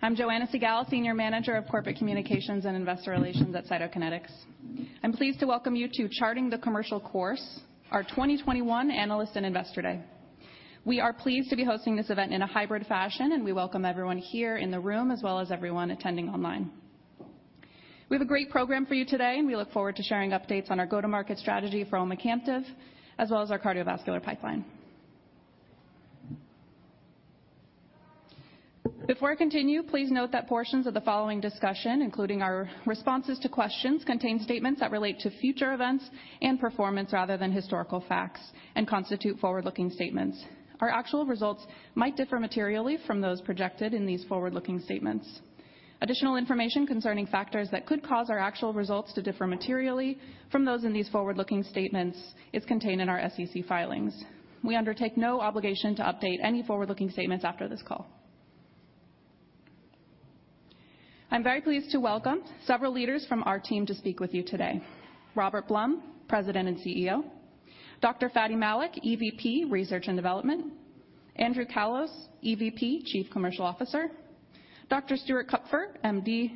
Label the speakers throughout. Speaker 1: I'm Joanna Siegall, Senior Manager of Corporate Communications and Investor Relations at Cytokinetics. I'm pleased to welcome you to Charting the Commercial Course, our 2021 Analyst and Investor Day. We are pleased to be hosting this event in a hybrid fashion. We welcome everyone here in the room as well as everyone attending online. We have a great program for you today. We look forward to sharing updates on our go-to-market strategy for omecamtiv, as well as our cardiovascular pipeline. Before I continue, please note that portions of the following discussion, including our responses to questions, contain statements that relate to future events and performance rather than historical facts and constitute forward-looking statements. Our actual results might differ materially from those projected in these forward-looking statements. Additional information concerning factors that could cause our actual results to differ materially from those in these forward-looking statements is contained in our SEC filings. We undertake no obligation to update any forward-looking statements after this call. I'm very pleased to welcome several leaders from our team to speak with you today. Robert Blum, President and CEO. Dr. Fady Malik, EVP, Research and Development. Andrew Callos, EVP, Chief Commercial Officer. Dr. Stuart Kupfer, MD,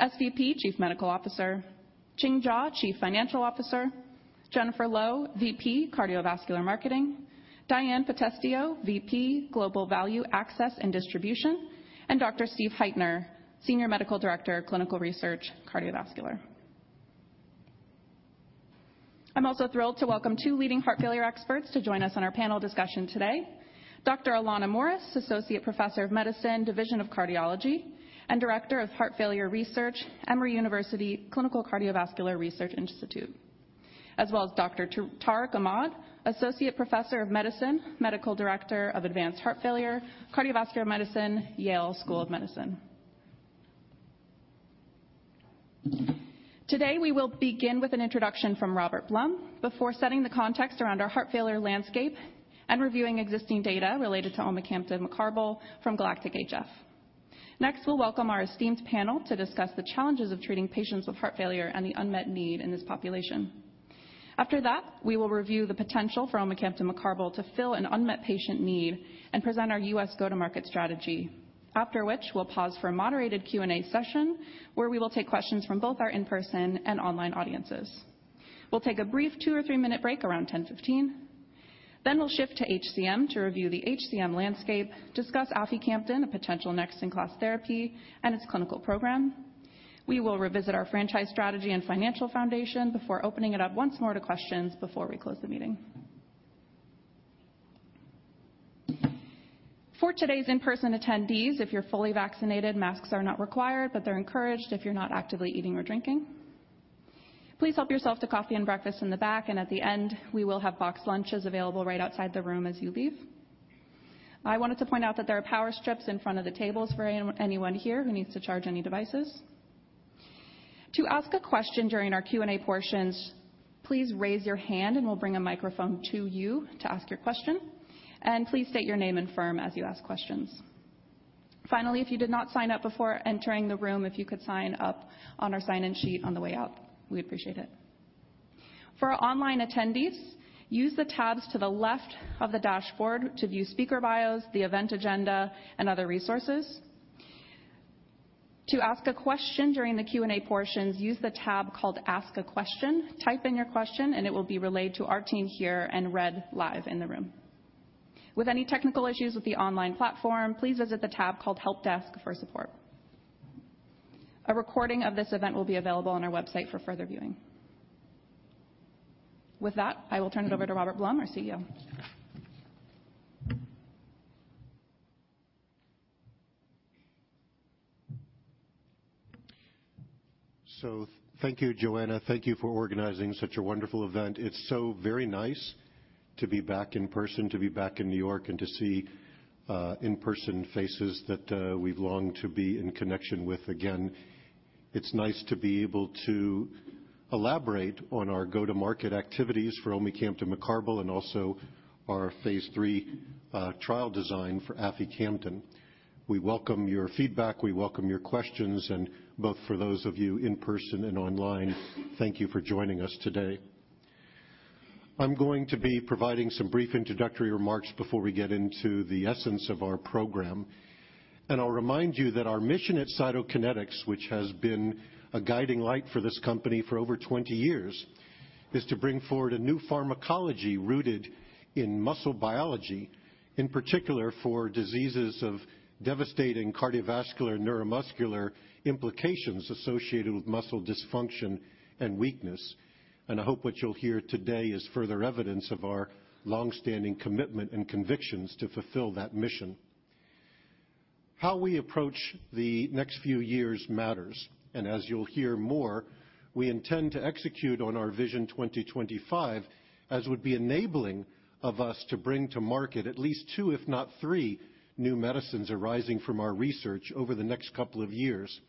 Speaker 1: SVP, Chief Medical Officer. Ching Jaw, Chief Financial Officer. Jennifer Laux, VP, Cardiovascular Marketing. Diann Potestio, VP, Global Value, Access, and Distribution, and Dr. Stephen Heitner, Senior Medical Director, Clinical Research, Cardiovascular. I'm also thrilled to welcome two leading heart failure experts to join us on our panel discussion today. Dr. Alanna Morris, Associate Professor of Medicine, Division of Cardiology, and Director of Heart Failure Research, Emory University Clinical Cardiovascular Research Institute. As well as Dr. Tariq Ahmad, Associate Professor of Medicine, Medical Director of Advanced Heart Failure, Cardiovascular Medicine, Yale School of Medicine. Today, we will begin with an introduction from Robert Blum before setting the context around our heart failure landscape and reviewing existing data related to omecamtiv mecarbil from GALACTIC-HF. Next, we'll welcome our esteemed panel to discuss the challenges of treating patients with heart failure and the unmet need in this population. After that, we will review the potential for omecamtiv mecarbil to fill an unmet patient need and present our U.S. go-to-market strategy. After which, we'll pause for a moderated Q&A session where we will take questions from both our in-person and online audiences. We'll take a brief two or three-minute break around 10:15 A.M. We'll shift to HCM to review the HCM landscape, discuss aficamten, a potential next-in-class therapy, and its clinical program. We will revisit our franchise strategy and financial foundation before opening it up once more to questions before we close the meeting. For today's in-person attendees, if you're fully vaccinated, masks are not required, but they're encouraged if you're not actively eating or drinking. Please help yourself to coffee and breakfast in the back, and at the end, we will have boxed lunches available right outside the room as you leave. I wanted to point out that there are power strips in front of the tables for anyone here who needs to charge any devices. To ask a question during our Q&A portions, please raise your hand and we'll bring a microphone to you to ask your question. Please state your name and firm as you ask questions. Finally, if you did not sign up before entering the room, if you could sign up on our sign-in sheet on the way out, we'd appreciate it. For our online attendees, use the tabs to the left of the dashboard to view speaker bios, the event agenda, and other resources. To ask a question during the Q&A portions, use the tab called Ask a Question. Type in your question and it will be relayed to our team here and read live in the room. With any technical issues with the online platform, please visit the tab called Help Desk for support. A recording of this event will be available on our website for further viewing. With that, I will turn it over to Robert Blum, our CEO.
Speaker 2: Thank you, Joanna. Thank you for organizing such a wonderful event. It's so very nice to be back in person, to be back in New York, and to see in-person faces that we've longed to be in connection with again. It's nice to be able to elaborate on our go-to-market activities for omecamtiv mecarbil and also our phase III trial design for aficamten. We welcome your feedback. We welcome your questions and both for those of you in person and online, thank you for joining us today. I'm going to be providing some brief introductory remarks before we get into the essence of our program. I'll remind you that our mission at Cytokinetics, which has been a guiding light for this company for over 20 years, is to bring forward a new pharmacology rooted in muscle biology, in particular for diseases of devastating cardiovascular and neuromuscular implications associated with muscle dysfunction and weakness. I hope what you'll hear today is further evidence of our longstanding commitment and convictions to fulfill that mission. How we approach the next few years matters, and as you'll hear more, we intend to execute on our Vision 2025, as would be enabling of us to bring to market at least two, if not three, new medicines arising from our research over the next couple of years.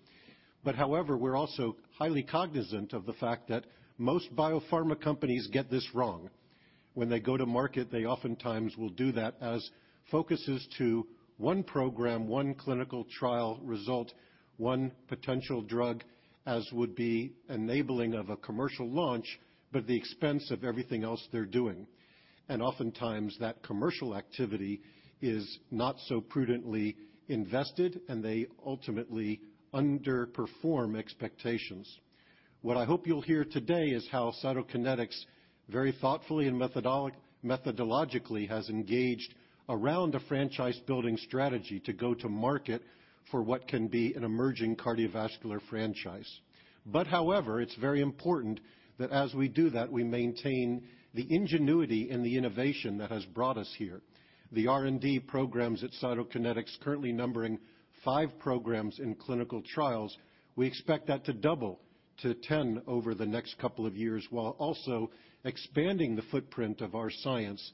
Speaker 2: However, we're also highly cognizant of the fact that most biopharma companies get this wrong. When they go to market, they oftentimes will do that as focuses to one program, one clinical trial result. One potential drug, as would be enabling of a commercial launch, but at the expense of everything else they're doing. Oftentimes, that commercial activity is not so prudently invested, and they ultimately underperform expectations. What I hope you'll hear today is how Cytokinetics very thoughtfully and methodologically has engaged around a franchise-building strategy to go to market for what can be an emerging cardiovascular franchise. However, it's very important that as we do that, we maintain the ingenuity and the innovation that has brought us here. The R&D programs at Cytokinetics, currently numbering five programs in clinical trials, we expect that to double to 10 over the next couple of years, while also expanding the footprint of our science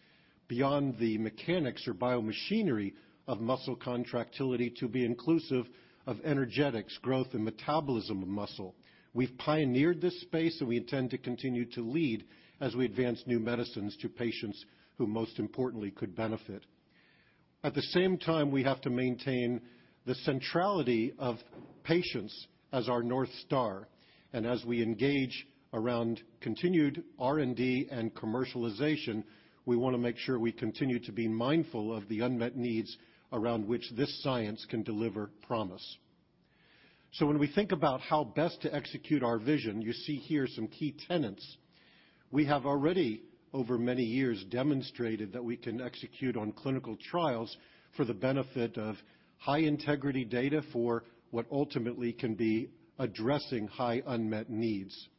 Speaker 2: beyond the mechanics or biomachinery of muscle contractility to be inclusive of energetics, growth, and metabolism of muscle. We've pioneered this space, we intend to continue to lead as we advance new medicines to patients who most importantly could benefit. At the same time, we have to maintain the centrality of patients as our North Star, and as we engage around continued R&D and commercialization, we want to make sure we continue to be mindful of the unmet needs around which this science can deliver promise. When we think about how best to execute our vision, you see here some key tenets. We have already, over many years, demonstrated that we can execute on clinical trials for the benefit of high-integrity data for what ultimately can be addressing high unmet needs.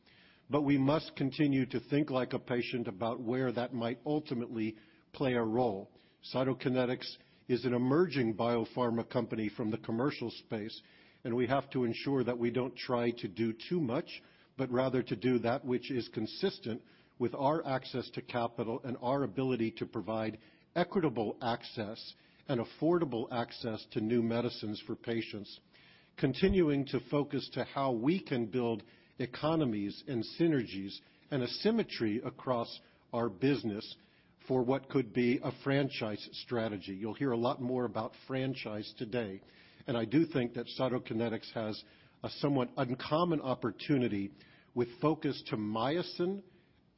Speaker 2: We must continue to think like a patient about where that might ultimately play a role. Cytokinetics is an emerging biopharma company from the commercial space, we have to ensure that we don't try to do too much, but rather to do that which is consistent with our access to capital and our ability to provide equitable access and affordable access to new medicines for patients. Continuing to focus to how we can build economies and synergies and a symmetry across our business for what could be a franchise strategy. You'll hear a lot more about franchise today, and I do think that Cytokinetics has a somewhat uncommon opportunity with focus to myosin,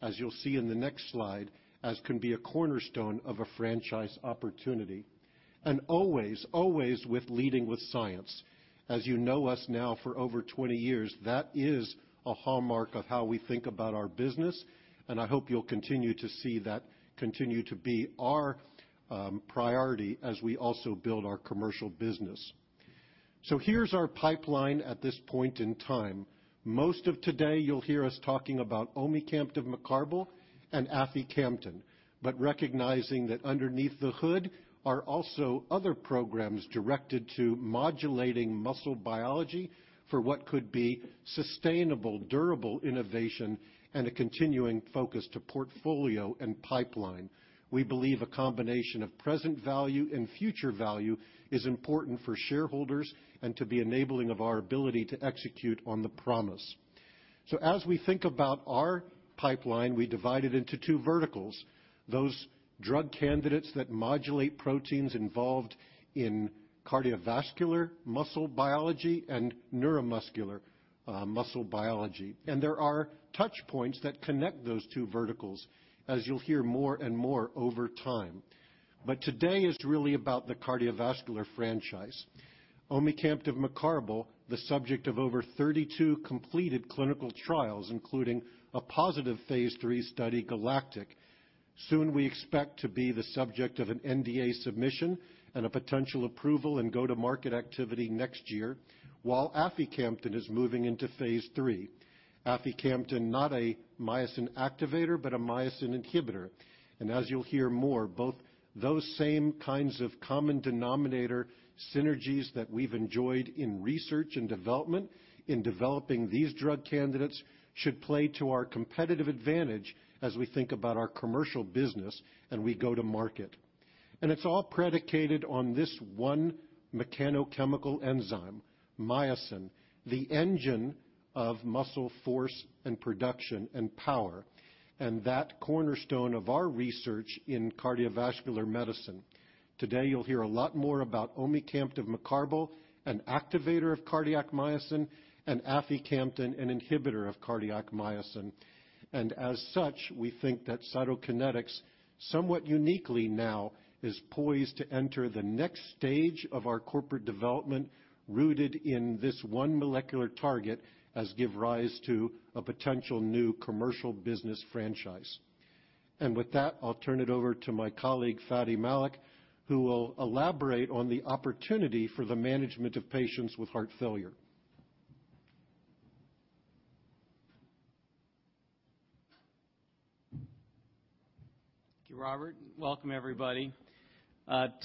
Speaker 2: as you'll see in the next slide, as can be a cornerstone of a franchise opportunity. Always with leading with science. As you know us now for over 20 years, that is a hallmark of how we think about our business, and I hope you'll continue to see that continue to be our priority as we also build our commercial business. Here's our pipeline at this point in time. Most of today, you'll hear us talking about omecamtiv mecarbil and aficamten, but recognizing that underneath the hood are also other programs directed to modulating muscle biology for what could be sustainable, durable innovation and a continuing focus to portfolio and pipeline. We believe a combination of present value and future value is important for shareholders and to the enabling of our ability to execute on the promise. As we think about our pipeline, we divide it into two verticals, those drug candidates that modulate proteins involved in cardiovascular muscle biology and neuromuscular muscle biology. There are touch points that connect those two verticals, as you'll hear more and more over time. Today is really about the cardiovascular franchise. omecamtiv mecarbil, the subject of over 32 completed clinical trials, including a positive phase III study, GALACTIC. Soon we expect to be the subject of an NDA submission and a potential approval and go-to-market activity next year, while aficamten is moving into phase III. Aficamten, not a myosin activator, but a myosin inhibitor. As you'll hear more, both those same kinds of common denominator synergies that we've enjoyed in research and development in developing these drug candidates should play to our competitive advantage as we think about our commercial business and we go to market. It's all predicated on this one mechanochemical enzyme, myosin, the engine of muscle force and production and power, and that cornerstone of our research in cardiovascular medicine. Today, you'll hear a lot more about omecamtiv mecarbil, an activator of cardiac myosin, and aficamten, an inhibitor of cardiac myosin. As such, we think that Cytokinetics, somewhat uniquely now, is poised to enter the next stage of our corporate development rooted in this one molecular target as give rise to a potential new commercial business franchise. With that, I'll turn it over to my colleague, Fady Malik, who will elaborate on the opportunity for the management of patients with heart failure.
Speaker 3: Thank you, Robert. Welcome everybody.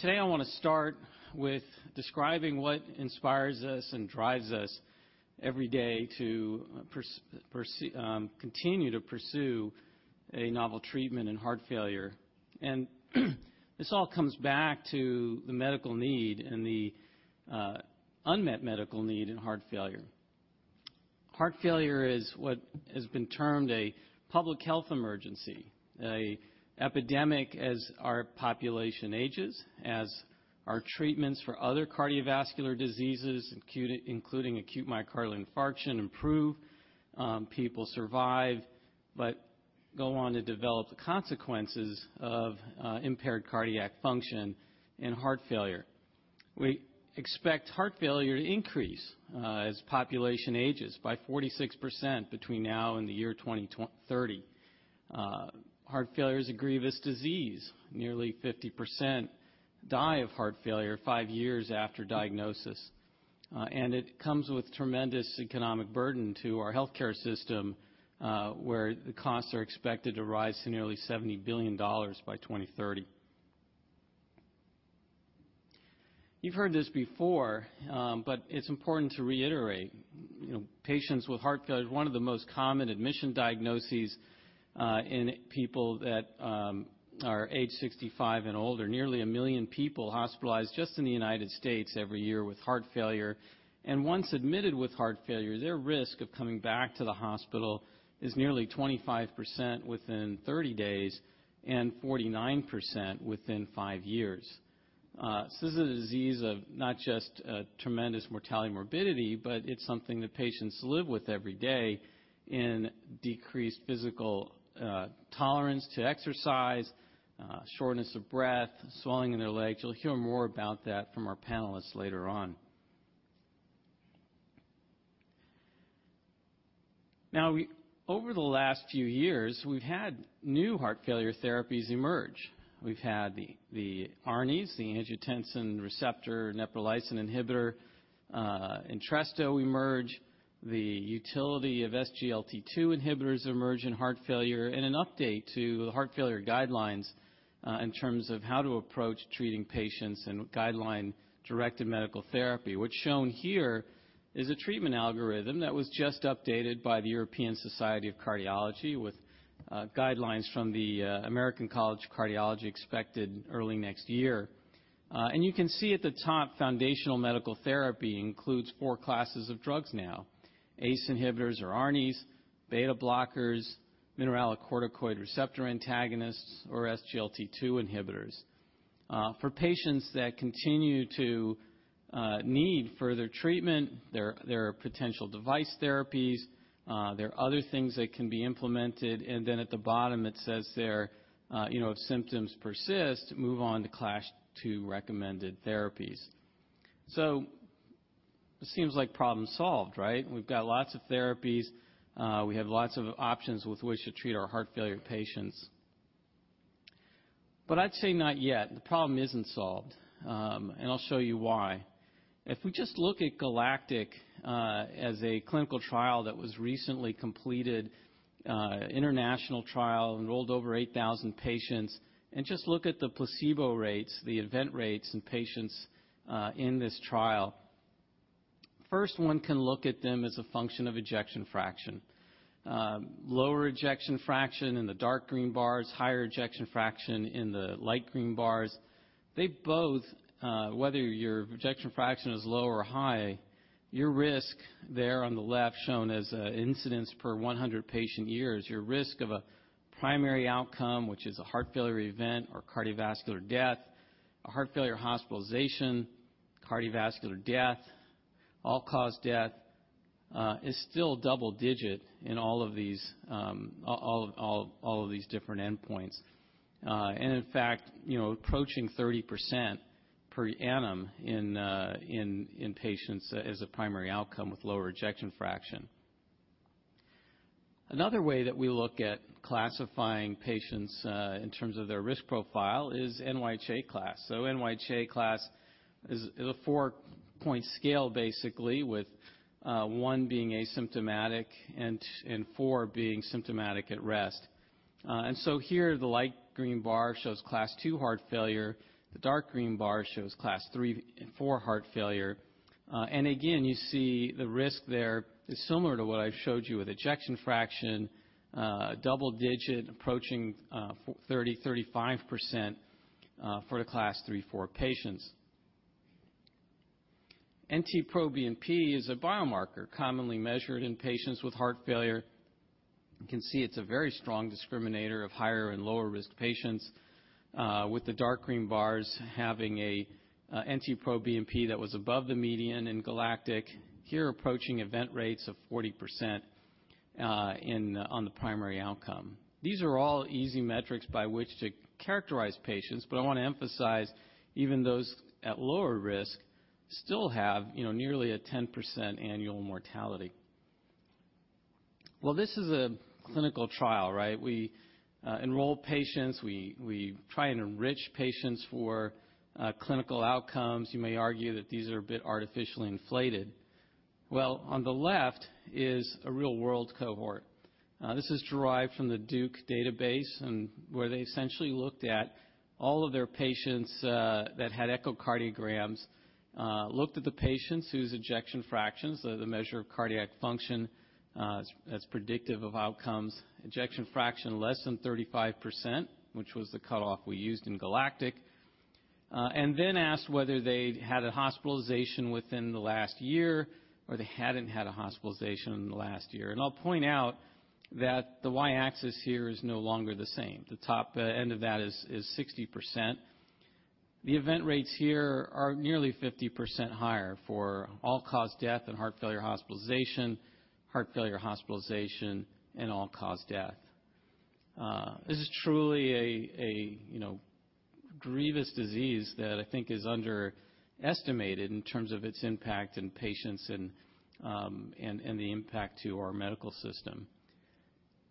Speaker 3: Today I want to start with describing what inspires us and drives us every day to continue to pursue a novel treatment in heart failure. This all comes back to the medical need and the unmet medical need in heart failure. Heart failure is what has been termed a public health emergency, an epidemic as our population ages, as our treatments for other cardiovascular diseases, including acute myocardial infarction, improve. People survive but go on to develop the consequences of impaired cardiac function and heart failure. We expect heart failure to increase as the population ages by 46% between now and the year 2030. Heart failure is a grievous disease. Nearly 50% die of heart failure five years after diagnosis, and it comes with tremendous economic burden to our healthcare system, where the costs are expected to rise to nearly $70 billion by 2030. You've heard this before, but it's important to reiterate. One of the most common admission diagnoses in people that are age 65 and older, nearly a million people hospitalized just in the United States every year with heart failure. Once admitted with heart failure, their risk of coming back to the hospital is nearly 25% within 30 days and 49% within five years. This is a disease of not just tremendous mortality morbidity, but it's something that patients live with every day in decreased physical tolerance to exercise, shortness of breath, swelling in their legs. You'll hear more about that from our panelists later on. Now, over the last few years, we've had new heart failure therapies emerge. We've had the ARNIs, the angiotensin receptor-neprilysin inhibitor, Entresto emerge, the utility of SGLT2 inhibitors emerge in heart failure, and an update to the heart failure guidelines in terms of how to approach treating patients and guideline-directed medical therapy. What's shown here is a treatment algorithm that was just updated by the European Society of Cardiology with guidelines from the American College of Cardiology expected early next year. You can see at the top, foundational medical therapy includes four classes of drugs now: ACE inhibitors or ARNIs, beta blockers, mineralocorticoid receptor antagonists, or SGLT2 inhibitors. For patients that continue to need further treatment, there are potential device therapies, there are other things that can be implemented. Then at the bottom, it says there, if symptoms persist, move on to class II recommended therapies. It seems like problem solved, right? We've got lots of therapies. We have lots of options with which to treat our heart failure patients. But I'd say not yet. The problem isn't solved, and I'll show you why. If we just look at GALACTIC as a clinical trial that was recently completed, international trial, enrolled over 8,000 patients, and just look at the placebo rates, the event rates in patients in this trial. First, one can look at them as a function of ejection fraction. Lower ejection fraction in the dark green bars, higher ejection fraction in the light green bars. They both, whether your ejection fraction is low or high, your risk there on the left, shown as incidence per 100 patient-years, your risk of a primary outcome, which is a heart failure event or cardiovascular death, a heart failure hospitalization, cardiovascular death, all-cause death, is still double-digit in all of these different endpoints. In fact, approaching 30% per annum in patients as a primary outcome with lower ejection fraction. Another way that we look at classifying patients in terms of their risk profile is NYHA class. NYHA class is a fou-point scale, basically, with 1 being asymptomatic and 4 being symptomatic at rest. Here, the light green bar shows class II heart failure. The dark green bar shows class III and IV heart failure. Again, you see the risk there is similar to what I've showed you with ejection fraction, double digit approaching 30%, 35% for the class III, IV patients. NT-proBNP is a biomarker commonly measured in patients with heart failure. You can see it's a very strong discriminator of higher and lower risk patients with the dark green bars having a NT-proBNP that was above the median in GALACTIC, here approaching event rates of 40% on the primary outcome. These are all easy metrics by which to characterize patients. I want to emphasize even those at lower risk still have nearly a 10% annual mortality. Well, this is a clinical trial, right? We enroll patients. We try and enrich patients for clinical outcomes. You may argue that these are a bit artificially inflated. Well, on the left is a real-world cohort. This is derived from the Duke Database, where they essentially looked at all of their patients that had echocardiograms, looked at the patients whose ejection fractions, the measure of cardiac function as predictive of outcomes, ejection fraction less than 35%, which was the cutoff we used in GALACTIC. They then asked whether they'd had a hospitalization within the last year, or they hadn't had a hospitalization in the last year. I'll point out that the Y-axis here is no longer the same. The top end of that is 60%. The event rates here are nearly 50% higher for all-cause death and heart failure hospitalization, and all-cause death. This is truly a grievous disease that I think is underestimated in terms of its impact in patients and the impact to our medical system.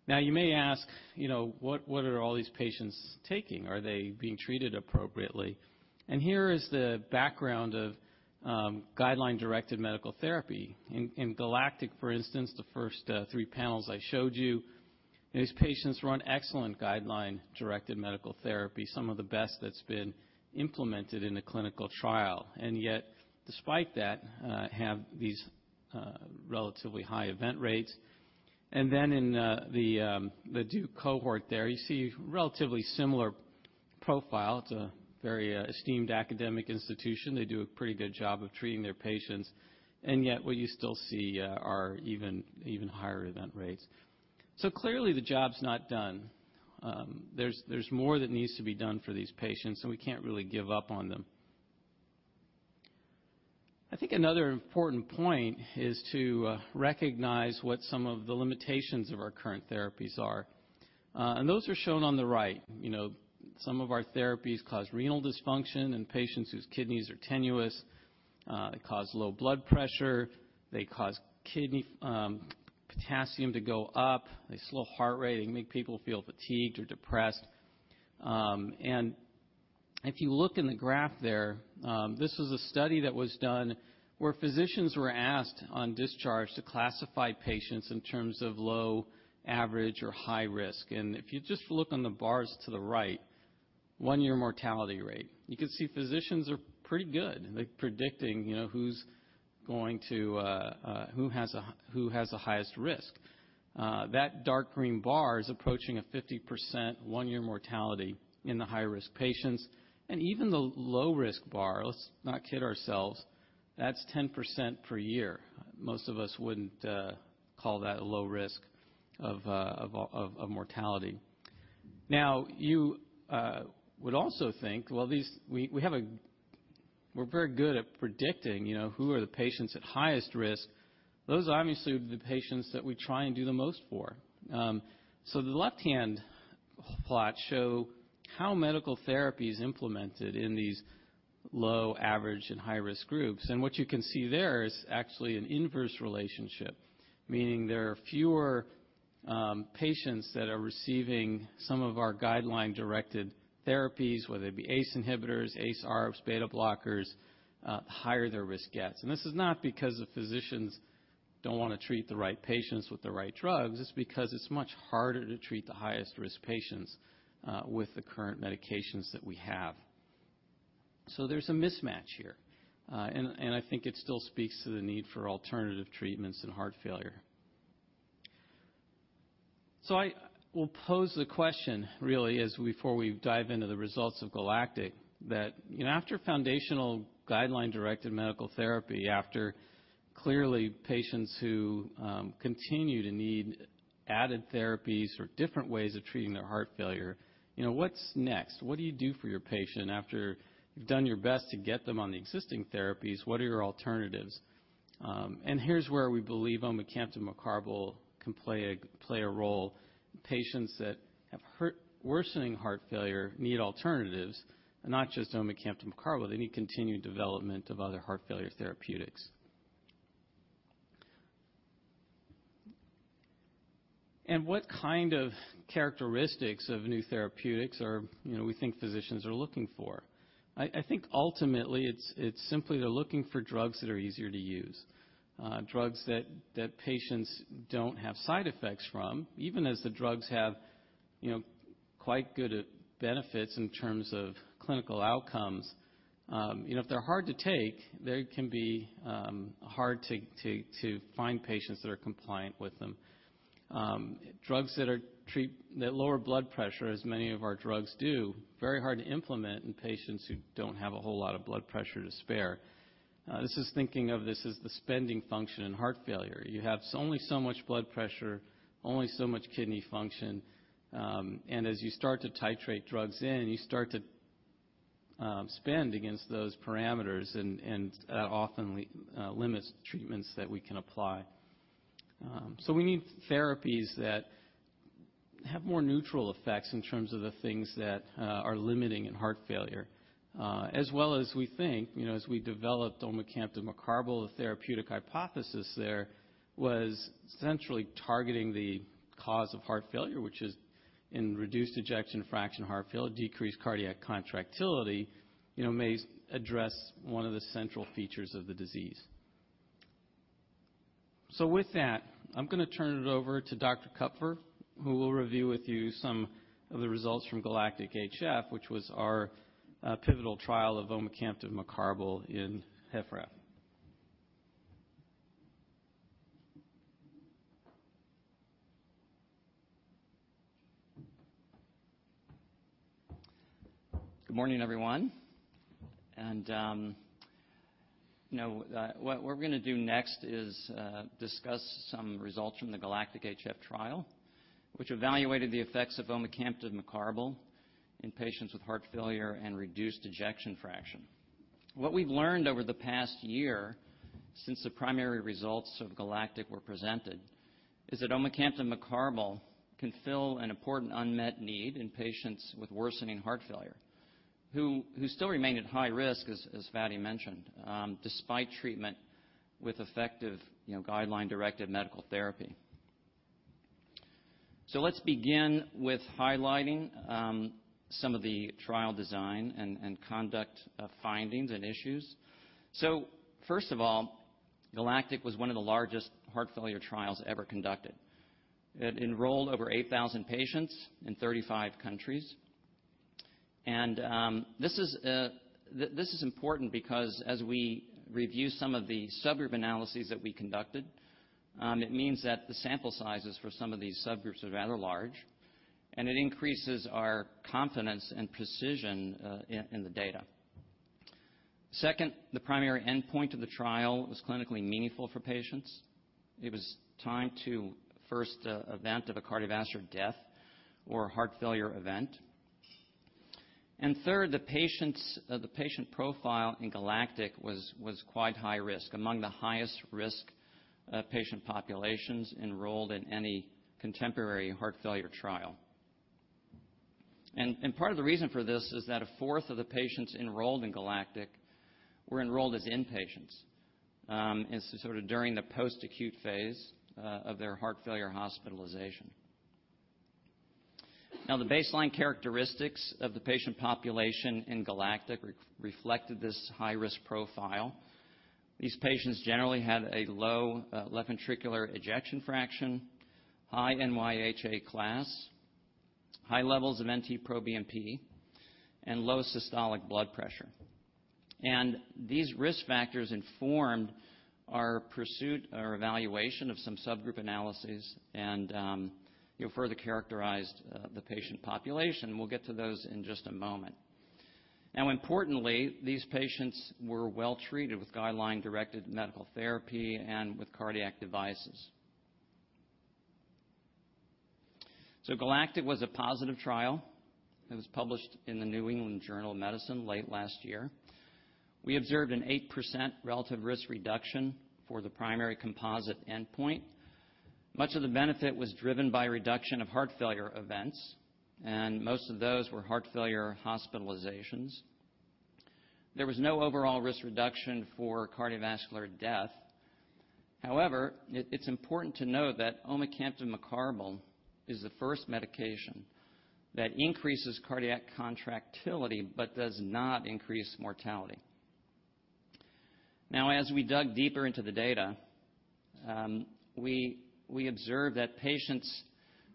Speaker 3: You may ask, what are all these patients taking? Are they being treated appropriately? Heris the background of guideline-directed medical therapy. In GALACTIC, for instance, the first three panels I showed you, these patients were on excellent guideline-directed medical therapy, some of the best that's been implemented in a clinical trial. Yet despite that, have these relatively high event rates. In the Duke cohort there, you see a relatively similar profile. It's a very esteemed academic institution. They do a pretty good job of treating their patients. Yet what you still see are even higher event rates. Clearly the job's not done. There's more that needs to be done for these patients, and we can't really give up on them. I think another important point is to recognize what some of the limitations of our current therapies are. Those are shown on the right. Some of our therapies cause renal dysfunction in patients whose kidneys are tenuous. They cause low blood pressure. They cause potassium to go up. They slow heart rate. They make people feel fatigued or depressed. If you look in the graph there, this was a study that was done where physicians were asked on discharge to classify patients in terms of low, average, or high risk. If you just look on the bars to the right, one-year mortality rate. You can see physicians are pretty good. They're predicting who has the highest risk. That dark green bar is approaching a 50% one-year mortality in the high-risk patients. Even the low-risk bar, let's not kid ourselves, that's 10% per year. Most of us wouldn't call that low risk of mortality. You would also think, well, we're very good at predicting who are the patients at highest risk. Those obviously are the patients that we try and do the most for. The left-hand plots show how medical therapy is implemented in these low, average, and high-risk groups. What you can see there is actually an inverse relationship, meaning there are fewer patients that are receiving some of our guideline-directed therapies, whether they be ACE inhibitors, ACE, ARBs, beta blockers, the higher their risk gets. This is not because the physicians don't want to treat the right patients with the right drugs. It's because it's much harder to treat the highest-risk patients with the current medications that we have. There's a mismatch here. I think it still speaks to the need for alternative treatments in heart failure. I will pose the question, really, before we dive into the results of GALACTIC-HF, that after foundational guideline-directed medical therapy, after clearly patients who continue to need added therapies or different ways of treating their heart failure, what's next? What do you do for your patient after you've done your best to get them on the existing therapies? What are your alternatives? Here's where we believe omecamtiv mecarbil can play a role. Patients that have worsening heart failure need alternatives, and not just omecamtiv mecarbil. They need continued development of other heart failure therapeutics. What kind of characteristics of new therapeutics we think physicians are looking for? I think ultimately, it's simply they're looking for drugs that are easier to use. Drugs that patients don't have side effects from, even as the drugs have quite good benefits in terms of clinical outcomes. If they're hard to take, they can be hard to find patients that are compliant with them. Drugs that lower blood pressure, as many of our drugs do, very hard to implement in patients who don't have a whole lot of blood pressure to spare. This is thinking of this as the spending function in heart failure. You have only so much blood pressure, only so much kidney function. As you start to titrate drugs in, you start to spend against those parameters, and that often limits treatments that we can apply. We need therapies that have more neutral effects in terms of the things that are limiting in heart failure. As well as we think, as we developed omecamtiv mecarbil, the therapeutic hypothesis there was centrally targeting the cause of heart failure, which is in reduced ejection fraction heart failure, decreased cardiac contractility, may address one of the central features of the disease. With that, I'm going to turn it over to Dr. Kupfer, who will review with you some of the results from GALACTIC-HF, which was our pivotal trial of omecamtiv mecarbil in HFrEF.
Speaker 4: Good morning, everyone. What we're going to do next is discuss some results from the GALACTIC-HF trial, which evaluated the effects of omecamtiv mecarbil in patients with heart failure and reduced ejection fraction. What we've learned over the past year, since the primary results of GALACTIC-HF were presented, is that omecamtiv mecarbil can fill an important unmet need in patients with worsening heart failure who still remain at high risk, as Fady mentioned, despite treatment with effective guideline-directed medical therapy. Let's begin with highlighting some of the trial design and conduct findings and issues. First of all, GALACTIC was one of the largest heart failure trials ever conducted. It enrolled over 8,000 patients in 35 countries. This is important because as we review some of the subgroup analyses that we conducted, it means that the sample sizes for some of these subgroups are rather large, and it increases our confidence and precision in the data. Second, the primary endpoint of the trial was clinically meaningful for patients. It was time to first event of a cardiovascular death or a heart failure event. Third, the patient profile in GALACTIC-HF was quite high risk, among the highest risk patient populations enrolled in any contemporary heart failure trial. Part of the reason for this is that a fourth of the patients enrolled in GALACTIC-HF were enrolled as inpatients, and so during the post-acute phase of their heart failure hospitalization. Now, the baseline characteristics of the patient population in GALACTIC-HF reflected this high-risk profile. These patients generally had a low left ventricular ejection fraction, high NYHA class, high levels of NT-proBNP, and low systolic blood pressure. These risk factors informed our pursuit, our evaluation of some subgroup analyses, and further characterized the patient population. We'll get to those in just a moment. Importantly, these patients were well-treated with guideline-directed medical therapy and with cardiac devices. GALACTIC-HF was a positive trial. It was published in The New England Journal of Medicine late last year. We observed an 8% relative risk reduction for the primary composite endpoint. Much of the benefit was driven by a reduction of heart failure events, and most of those were heart failure hospitalizations. There was no overall risk reduction for cardiovascular death. However, it's important to note that omecamtiv mecarbil is the first medication that increases cardiac contractility but does not increase mortality. As we dug deeper into the data, we observed that patients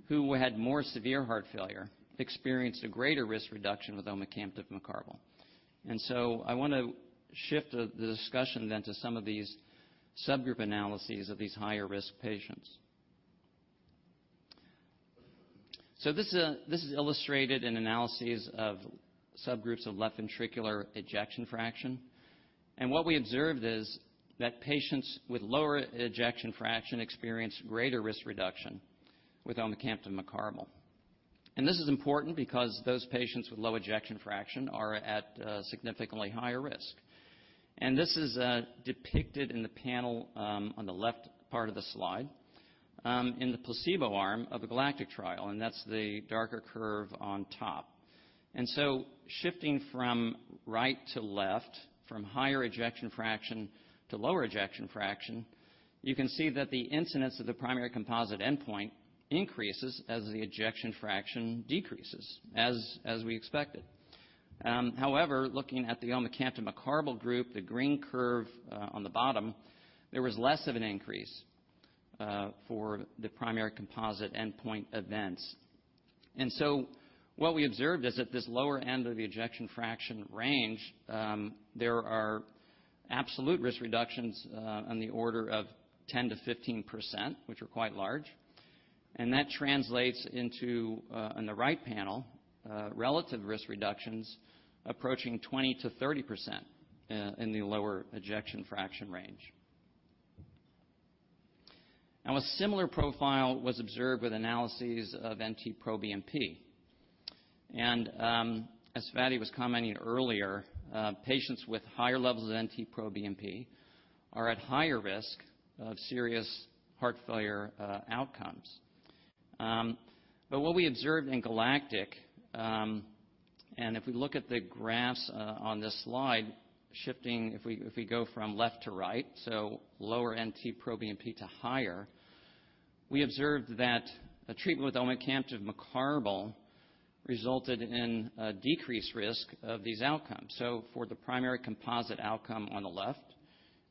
Speaker 4: who had more severe heart failure experienced a greater risk reduction with omecamtiv mecarbil. I want to shift the discussion then to some of these subgroup analyses of these higher-risk patients. This is illustrated in analyses of subgroups of left ventricular ejection fraction. What we observed is that patients with lower ejection fraction experienced greater risk reduction with omecamtiv mecarbil. This is important because those patients with low ejection fraction are at significantly higher risk. This is depicted in the panel on the left part of the slide in the placebo arm of the GALACTIC-HF trial, and that's the darker curve on top. Shifting from right to left, from higher ejection fraction to lower ejection fraction, you can see that the incidence of the primary composite endpoint increases as the ejection fraction decreases, as we expected. However, looking at the omecamtiv mecarbil group, the green curve on the bottom, there was less of an increase for the primary composite endpoint events. What we observed is at this lower end of the ejection fraction range, there are absolute risk reductions on the order of 10% to 15%, which are quite large. That translates into, on the right panel, relative risk reductions approaching 20% to 30% in the lower ejection fraction range. Now, a similar profile was observed with analyses of NT-proBNP. As Fady was commenting earlier, patients with higher levels of NT-proBNP are at higher risk of serious heart failure outcomes. What we observed in GALACTIC-HF, and if we look at the graphs on this slide, shifting, if we go from left to right, so lower NT-proBNP to higher, we observed that a treatment with omecamtiv mecarbil resulted in a decreased risk of these outcomes. For the primary composite outcome on the left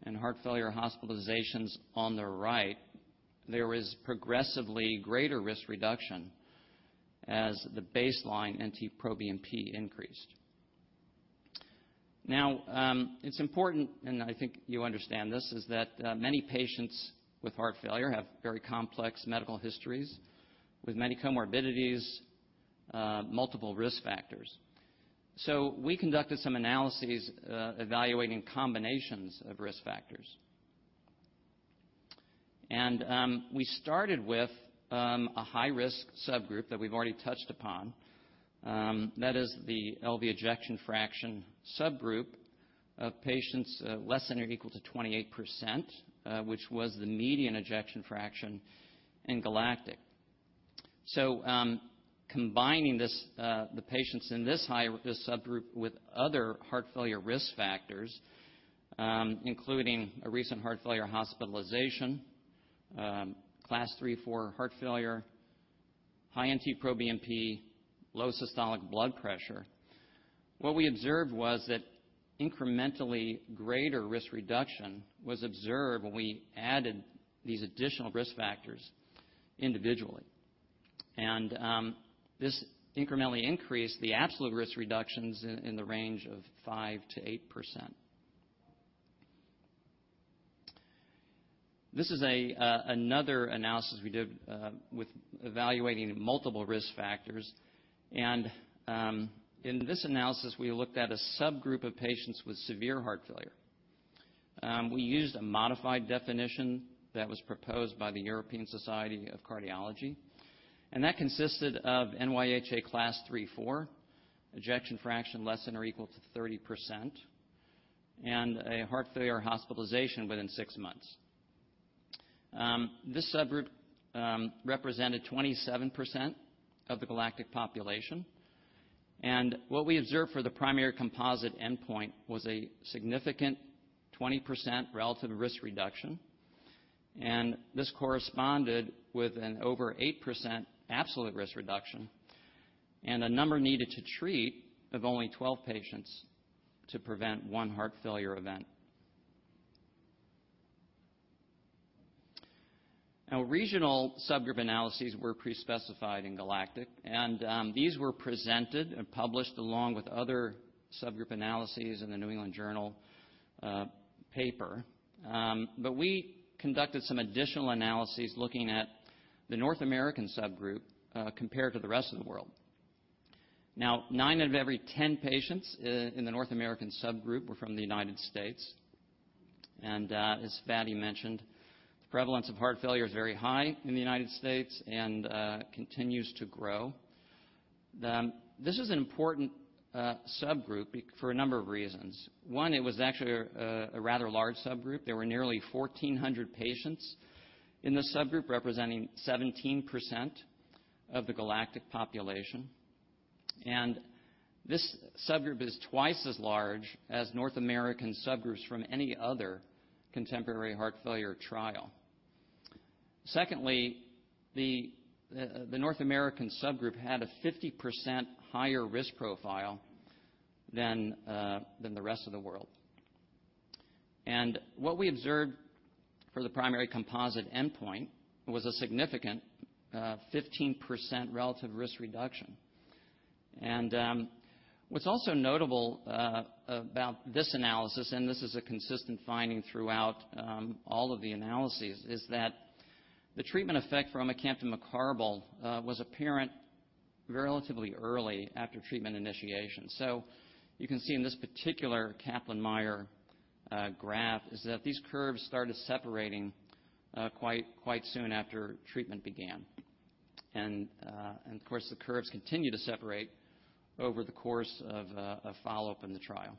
Speaker 4: and heart failure hospitalizations on the right, there is progressively greater risk reduction as the baseline NT-proBNP increased. It's important, and I think you understand this, is that many patients with heart failure have very complex medical histories with many comorbidities, multiple risk factors. We conducted some analyses evaluating combinations of risk factors. We started with a high-risk subgroup that we've already touched upon, that is the LV ejection fraction subgroup of patients less than or equal to 28%, which was the median ejection fraction in GALACTIC-HF. Combining the patients in this high-risk subgroup with other heart failure risk factors, including a recent heart failure hospitalization, Class III-IV heart failure, high NT-proBNP, low systolic blood pressure, what we observed was that incrementally greater risk reduction was observed when we added these additional risk factors individually, and this incrementally increased the absolute risk reductions in the range of 5%-8%. This is another analysis we did with evaluating multiple risk factors, and in this analysis, we looked at a subgroup of patients with severe heart failure. We used a modified definition that was proposed by the European Society of Cardiology, and that consisted of NYHA Class III-IV, ejection fraction less than or equal to 30%, and a heart failure hospitalization within six months. This subgroup represented 27% of the GALACTIC-HF population, what we observed for the primary composite endpoint was a significant 20% relative risk reduction, this corresponded with an over 8% absolute risk reduction and a number needed to treat of only 12 patients to prevent one heart failure event. Regional subgroup analyses were pre-specified in GALACTIC-HF, these were presented and published along with other subgroup analyses in the New England Journal paper. We conducted some additional analyses looking at the North American subgroup compared to the rest of the world. nine out of every 10 patients in the North American subgroup were from the United States., as Fady mentioned, the prevalence of heart failure is very high in the United States. and continues to grow. This is an important subgroup for a number of reasons. One, it was actually a rather large subgroup. There were nearly 1,400 patients in the subgroup, representing 17% of the GALACTIC-HF population. This subgroup is twice as large as North American subgroups from any other contemporary heart failure trial. Secondly, the North American subgroup had a 50% higher risk profile than the rest of the world. What we observed for the primary composite endpoint was a significant 15% relative risk reduction. What's also notable about this analysis, and this is a consistent finding throughout all of the analyses, is that the treatment effect for omecamtiv mecarbil was apparent relatively early after treatment initiation. You can see in this particular Kaplan-Meier graph is that these curves started separating quite soon after treatment began. Of course, the curves continue to separate over the course of follow-up in the trial.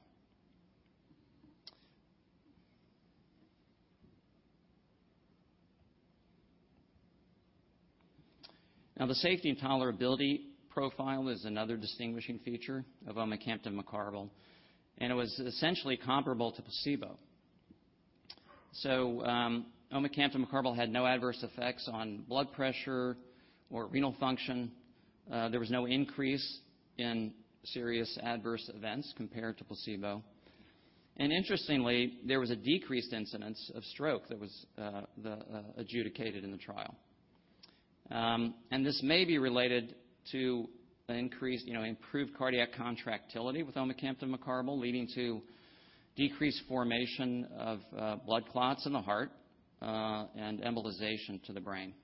Speaker 4: The safety and tolerability profile is another distinguishing feature of omecamtiv mecarbil, and it was essentially comparable to placebo. Omecamtiv mecarbil had no adverse effects on blood pressure or renal function. There was no increase in serious adverse events compared to placebo. Interestingly, there was a decreased incidence of stroke that was adjudicated in the trial. This may be related to improved cardiac contractility with omecamtiv mecarbil, leading to decreased formation of blood clots in the heart and embolization to the brain.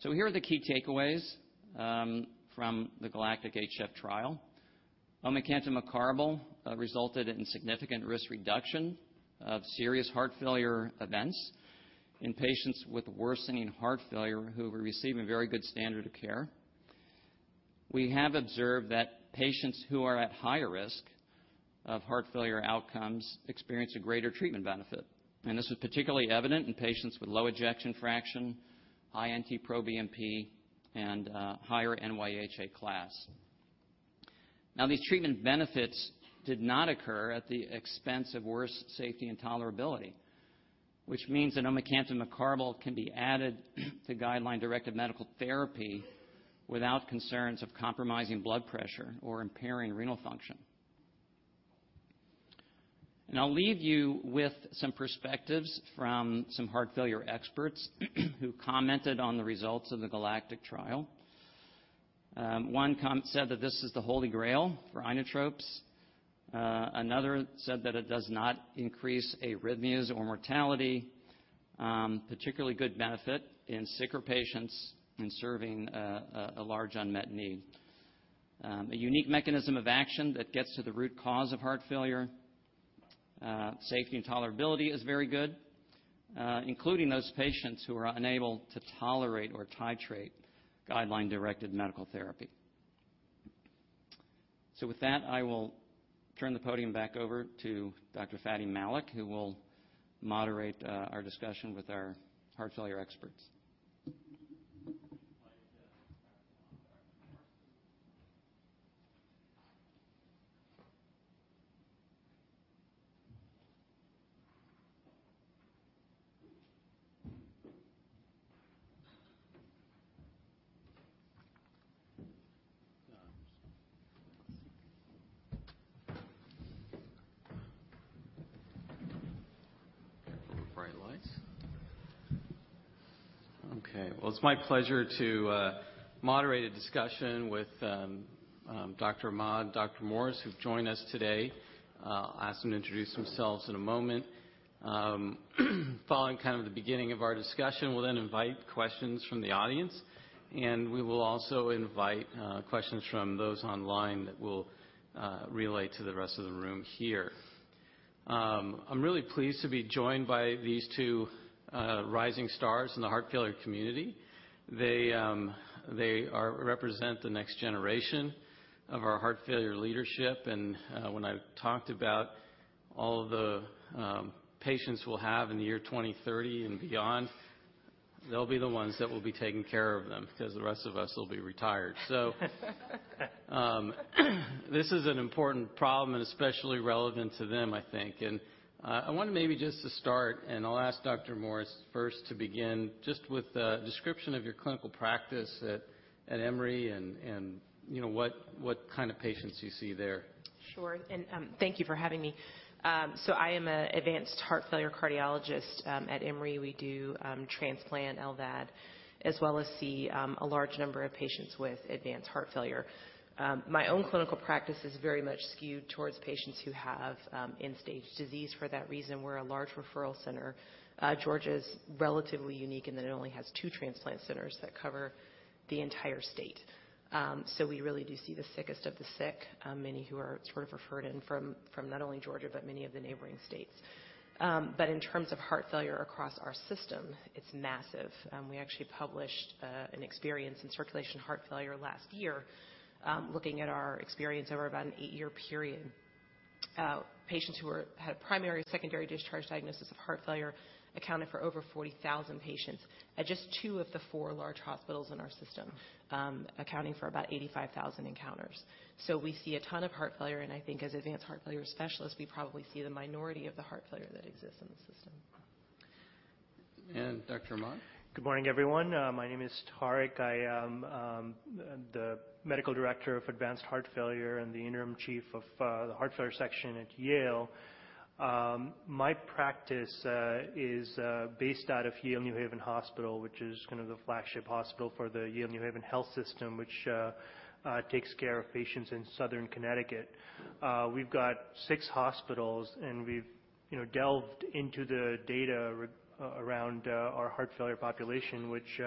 Speaker 4: Here are the key takeaways from the GALACTIC-HF trial. Omecamtiv mecarbil resulted in significant risk reduction of serious heart failure events in patients with worsening heart failure who were receiving very good standard of care. We have observed that patients who are at higher risk of heart failure outcomes experience a greater treatment benefit. This was particularly evident in patients with low ejection fraction, high NT-proBNP, and higher NYHA class. These treatment benefits did not occur at the expense of worse safety and tolerability, which means that omecamtiv mecarbil can be added to guideline-directed medical therapy without concerns of compromising blood pressure or impairing renal function. I'll leave you with some perspectives from some heart failure experts who commented on the results of the GALACTIC-HF trial. One said that this is the holy grail for inotropes. Another said that it does not increase arrhythmias or mortality. Particularly good benefit in sicker patients in serving a large unmet need. A unique mechanism of action that gets to the root cause of heart failure. Safety and tolerability is very good, including those patients who are unable to tolerate or titrate guideline-directed medical therapy. With that, I will turn the podium back over to Dr. Fady Malik, who will moderate our discussion with our heart failure experts.
Speaker 3: [inaudible] Okay. Well, it's my pleasure to moderate a discussion with Dr. Ahmad and Dr. Morris, who've joined us today. I'll ask them to introduce themselves in a moment. Following kind of the beginning of our discussion, we'll then invite questions from the audience. We will also invite questions from those online that we'll relay to the rest of the room here. I'm really pleased to be joined by these two rising stars in the heart failure community. They represent the next generation of our heart failure leadership. When I talked about all the patients we'll have in the year 2030 and beyond, they'll be the ones that will be taking care of them because the rest of us will be retired. This is an important problem and especially relevant to them, I think. I wanted maybe just to start, and I'll ask Dr. Morris first to begin just with a description of your clinical practice at Emory and what kind of patients you see there.
Speaker 5: Sure. Thank you for having me. I am an advanced heart failure cardiologist. At Emory, we do transplant LVAD, as well as see a large number of patients with advanced heart failure. My own clinical practice is very much skewed towards patients who have end-stage disease. For that reason, we're a large referral center. Georgia's relatively unique in that it only has two transplant centers that cover the entire state. We really do see the sickest of the sick, many who are sort of referred in from not only Georgia, but many of the neighboring states. In terms of heart failure across our system, it's massive. We actually published an experience in Circulation Heart Failure last year, looking at our experience over about an eight-year period. Patients who had a primary or secondary discharge diagnosis of heart failure accounted for over 40,000 patients at just two of the four large hospitals in our system, accounting for about 85,000 encounters. We see a ton of heart failure, and I think as advanced heart failure specialists, we probably see the minority of the heart failure that exists in the system.
Speaker 3: Dr. Ahmad?
Speaker 6: Good morning, everyone. My name is Tariq. I am the Medical Director of Advanced Heart Failure and the Interim Chief of the Heart Failure Section at Yale. My practice is based out of Yale New Haven Hospital, which is kind of the flagship hospital for the Yale New Haven Health System, which takes care of patients in southern Connecticut. We've got six hospitals. We've delved into the data around our heart failure population, which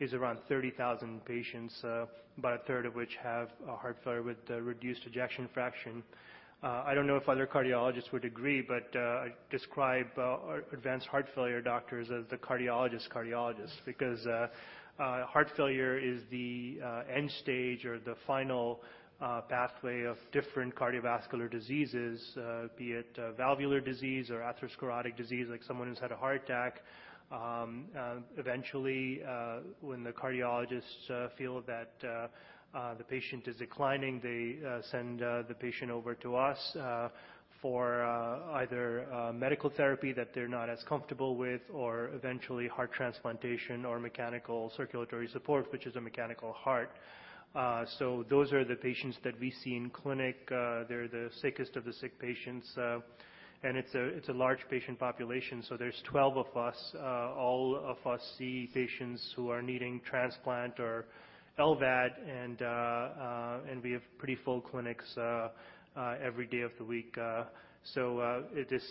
Speaker 6: is around 30,000 patients, about a third of which have heart failure with reduced ejection fraction. I don't know if other cardiologists would agree, I describe advanced heart failure doctors as the cardiologist's cardiologist because heart failure is the end stage or the final pathway of different cardiovascular diseases, be it valvular disease or atherosclerotic disease like someone who's had a heart attack. Eventually, when the cardiologists feel that the patient is declining, they send the patient over to us for either medical therapy that they're not as comfortable with or eventually heart transplantation or mechanical circulatory support, which is a mechanical heart. Those are the patients that we see in clinic. They're the sickest of the sick patients. It's a large patient population. There's 12 of us. All of us see patients who are needing transplant or LVAD, and we have pretty full clinics every day of the week. This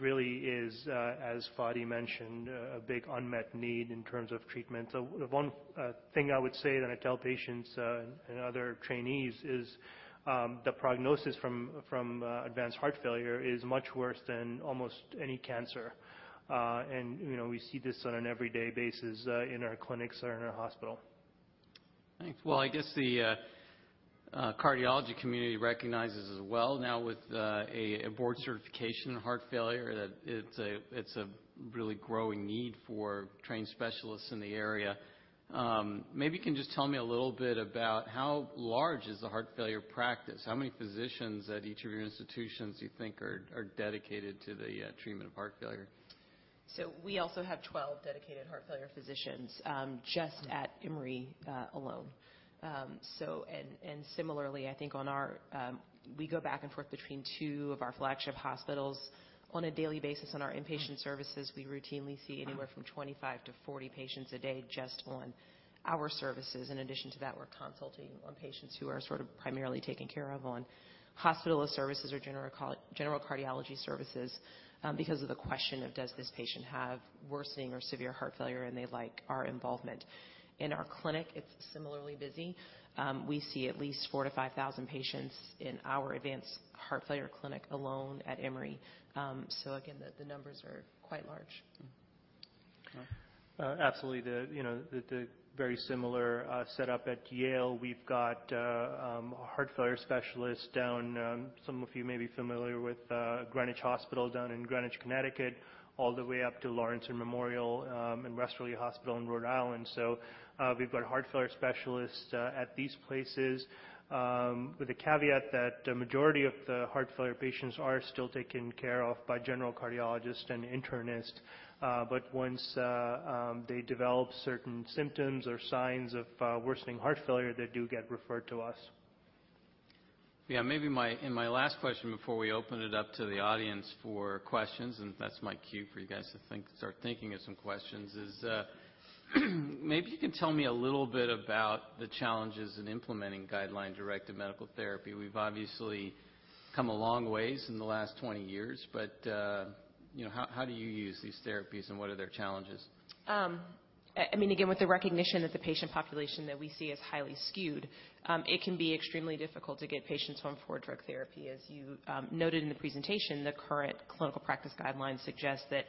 Speaker 6: really is, as Fady mentioned, a big unmet need in terms of treatment. The one thing I would say that I tell patients and other trainees is the prognosis from advanced heart failure is much worse than almost any cancer. We see this on an everyday basis in our clinics or in our hospital.
Speaker 3: Thanks. Well, I guess the cardiology community recognizes as well now with a board certification in heart failure that it is a really growing need for trained specialists in the area. Maybe you can just tell me a little bit about how large is the heart failure practice. How many physicians at each of your institutions you think are dedicated to the treatment of heart failure?
Speaker 5: We also have 12 dedicated heart failure physicians just at Emory alone. Similarly, we go back and forth between two of our flagship hospitals on a daily basis. On our inpatient services, we routinely see anywhere from 25-40 patients a day just on our services. In addition to that, we're consulting on patients who are primarily taken care of on hospital services or general cardiology services because of the question of does this patient have worsening or severe heart failure, and they'd like our involvement. In our clinic, it's similarly busy. We see at least 4,000-5,000 patients in our advanced heart failure clinic alone at Emory. Again, the numbers are quite large.
Speaker 6: Absolutely, the very similar setup at Yale. We've got heart failure specialists down, some of you may be familiar with Greenwich Hospital down in Greenwich, Connecticut, all the way up to Lawrence + Memorial and Westerly Hospital in Rhode Island. We've got heart failure specialists at these places with the caveat that a majority of the heart failure patients are still taken care of by general cardiologists and internists. Once they develop certain symptoms or signs of worsening heart failure, they do get referred to us.
Speaker 3: Yeah. Maybe in my last question before we open it up to the audience for questions, and that's my cue for you guys to start thinking of some questions is maybe you can tell me a little bit about the challenges in implementing guideline-directed medical therapy. We've obviously come a long ways in the last 20 years. How do you use these therapies, and what are their challenges?
Speaker 5: With the recognition that the patient population that we see is highly skewed, it can be extremely difficult to get patients on four-drug therapy. As you noted in the presentation, the current clinical practice guidelines suggest that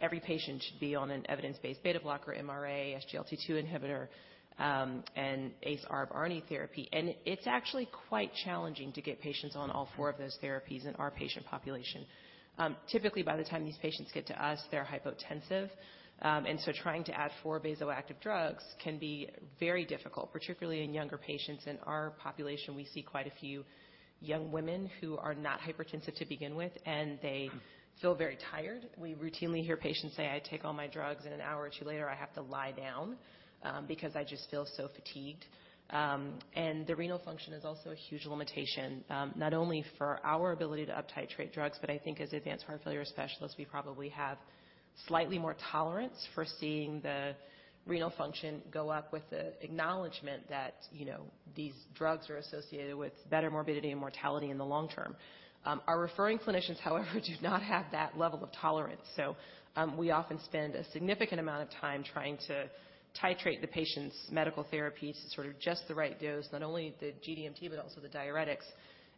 Speaker 5: every patient should be on an evidence-based beta blocker, MRA, SGLT2 inhibitor, and ACE/ARB/ARNI therapy. It's actually quite challenging to get patients on all four of those therapies in our patient population. Typically, by the time these patients get to us, they're hypotensive, trying to add four vasoactive drugs can be very difficult, particularly in younger patients. In our population, we see quite a few young women who are not hypertensive to begin with, they feel very tired. We routinely hear patients say, I take all my drugs, and an hour or two later, I have to lie down because I just feel so fatigued. The renal function is also a huge limitation, not only for our ability to uptitrate drugs, but I think as advanced heart failure specialists, we probably have slightly more tolerance for seeing the renal function go up with the acknowledgment that these drugs are associated with better morbidity and mortality in the long term. Our referring clinicians, however, do not have that level of tolerance. We often spend a significant amount of time trying to titrate the patient's medical therapies to just the right dose, not only the GDMT, but also the diuretics,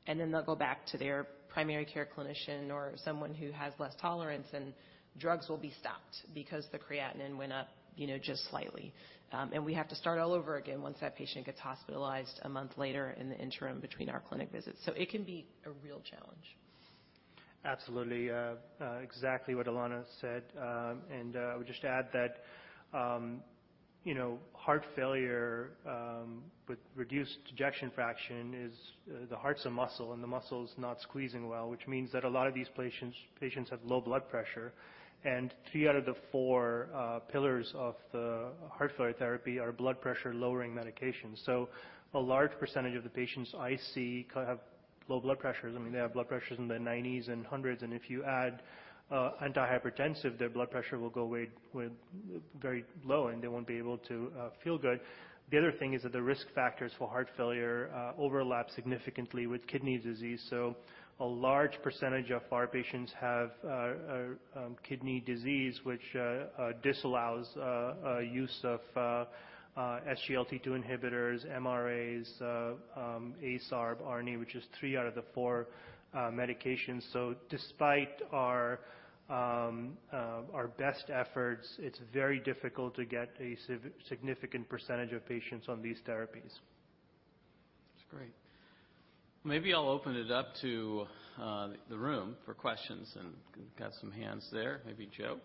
Speaker 5: and then they'll go back to their primary care clinician or someone who has less tolerance, and drugs will be stopped because the creatinine went up just slightly. We have to start all over again once that patient gets hospitalized 1 month later in the interim between our clinic visits. It can be a real challenge.
Speaker 6: Absolutely. Exactly what Alanna said. I would just add that heart failure with reduced ejection fraction is the heart's a muscle, and the muscle's not squeezing well, which means that a lot of these patients have low blood pressure, and three out of the four pillars of the heart failure therapy are blood pressure-lowering medications. A large percentage of the patients I see have low blood pressures. They have blood pressures in the 90s and 100s, and if you add antihypertensive, their blood pressure will go very low, and they won't be able to feel good. The other thing is that the risk factors for heart failure overlap significantly with kidney disease. A large percentage of our patients have kidney disease, which disallows use of SGLT2 inhibitors, MRAs, ACE/ARB/ARNI, which is three out of the four medications. Despite our best efforts, it's very difficult to get a significant percentage of patients on these therapies.
Speaker 3: That's great. Maybe I'll open it up to the room for questions, and got some hands there. Maybe Joe.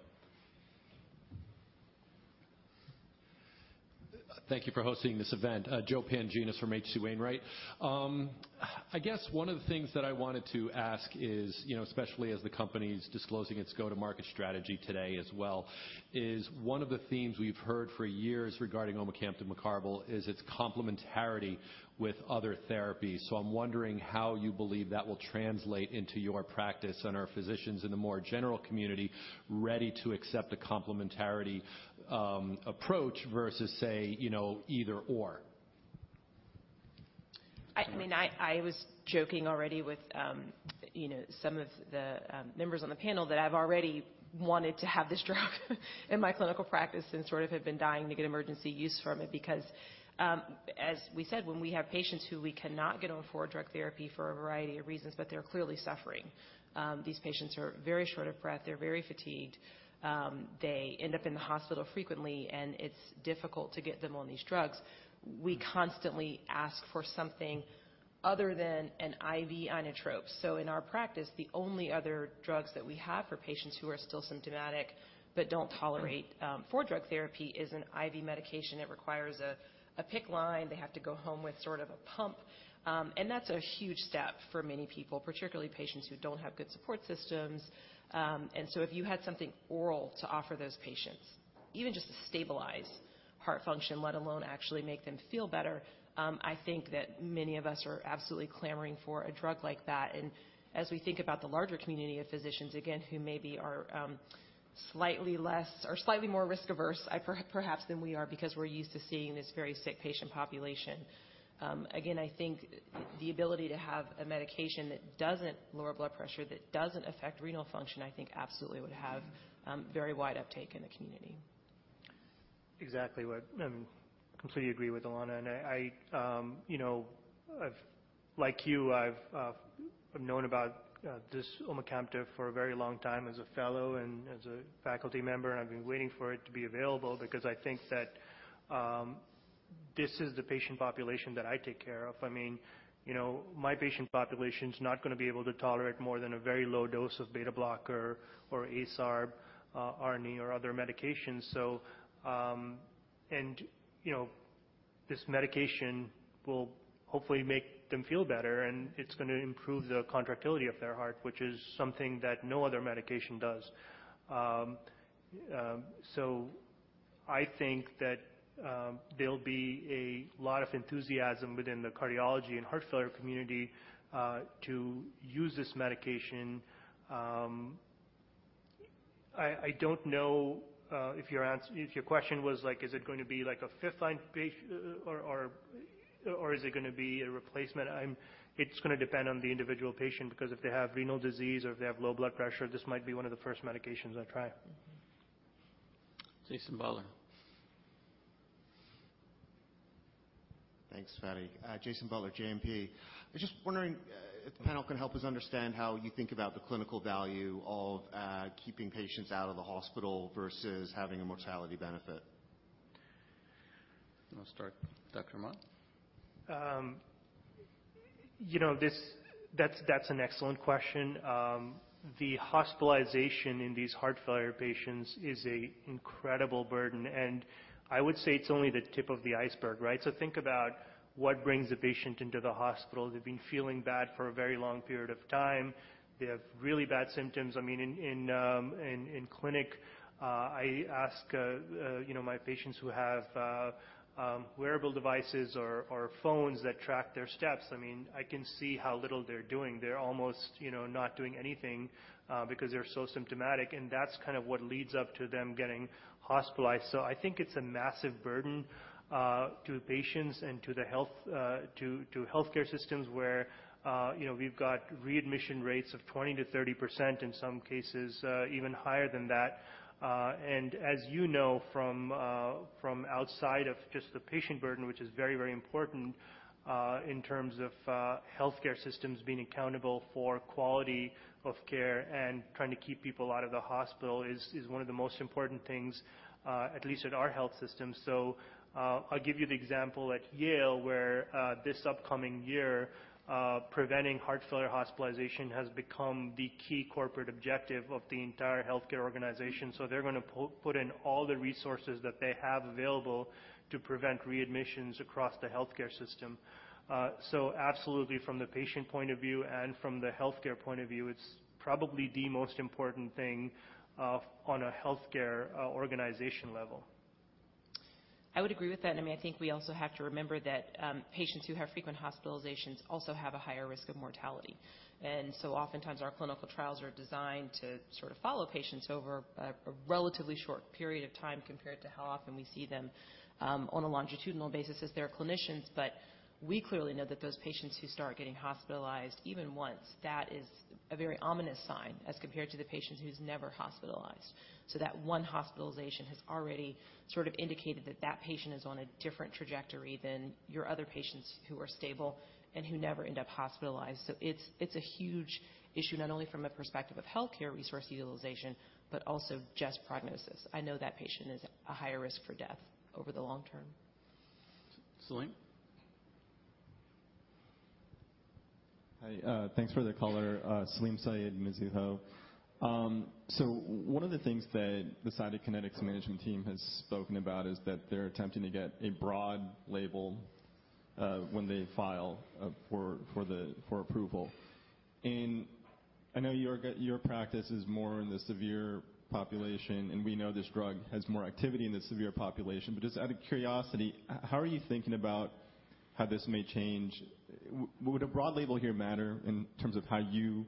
Speaker 7: Thank you for hosting this event. Joe Pantginis from H.C. Wainwright. I guess one of the things that I wanted to ask is, especially as the company's disclosing its go-to-market strategy today as well, is one of the themes we've heard for years regarding omecamtiv mecarbil is its complementarity with other therapies. I'm wondering how you believe that will translate into your practice, and are physicians in the more general community ready to accept a complementarity approach versus, say, either/or?
Speaker 5: I was joking already with some of the members on the panel that I've already wanted to have this drug in my clinical practice and have been dying to get emergency use from it because, as we said, when we have patients who we cannot get on four-drug therapy for a variety of reasons, but they're clearly suffering. These patients are very short of breath. They're very fatigued. They end up in the hospital frequently, and it's difficult to get them on these drugs. We constantly ask for something other than an IV inotrope. In our practice, the only other drugs that we have for patients who are still symptomatic but don't tolerate four-drug therapy is an IV medication. It requires a PICC line. They have to go home with a pump. That's a huge step for many people, particularly patients who don't have good support systems. If you had something oral to offer those patients, even just to stabilize heart function, let alone actually make them feel better. I think that many of us are absolutely clamoring for a drug like that. As we think about the larger community of physicians, again, who maybe are slightly more risk-averse, perhaps than we are, because we're used to seeing this very sick patient population. Again, I think the ability to have a medication that doesn't lower blood pressure, that doesn't affect renal function, I think absolutely would have very wide uptake in the community.
Speaker 6: Exactly. I completely agree with Alanna. Like you, I've known about this omecamtiv for a very long time as a fellow and as a faculty member, and I've been waiting for it to be available because I think that this is the patient population that I take care of. My patient population's not going to be able to tolerate more than a very low dose of beta blocker or ARB, ARNI, or other medications. This medication will hopefully make them feel better, and it's going to improve the contractility of their heart, which is something that no other medication does. I think that there'll be a lot of enthusiasm within the cardiology and heart failure community to use this medication. I don't know if your question was, is it going to be a fifth line or is it going to be a replacement? It's going to depend on the individual patient, because if they have renal disease or if they have low blood pressure, this might be one of the first medications I try.
Speaker 3: Jason Butler.
Speaker 8: Thanks, Fady. Jason Butler, JMP. I'm just wondering if the panel can help us understand how you think about the clinical value of keeping patients out of the hospital versus having a mortality benefit?
Speaker 3: I'll start, Dr Ahmad.
Speaker 6: That's an excellent question. The hospitalization in these heart failure patients is an incredible burden, and I would say it's only the tip of the iceberg, right? Think about what brings the patient into the hospital. They've been feeling bad for a very long period of time. They have really bad symptoms. In clinic, I ask my patients who have wearable devices or phones that track their steps. I can see how little they're doing. They're almost not doing anything because they're so symptomatic, and that's what leads up to them getting hospitalized. I think it's a massive burden to the patients and to healthcare systems where we've got readmission rates of 20%-30%, in some cases even higher than that. As you know, from outside of just the patient burden, which is very, very important in terms of healthcare systems being accountable for quality of care and trying to keep people out of the hospital, is one of the most important things, at least at our health system. I'll give you the example at Yale, where this upcoming year, preventing heart failure hospitalization has become the key corporate objective of the entire healthcare organization. They're going to put in all the resources that they have available to prevent readmissions across the healthcare system. Absolutely, from the patient point of view and from the healthcare point of view, it's probably the most important thing on a healthcare organization level.
Speaker 5: I would agree with that. I think we also have to remember that patients who have frequent hospitalizations also have a higher risk of mortality. Oftentimes, our clinical trials are designed to sort of follow patients over a relatively short period of time compared to how often we see them on a longitudinal basis as their clinicians. We clearly know that those patients who start getting hospitalized even once, that is a very ominous sign as compared to the patient who's never hospitalized. That one hospitalization has already sort of indicated that that patient is on a different trajectory than your other patients who are stable and who never end up hospitalized. It's a huge issue, not only from a perspective of healthcare resource utilization, but also just prognosis. I know that patient is at a higher risk for death over the long term.
Speaker 3: Salim?
Speaker 9: Hi, thanks for the color. Salim Syed, Mizuho. One of the things that the Cytokinetics management team has spoken about is that they're attempting to get a broad label when they file for approval. I know your practice is more in the severe population, and we know this drug has more activity in the severe population. Just out of curiosity, how are you thinking about how this may change? Would a broad label here matter in terms of how you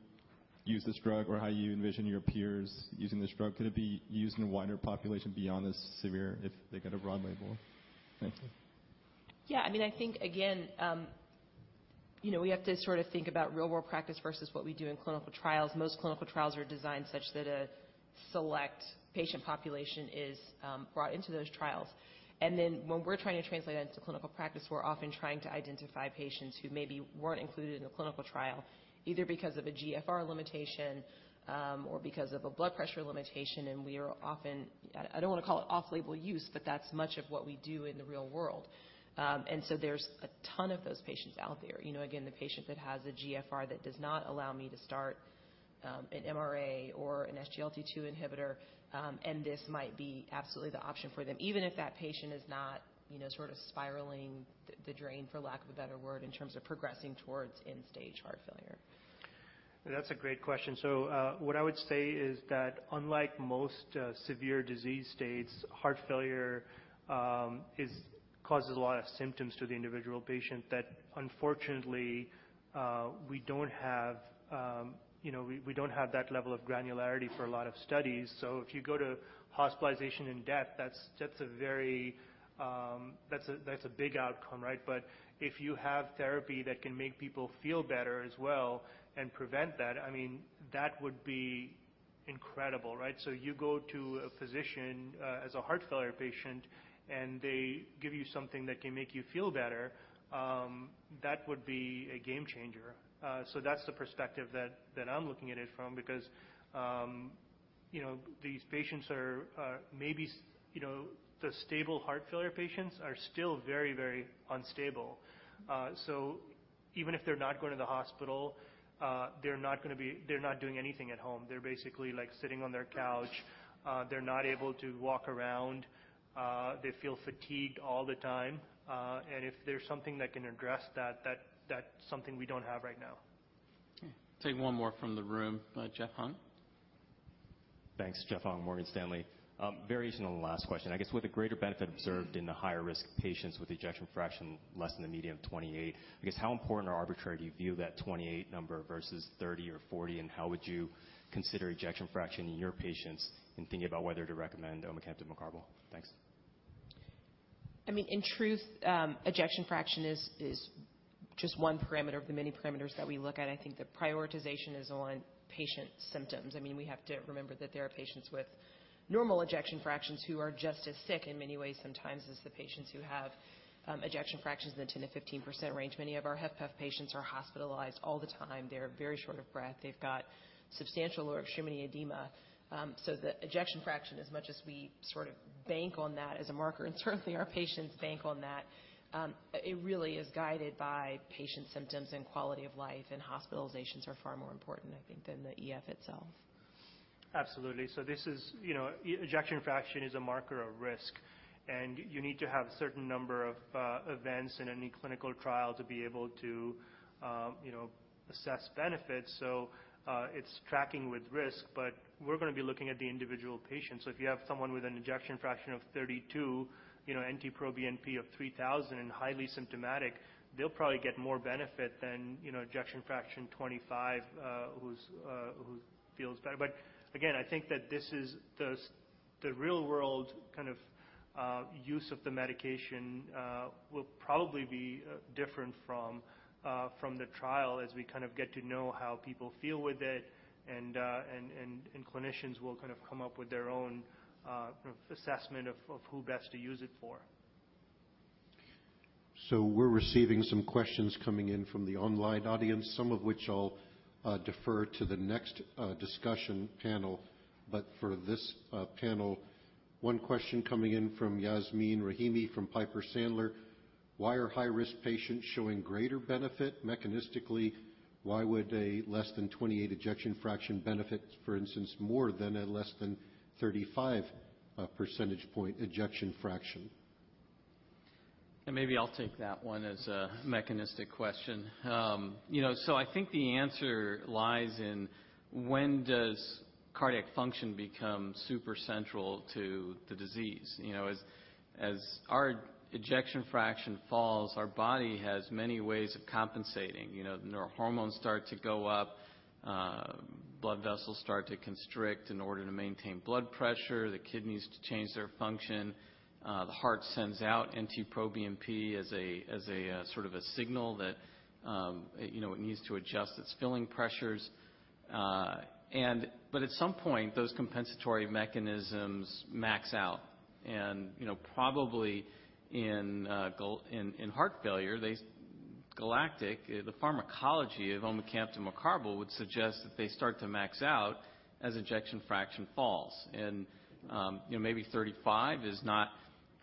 Speaker 9: use this drug or how you envision your peers using this drug? Could it be used in a wider population beyond this severe, if they get a broad label? Thanks.
Speaker 5: Yeah, I think, again, we have to sort of think about real-world practice versus what we do in clinical trials. Most clinical trials are designed such that a select patient population is brought into those trials. When we're trying to translate that into clinical practice, we're often trying to identify patients who maybe weren't included in the clinical trial, either because of a GFR limitation or because of a blood pressure limitation. We are often, I don't want to call it off-label use, but that's much of what we do in the real world. There's a ton of those patients out there. The patient that has a GFR that does not allow me to start an MRA or an SGLT2 inhibitor, and this might be absolutely the option for them, even if that patient is not sort of spiraling the drain, for lack of a better word, in terms of progressing towards end-stage heart failure.
Speaker 6: That's a great question. What I would say is that unlike most severe disease states, heart failure causes a lot of symptoms to the individual patient that, unfortunately, we don't have that level of granularity for a lot of studies. If you go to hospitalization and death, that's a big outcome. If you have therapy that can make people feel better as well and prevent that would be incredible. You go to a physician as a heart failure patient, and they give you something that can make you feel better, that would be a game changer. That's the perspective that I'm looking at it from, because these patients, the stable heart failure patients, are still very unstable. Even if they're not going to the hospital, they're not doing anything at home. They're basically sitting on their couch. They're not able to walk around. They feel fatigued all the time. If there's something that can address that's something we don't have right now.
Speaker 3: Okay. Take one more from the room. Jeff Hung.
Speaker 10: Thanks. Jeff Hung, Morgan Stanley. Variation on the last question. I guess, with the greater benefit observed in the higher-risk patients with ejection fraction less than the median of 28, I guess how important or arbitrary do you view that 28 number versus 30 or 40? How would you consider ejection fraction in your patients in thinking about whether to recommend omecamtiv mecarbil? Thanks.
Speaker 5: In truth, ejection fraction is just one parameter of the many parameters that we look at. I think the prioritization is on patient symptoms. We have to remember that there are patients with normal ejection fractions who are just as sick in many ways sometimes as the patients who have ejection fractions in the 10%-15% range. Many of our HFpEF patients are hospitalized all the time. They're very short of breath. They've got substantial or extremity edema. The ejection fraction, as much as we bank on that as a marker, and certainly our patients bank on that, it really is guided by patient symptoms and quality of life, and hospitalizations are far more important, I think, than the EF itself.
Speaker 6: Absolutely. Ejection fraction is a marker of risk, and you need to have a certain number of events in any clinical trial to be able to assess benefits. It's tracking with risk, but we're going to be looking at the individual patient. If you have someone with an ejection fraction of 32, NT-proBNP of 3,000 and highly symptomatic, they'll probably get more benefit than ejection fraction 25 who feels better. Again, I think that the real-world use of the medication will probably be different from the trial as we get to know how people feel with it, and clinicians will come up with their own assessment of who best to use it for.
Speaker 2: We're receiving some questions coming in from the online audience, some of which I'll defer to the next discussion panel. For this panel, one question coming in from Yasmeen Rahimi from Piper Sandler. Why are high-risk patients showing greater benefit? Mechanistically, why would a less than 28 ejection fraction benefit, for instance, more than a less than 35 percentage point ejection fraction?
Speaker 3: Maybe I'll take that one as a mechanistic question. I think the answer lies in when does cardiac function become super central to the disease? As our ejection fraction falls, our body has many ways of compensating. The neurohormones start to go up, blood vessels start to constrict in order to maintain blood pressure, the kidneys change their function, the heart sends out NT-proBNP as a signal that it needs to adjust its filling pressures. At some point, those compensatory mechanisms max out. Probably in heart failure, GALACTIC-HF, the pharmacology of omecamtiv mecarbil, would suggest that they start to max out as ejection fraction falls. Maybe 35 is not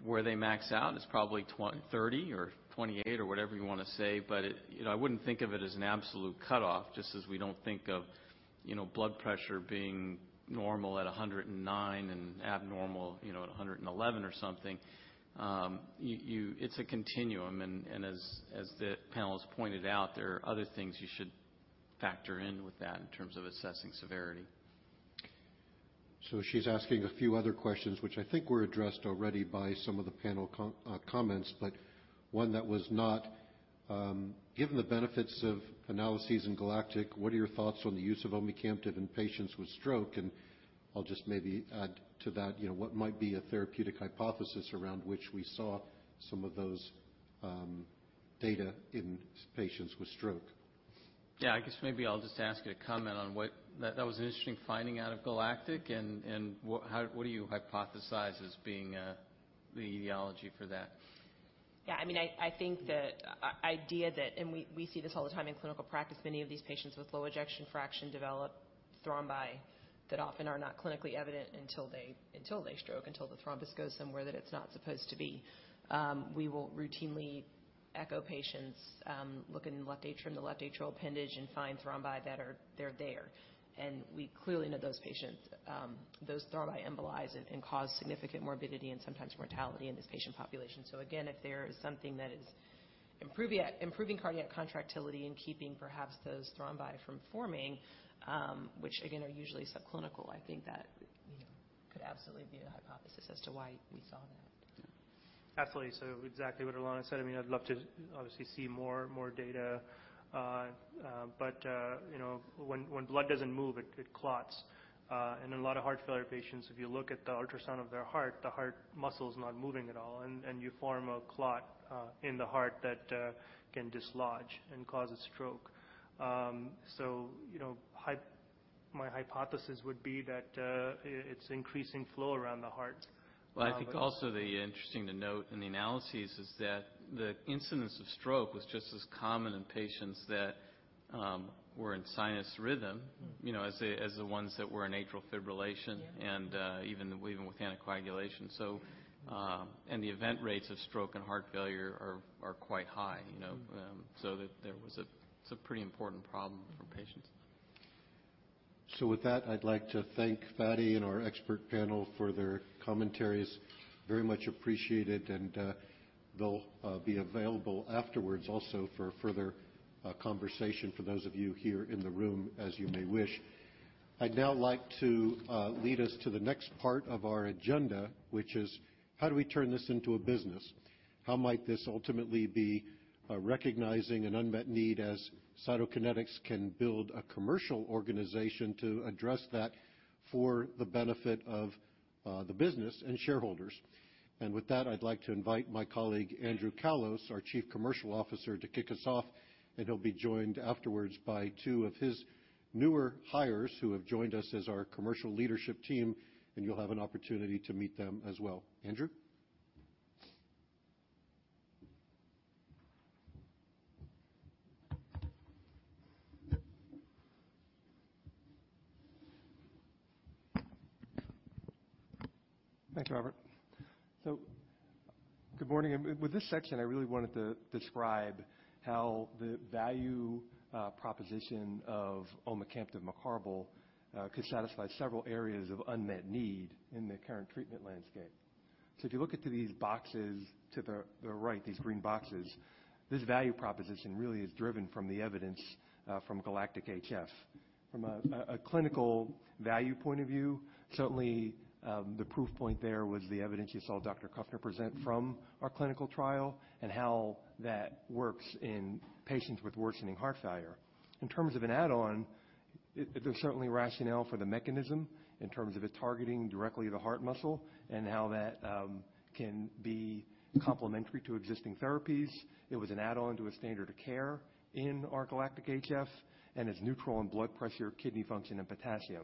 Speaker 3: where they max out. It's probably 30 or 28 or whatever you want to say. I wouldn't think of it as an absolute cutoff, just as we don't think of blood pressure being normal at 109 and abnormal at 111 or something. It's a continuum, and as the panel has pointed out, there are other things you should factor in with that in terms of assessing severity.
Speaker 2: She's asking a few other questions, which I think were addressed already by some of the panel comments, but one that was not. Given the benefits of analyses in GALACTIC-HF, what are your thoughts on the use of omecamtiv in patients with stroke? I'll just maybe add to that, what might be a therapeutic hypothesis around which we saw some of those data in patients with stroke?
Speaker 3: Yeah, I guess maybe I'll just ask you to comment. That was an interesting finding out of GALACTIC-HF, and what do you hypothesize as being the etiology for that?
Speaker 5: I think the idea that we see this all the time in clinical practice, many of these patients with low ejection fraction develop thrombi that often are not clinically evident until they stroke, until the thrombus goes somewhere that it's not supposed to be. We will routinely echo patients, look in the left atrium, the left atrial appendage, and find thrombi that are there. We clearly know those thrombi embolize and cause significant morbidity and sometimes mortality in this patient population. Again, if there is something that is improving cardiac contractility and keeping perhaps those thrombi from forming, which again, are usually subclinical, I think that could absolutely be a hypothesis as to why we saw that.
Speaker 6: Absolutely. Exactly what Alanna said. I'd love to obviously see more data. When blood doesn't move, it clots. In a lot of heart failure patients, if you look at the ultrasound of their heart, the heart muscle is not moving at all, and you form a clot in the heart that can dislodge and cause a stroke. My hypothesis would be that it's increasing flow around the heart.
Speaker 3: Well, I think also interesting to note in the analyses is that the incidence of stroke was just as common in patients that were in sinus rhythm- As the ones that were in atrial fibrillation.
Speaker 5: Yeah
Speaker 3: and even with anticoagulation. The event rates of stroke and heart failure are quite high. It's a pretty important problem for patients.
Speaker 2: With that, I'd like to thank Fady and our expert panel for their commentaries. Very much appreciated, and they'll be available afterwards also for further conversation for those of you here in the room, as you may wish. I'd now like to lead us to the next part of our agenda, which is, how do we turn this into a business? How might this ultimately be recognizing an unmet need as Cytokinetics can build a commercial organization to address that for the benefit of the business and shareholders? With that, I'd like to invite my colleague, Andrew Callos, our Chief Commercial Officer, to kick us off, and he'll be joined afterwards by two of his newer hires who have joined us as our commercial leadership team, and you'll have an opportunity to meet them as well. Andrew?
Speaker 11: Thanks, Robert. Good morning. With this section, I really wanted to describe how the value proposition of omecamtiv mecarbil could satisfy several areas of unmet need in the current treatment landscape. If you look into these boxes to the right, these green boxes, this value proposition really is driven from the evidence from GALACTIC-HF. From a clinical value point of view, certainly, the proof point there was the evidence you saw Stuart Kupfer present from our clinical trial and how that works in patients with worsening heart failure. In terms of an add-on, there's certainly rationale for the mechanism in terms of it targeting directly the heart muscle and how that can be complementary to existing therapies. It was an add-on to a standard of care in our GALACTIC-HF, and is neutral on blood pressure, kidney function, and potassium.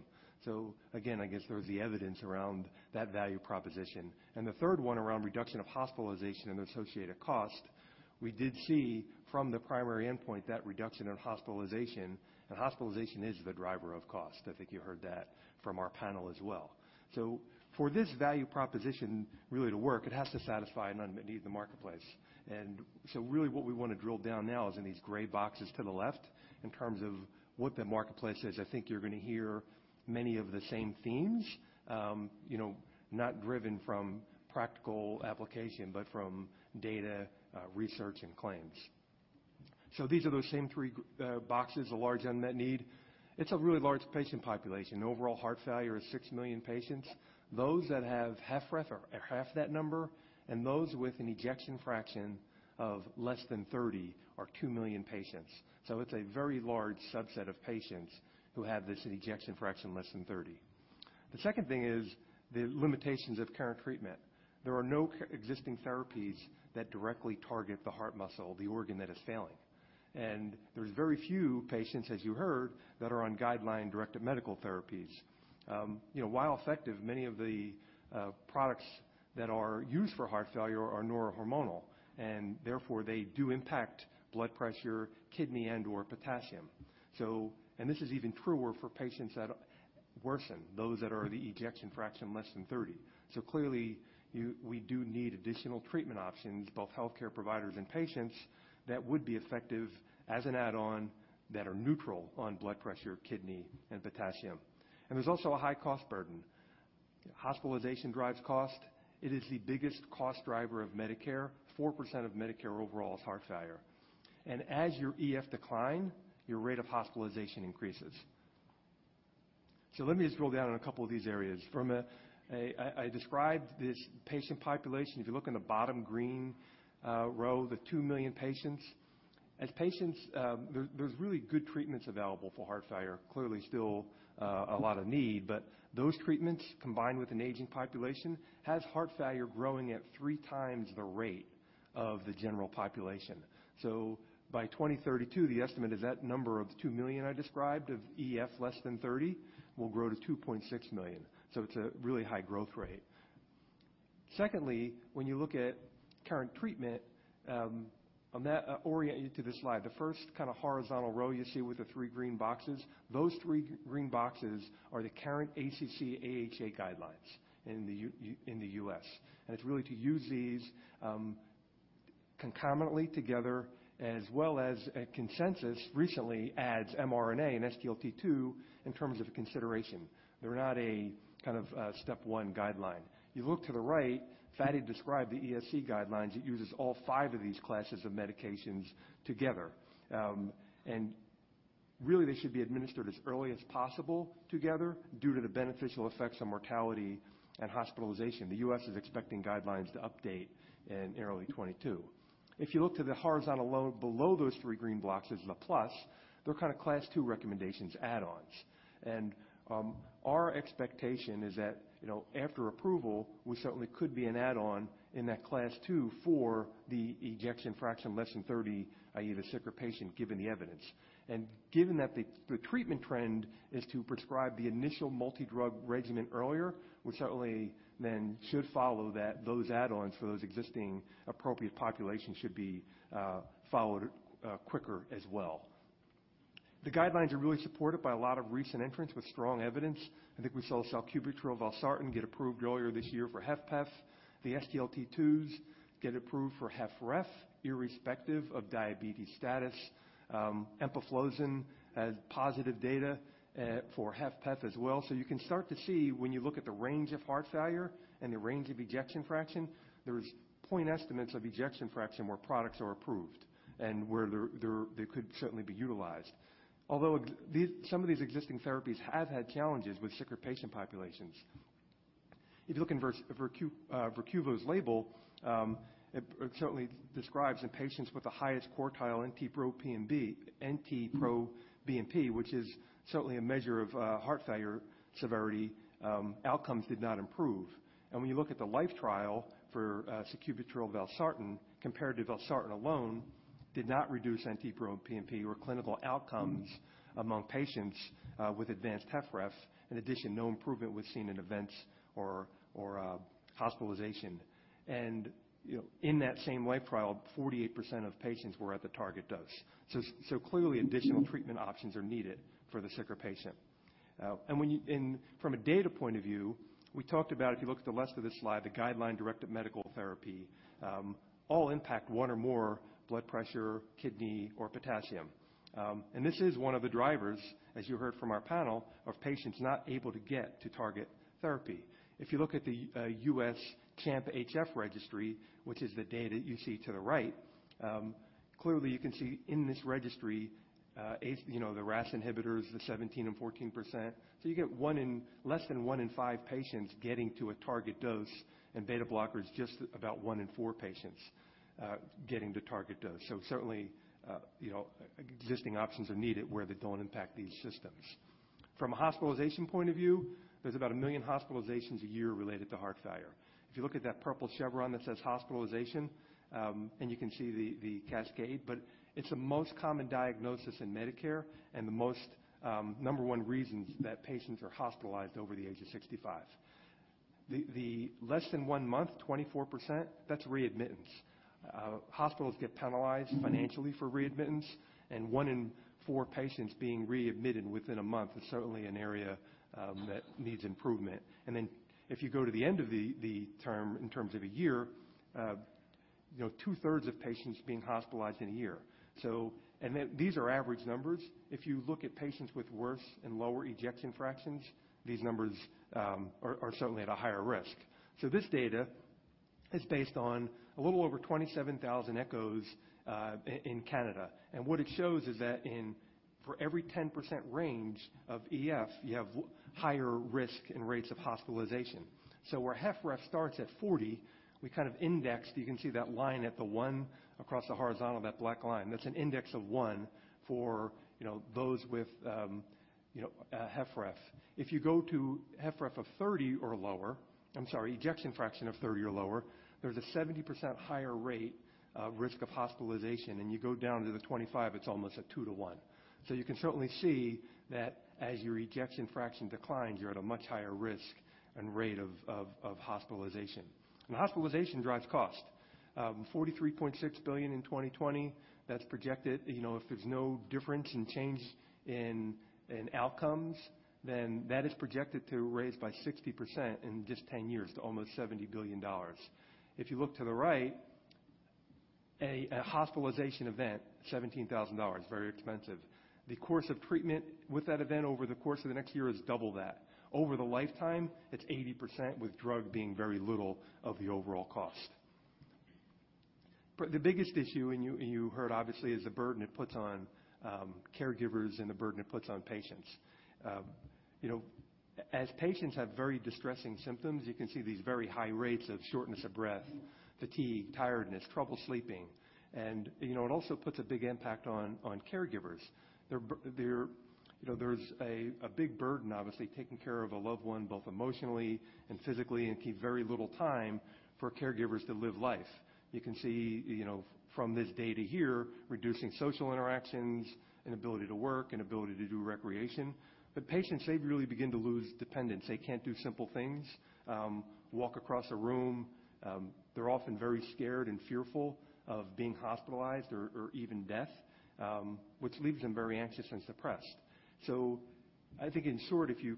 Speaker 11: Again, I guess there's the evidence around that value proposition. The 3rd one around reduction of hospitalization and associated cost, we did see from the primary endpoint that reduction in hospitalization, and hospitalization is the driver of cost. I think you heard that from our panel as well. For this value proposition really to work, it has to satisfy an unmet need in the marketplace. Really what we want to drill down now is in these gray boxes to the left in terms of what the marketplace is. I think you're going to hear many of the same themes, not driven from practical application, but from data, research, and claims. These are those same three boxes, a large unmet need. It's a really large patient population. Overall heart failure is six million patients. Those that have HFrEF are half that number. Those with an ejection fraction of less than 30 are two million patients. It's a very large subset of patients who have this ejection fraction less than 30. The second thing is the limitations of current treatment. There are no existing therapies that directly target the heart muscle, the organ that is failing. There's very few patients, as you heard, that are on guideline-directed medical therapies. While effective, many of the products that are used for heart failure are neurohormonal, and therefore, they do impact blood pressure, kidney, and/or potassium. This is even truer for patients that worsen, those that are the ejection fraction less than 30. Clearly, we do need additional treatment options, both healthcare providers and patients, that would be effective as an add-on that are neutral on blood pressure, kidney, and potassium. There's also a high cost burden. Hospitalization drives cost. It is the biggest cost driver of Medicare. 4% of Medicare overall is heart failure. As your EF decline, your rate of hospitalization increases. Let me just drill down on a couple of these areas. I described this patient population. If you look in the bottom green row, the two million patients. As patients, there's really good treatments available for heart failure. Clearly, still a lot of need, but those treatments, combined with an aging population, has heart failure growing at three times the rate of the general population. By 2032, the estimate is that number of the two million I described of EF less than 30 will grow to 2.6 million. It's a really high growth rate. Secondly, when you look at current treatment, oriented to this slide, the first kind of horizontal row you see with the three green boxes, those three green boxes are the current ACC/AHA guidelines in the U.S. It's really to use these concomitantly together as well as a consensus recently adds MRA and SGLT2 in terms of consideration. They're not a step one guideline. You look to the right, Fady described the ESC guidelines. Really, they should be administered as early as possible together due to the beneficial effects on mortality and hospitalization. The U.S. is expecting guidelines to update in early 2022. If you look to the horizontal line below those three green blocks, there's a plus. They're Class II recommendations add-ons. Our expectation is that after approval, we certainly could be an add-on in that Class II for the ejection fraction less than 30, i.e., the sicker patient, given the evidence. And given that the treatment trend is to prescribe the initial multi-drug regimen earlier, we certainly then should follow those add-ons for those existing appropriate populations should be followed quicker as well. The guidelines are really supported by a lot of recent entrants with strong evidence. I think we saw sacubitril/valsartan get approved earlier this year for HFpEF. The SGLT2s get approved for HFrEF, irrespective of diabetes status. Empagliflozin has positive data for HFpEF as well. You can start to see when you look at the range of heart failure and the range of ejection fraction, there's point estimates of ejection fraction where products are approved and where they could certainly be utilized. Although some of these existing therapies have had challenges with sicker patient populations. If you look in VERQUVO's label, it certainly describes in patients with the highest quartile NT-proBNP, which is certainly a measure of heart failure severity, outcomes did not improve. When you look at the LIFE trial for sacubitril/valsartan compared to valsartan alone, did not reduce NT-proBNP or clinical outcomes among patients with advanced HFrEF. In addition, no improvement was seen in events or hospitalization. In that same LIFE trial, 48% of patients were at the target dose. Clearly, additional treatment options are needed for the sicker patient. From a data point of view, we talked about, if you look at the left of this slide, the guideline-directed medical therapy all impact one or more blood pressure, kidney, or potassium. This is one of the drivers, as you heard from our panel, of patients not able to get to target therapy. If you look at the U.S. CHAMP-HF registry, which is the data you see to the right, clearly you can see in this registry, the RAS inhibitors, the 17% and 14%. You get less than one in five patients getting to a target dose, and beta blockers, just about one in four patients getting to target dose. Certainly, existing options are needed where they don't impact these systems. From a hospitalization point of view, there's about a million hospitalizations a year related to heart failure. If you look at that purple chevron that says hospitalization, and you can see the cascade, but it's the most common diagnosis in Medicare and the number one reason that patients are hospitalized over the age of 65. The less than 1 month, 24% that is readmittance. Hospitals get penalized financially for readmittance, and one in four patients being readmitted within one month is certainly an area that needs improvement. If you go to the end of the term in terms of one year, two-thirds of patients being hospitalized in one year. These are average numbers. If you look at patients with worse and lower ejection fractions, these numbers are certainly at a higher risk. This data is based on a little over 27,000 ECHOs in Canada. What it shows is that for every 10% range of EF, you have higher risk and rates of hospitalization. Where HFrEF starts at 40, we indexed. You can see that line at the one across the horizontal, that black line. That is an index of one for those with HFrEF. If you go to HFrEF of 30 or lower, I'm sorry, ejection fraction of 30 or lower, there's a 70% higher rate risk of hospitalization. You go down to the 25, it's almost a 2:1. You can certainly see that as your ejection fraction declines, you're at a much higher risk and rate of hospitalization. Hospitalization drives cost. $43.6 billion in 2020, that's projected. If there's no difference in change in outcomes, that is projected to raise by 60% in just 10 years to almost $70 billion. If you look to the right, a hospitalization event, $17,000, very expensive. The course of treatment with that event over the course of the next year is double that. Over the lifetime, it's 80%, with drug being very little of the overall cost. The biggest issue, and you heard obviously, is the burden it puts on caregivers and the burden it puts on patients. As patients have very distressing symptoms, you can see these very high rates of shortness of breath, fatigue, tiredness, trouble sleeping, and it also puts a big impact on caregivers. There's a big burden, obviously, taking care of a loved one, both emotionally and physically, and keep very little time for caregivers to live life. You can see from this data here, reducing social interactions, inability to work, inability to do recreation. Patients, they really begin to lose dependence. They can't do simple things, walk across a room. They're often very scared and fearful of being hospitalized or even death, which leaves them very anxious and suppressed. I think in short, if you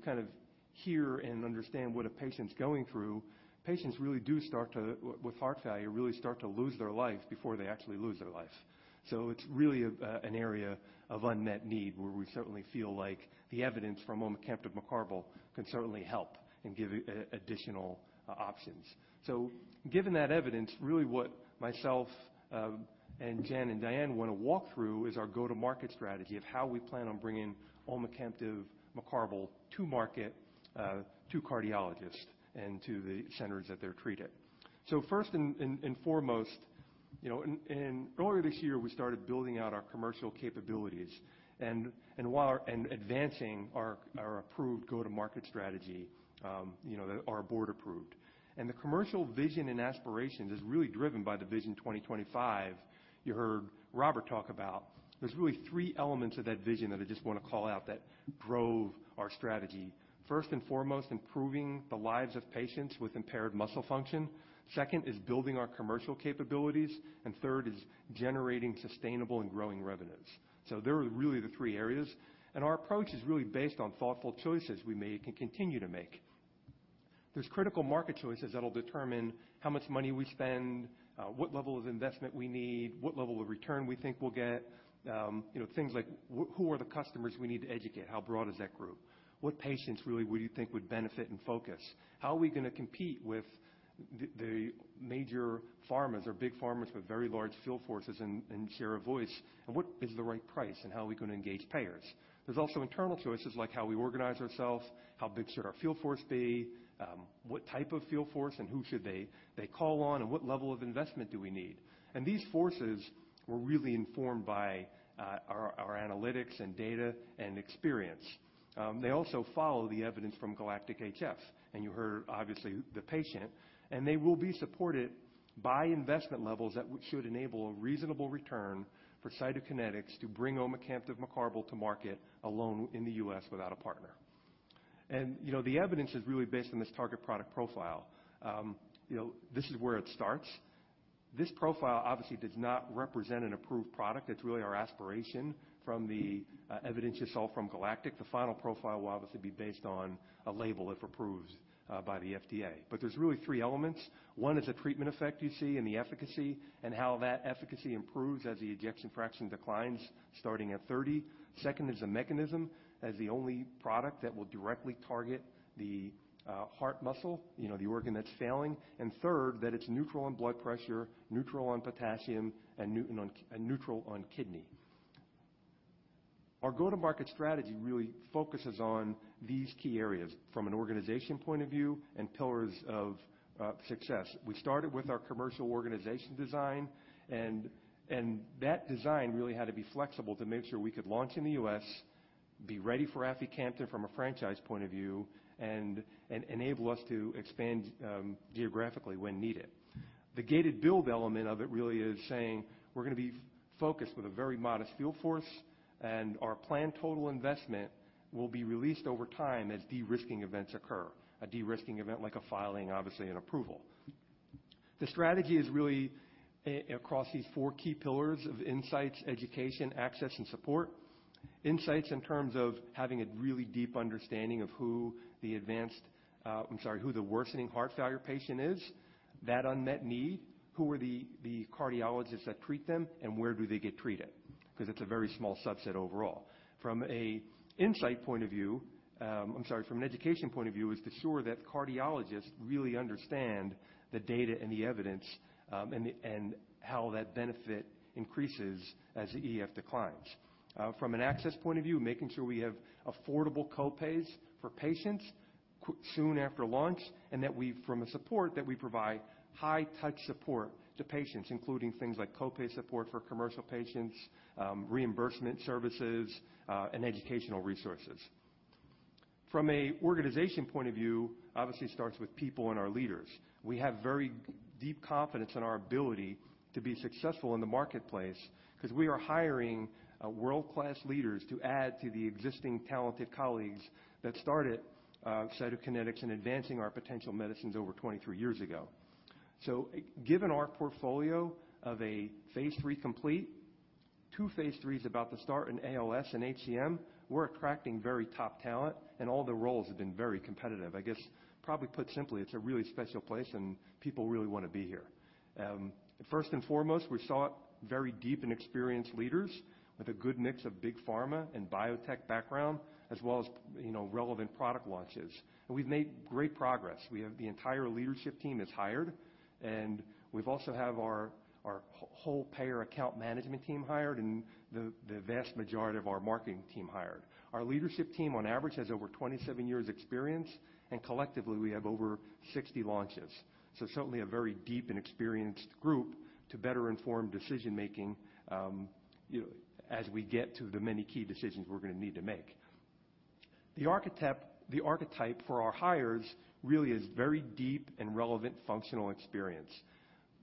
Speaker 11: hear and understand what a patient's going through, patients with heart failure really start to lose their life before they actually lose their life. It's really an area of unmet need, where we certainly feel like the evidence for omecamtiv mecarbil can certainly help and give additional options. Given that evidence, really what myself and Jen and Diann want to walk through is our go-to-market strategy of how we plan on bringing omecamtiv mecarbil to market, to cardiologists, and to the centers that they're treated. First and foremost, earlier this year, we started building out our commercial capabilities and advancing our approved go-to-market strategy that our board approved. The commercial vision and aspirations is really driven by the Vision 2025 you heard Robert talk about. There's really three elements of that vision that I just want to call out that drove our strategy. First and foremost, improving the lives of patients with impaired muscle function. Second is building our commercial capabilities. Third is generating sustainable and growing revenues. They're really the three areas. Our approach is really based on thoughtful choices we made and continue to make. There's critical market choices that'll determine how much money we spend, what level of investment we need, what level of return we think we'll get. Things like who are the customers we need to educate? How broad is that group? What patients really would you think would benefit and focus? How are we going to compete with the major pharmas or big pharmas with very large field forces and share a voice? What is the right price, and how are we going to engage payers? There's also internal choices like how we organize ourselves, how big should our field force be, what type of field force and who should they call on, and what level of investment do we need? These forces were really informed by our analytics and data and experience. They also follow the evidence from GALACTIC-HF. You heard, obviously, the patient. They will be supported by investment levels that should enable a reasonable return for Cytokinetics to bring omecamtiv mecarbil to market alone in the U.S. without a partner. The evidence is really based on this target product profile. This is where it starts. This profile obviously does not represent an approved product. It's really our aspiration from the evidence you saw from GALACTIC. The final profile will obviously be based on a label, if approved by the FDA. There's really three elements. One is the treatment effect you see and the efficacy and how that efficacy improves as the ejection fraction declines, starting at 30. Second is the mechanism, as the only product that will directly target the heart muscle, the organ that's failing. Third, that it's neutral on blood pressure, neutral on potassium, and neutral on kidney. Our go-to-market strategy really focuses on these key areas from an organization point of view and pillars of success. We started with our commercial organization design, that design really had to be flexible to make sure we could launch in the U.S., be ready for aficamten from a franchise point of view, and enable us to expand geographically when needed. The gated build element of it really is saying we're going to be focused with a very modest field force, and our planned total investment will be released over time as de-risking events occur. A de-risking event like a filing, obviously, and approval. The strategy is really across these four key pillars of insights, education, access, and support. Insights in terms of having a really deep understanding of who the worsening heart failure patient is, that unmet need, who are the cardiologists that treat them, and where do they get treated? It's a very small subset overall. From an education point of view is to ensure that cardiologists really understand the data and the evidence, and how that benefit increases as the EF declines. From an access point of view, making sure we have affordable co-pays for patients soon after launch, and that from a support, that we provide high-touch support to patients, including things like co-pay support for commercial patients, reimbursement services, and educational resources. From a organization point of view, obviously starts with people and our leaders. We have very deep confidence in our ability to be successful in the marketplace because we are hiring world-class leaders to add to the existing talented colleagues that started Cytokinetics and advancing our potential medicines over 23 years ago. Given our portfolio of a phase III complete, two phase IIIs about to start in ALS and HCM, we're attracting very top talent, and all the roles have been very competitive. I guess, probably put simply, it's a really special place, and people really want to be here. First and, we sought very deep and experienced leaders with a good mix of big pharma and biotech background, as well as relevant product launches. We've made great progress. We have the entire leadership team is hired, and we've also have our whole payer account management team hired and the vast majority of our marketing team hired. Our leadership team, on average, has over 27 years experience, and collectively we have over 60 launches. Certainly a very deep and experienced group to better inform decision making as we get to the many key decisions we're going to need to make. The archetype for our hires really is very deep and relevant functional experience.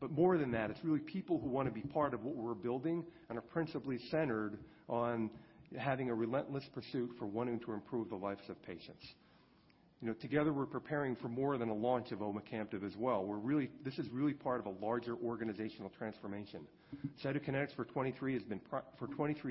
Speaker 11: More than that, it's really people who want to be part of what we're building and are principally centered on having a relentless pursuit for wanting to improve the lives of patients. Together, we're preparing for more than a launch of omecamtiv as well. This is really part of a larger organizational transformation. Cytokinetics, for 23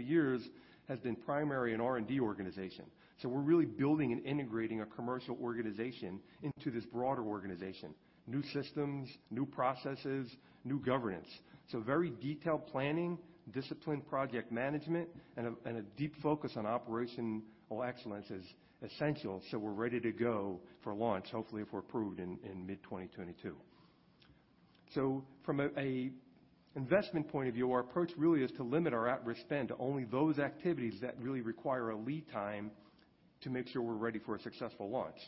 Speaker 11: years, has been primarily an R&D organization. We're really building and integrating a commercial organization into this broader organization. New systems, new processes, new governance. Very detailed planning, disciplined project management, and a deep focus on operational excellence is essential so we're ready to go for launch, hopefully, if we're approved in mid-2022. From an investment point of view, our approach really is to limit our at-risk spend to only those activities that really require a lead time to make sure we're ready for a successful launch.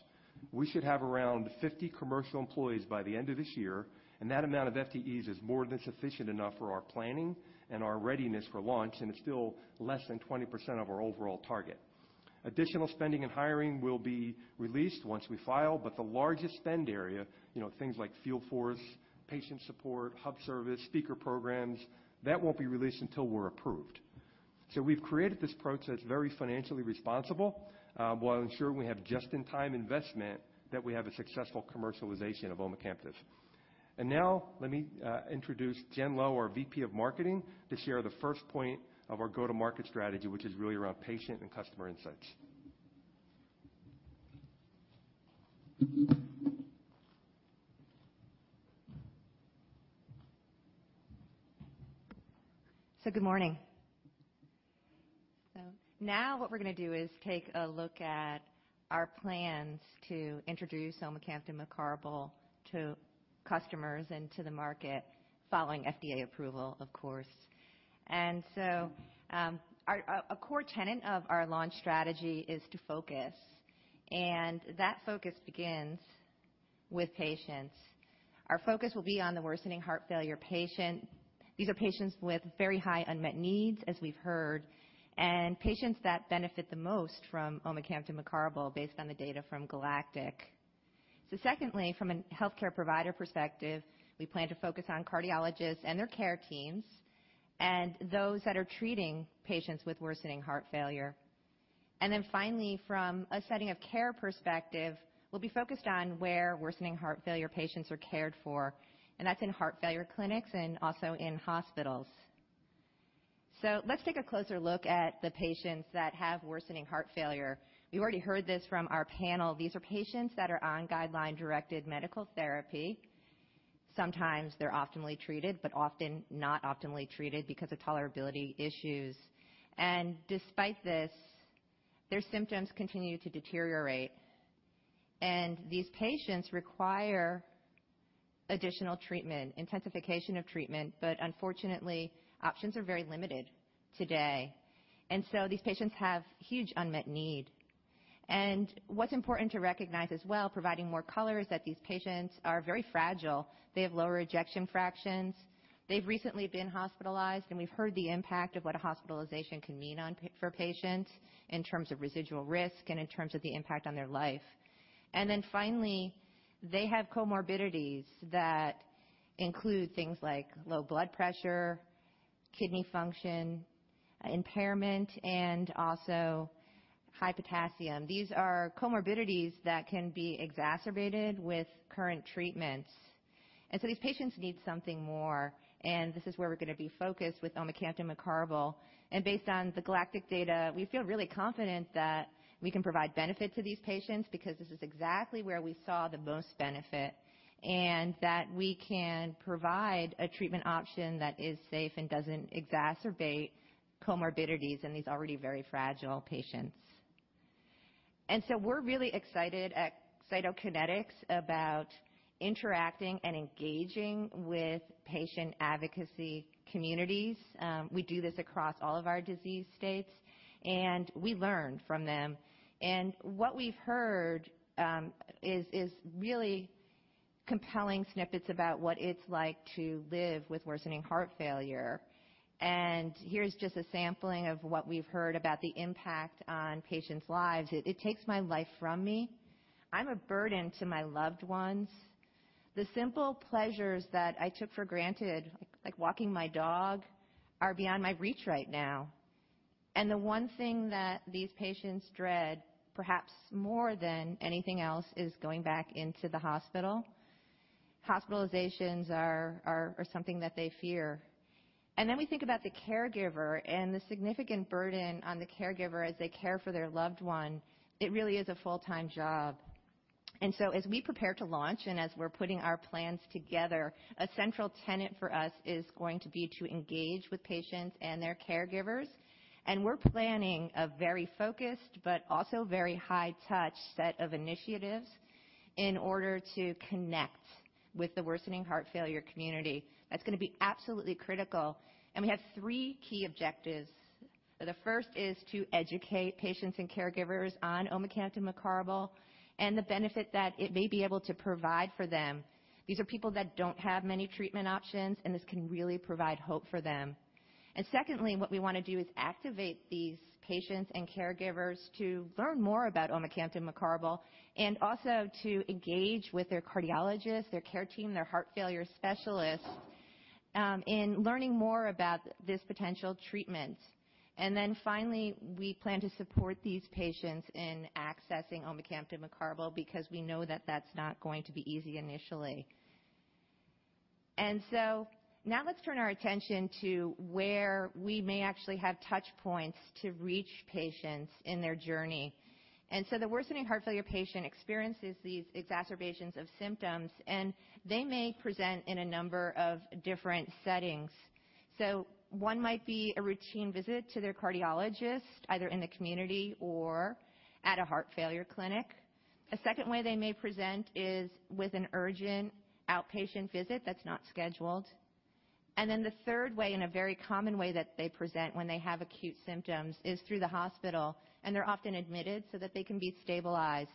Speaker 11: We should have around 50 commercial employees by the end of this year, and that amount of FTEs is more than sufficient enough for our planning and our readiness for launch, and it's still less than 20% of our overall target. Additional spending and hiring will be released once we file, but the largest spend area, things like field force, patient support, hub service, speaker programs, that won't be released until we're approved. We've created this process very financially responsible, while ensuring we have just in time investment, that we have a successful commercialization of omecamtiv. Now let me introduce Jen Laux, our VP of Marketing, to share the first point of our go-to-market strategy, which is really around patient and customer insights.
Speaker 12: Good morning. Now what we're going to do is take a look at our plans to introduce omecamtiv mecarbil to customers and to the market following FDA approval, of course. A core tenet of our launch strategy is to focus, and that focus begins with patients. Our focus will be on the worsening heart failure patient. These are patients with very high unmet needs, as we've heard, and patients that benefit the most from omecamtiv mecarbil based on the data from GALACTIC-HF. Secondly, from a healthcare provider perspective, we plan to focus on cardiologists and their care teams and those that are treating patients with worsening heart failure. Finally, from a setting of care perspective, we'll be focused on where worsening heart failure patients are cared for, and that's in heart failure clinics and also in hospitals. Let's take a closer look at the patients that have worsening heart failure. We've already heard this from our panel. These are patients that are on guideline-directed medical therapy. Sometimes they're optimally treated, but often not optimally treated because of tolerability issues. Despite this, their symptoms continue to deteriorate, and these patients require additional treatment, intensification of treatment. Unfortunately, options are very limited today. These patients have huge unmet need. What's important to recognize as well, providing more color, is that these patients are very fragile. They have lower ejection fractions. They've recently been hospitalized, and we've heard the impact of what a hospitalization can mean for patients in terms of residual risk and in terms of the impact on their life. Finally, they have comorbidities that include things like low blood pressure, kidney function impairment, and also high potassium. These are comorbidities that can be exacerbated with current treatments. These patients need something more, and this is where we're going to be focused with omecamtiv mecarbil. Based on the GALACTIC-HF data, we feel really confident that we can provide benefit to these patients because this is exactly where we saw the most benefit, and that we can provide a treatment option that is safe and doesn't exacerbate comorbidities in these already very fragile patients. We're really excited at Cytokinetics about interacting and engaging with patient advocacy communities. We do this across all of our disease states, and we learn from them. What we've heard is really compelling snippets about what it's like to live with worsening heart failure. Here's just a sampling of what we've heard about the impact on patients' lives. It takes my life from me. I'm a burden to my loved ones. The simple pleasures that I took for granted, like walking my dog, are beyond my reach right now. The one thing that these patients dread, perhaps more than anything else, is going back into the hospital. Hospitalizations are something that they fear. We think about the caregiver and the significant burden on the caregiver as they care for their loved one. It really is a full-time job. As we prepare to launch and as we're putting our plans together, a central tenet for us is going to be to engage with patients and their caregivers. We're planning a very focused but also very high touch set of initiatives in order to connect with the worsening heart failure community. That's going to be absolutely critical. We have three key objectives. The first is to educate patients and caregivers on omecamtiv mecarbil and the benefit that it may be able to provide for them. These are people that don't have many treatment options, and this can really provide hope for them. Secondly, what we want to do is activate these patients and caregivers to learn more about omecamtiv mecarbil and also to engage with their cardiologist, their care team, their heart failure specialist in learning more about this potential treatment. Finally, we plan to support these patients in accessing omecamtiv mecarbil because we know that that's not going to be easy initially. Now let's turn our attention to where we may actually have touch points to reach patients in their journey. The worsening heart failure patient experiences these exacerbations of symptoms, and they may present in a number of different settings. One might be a routine visit to their cardiologist, either in the community or at a heart failure clinic. A second way they may present is with an urgent outpatient visit that's not scheduled. The third way, and a very common way that they present when they have acute symptoms, is through the hospital, and they're often admitted so that they can be stabilized.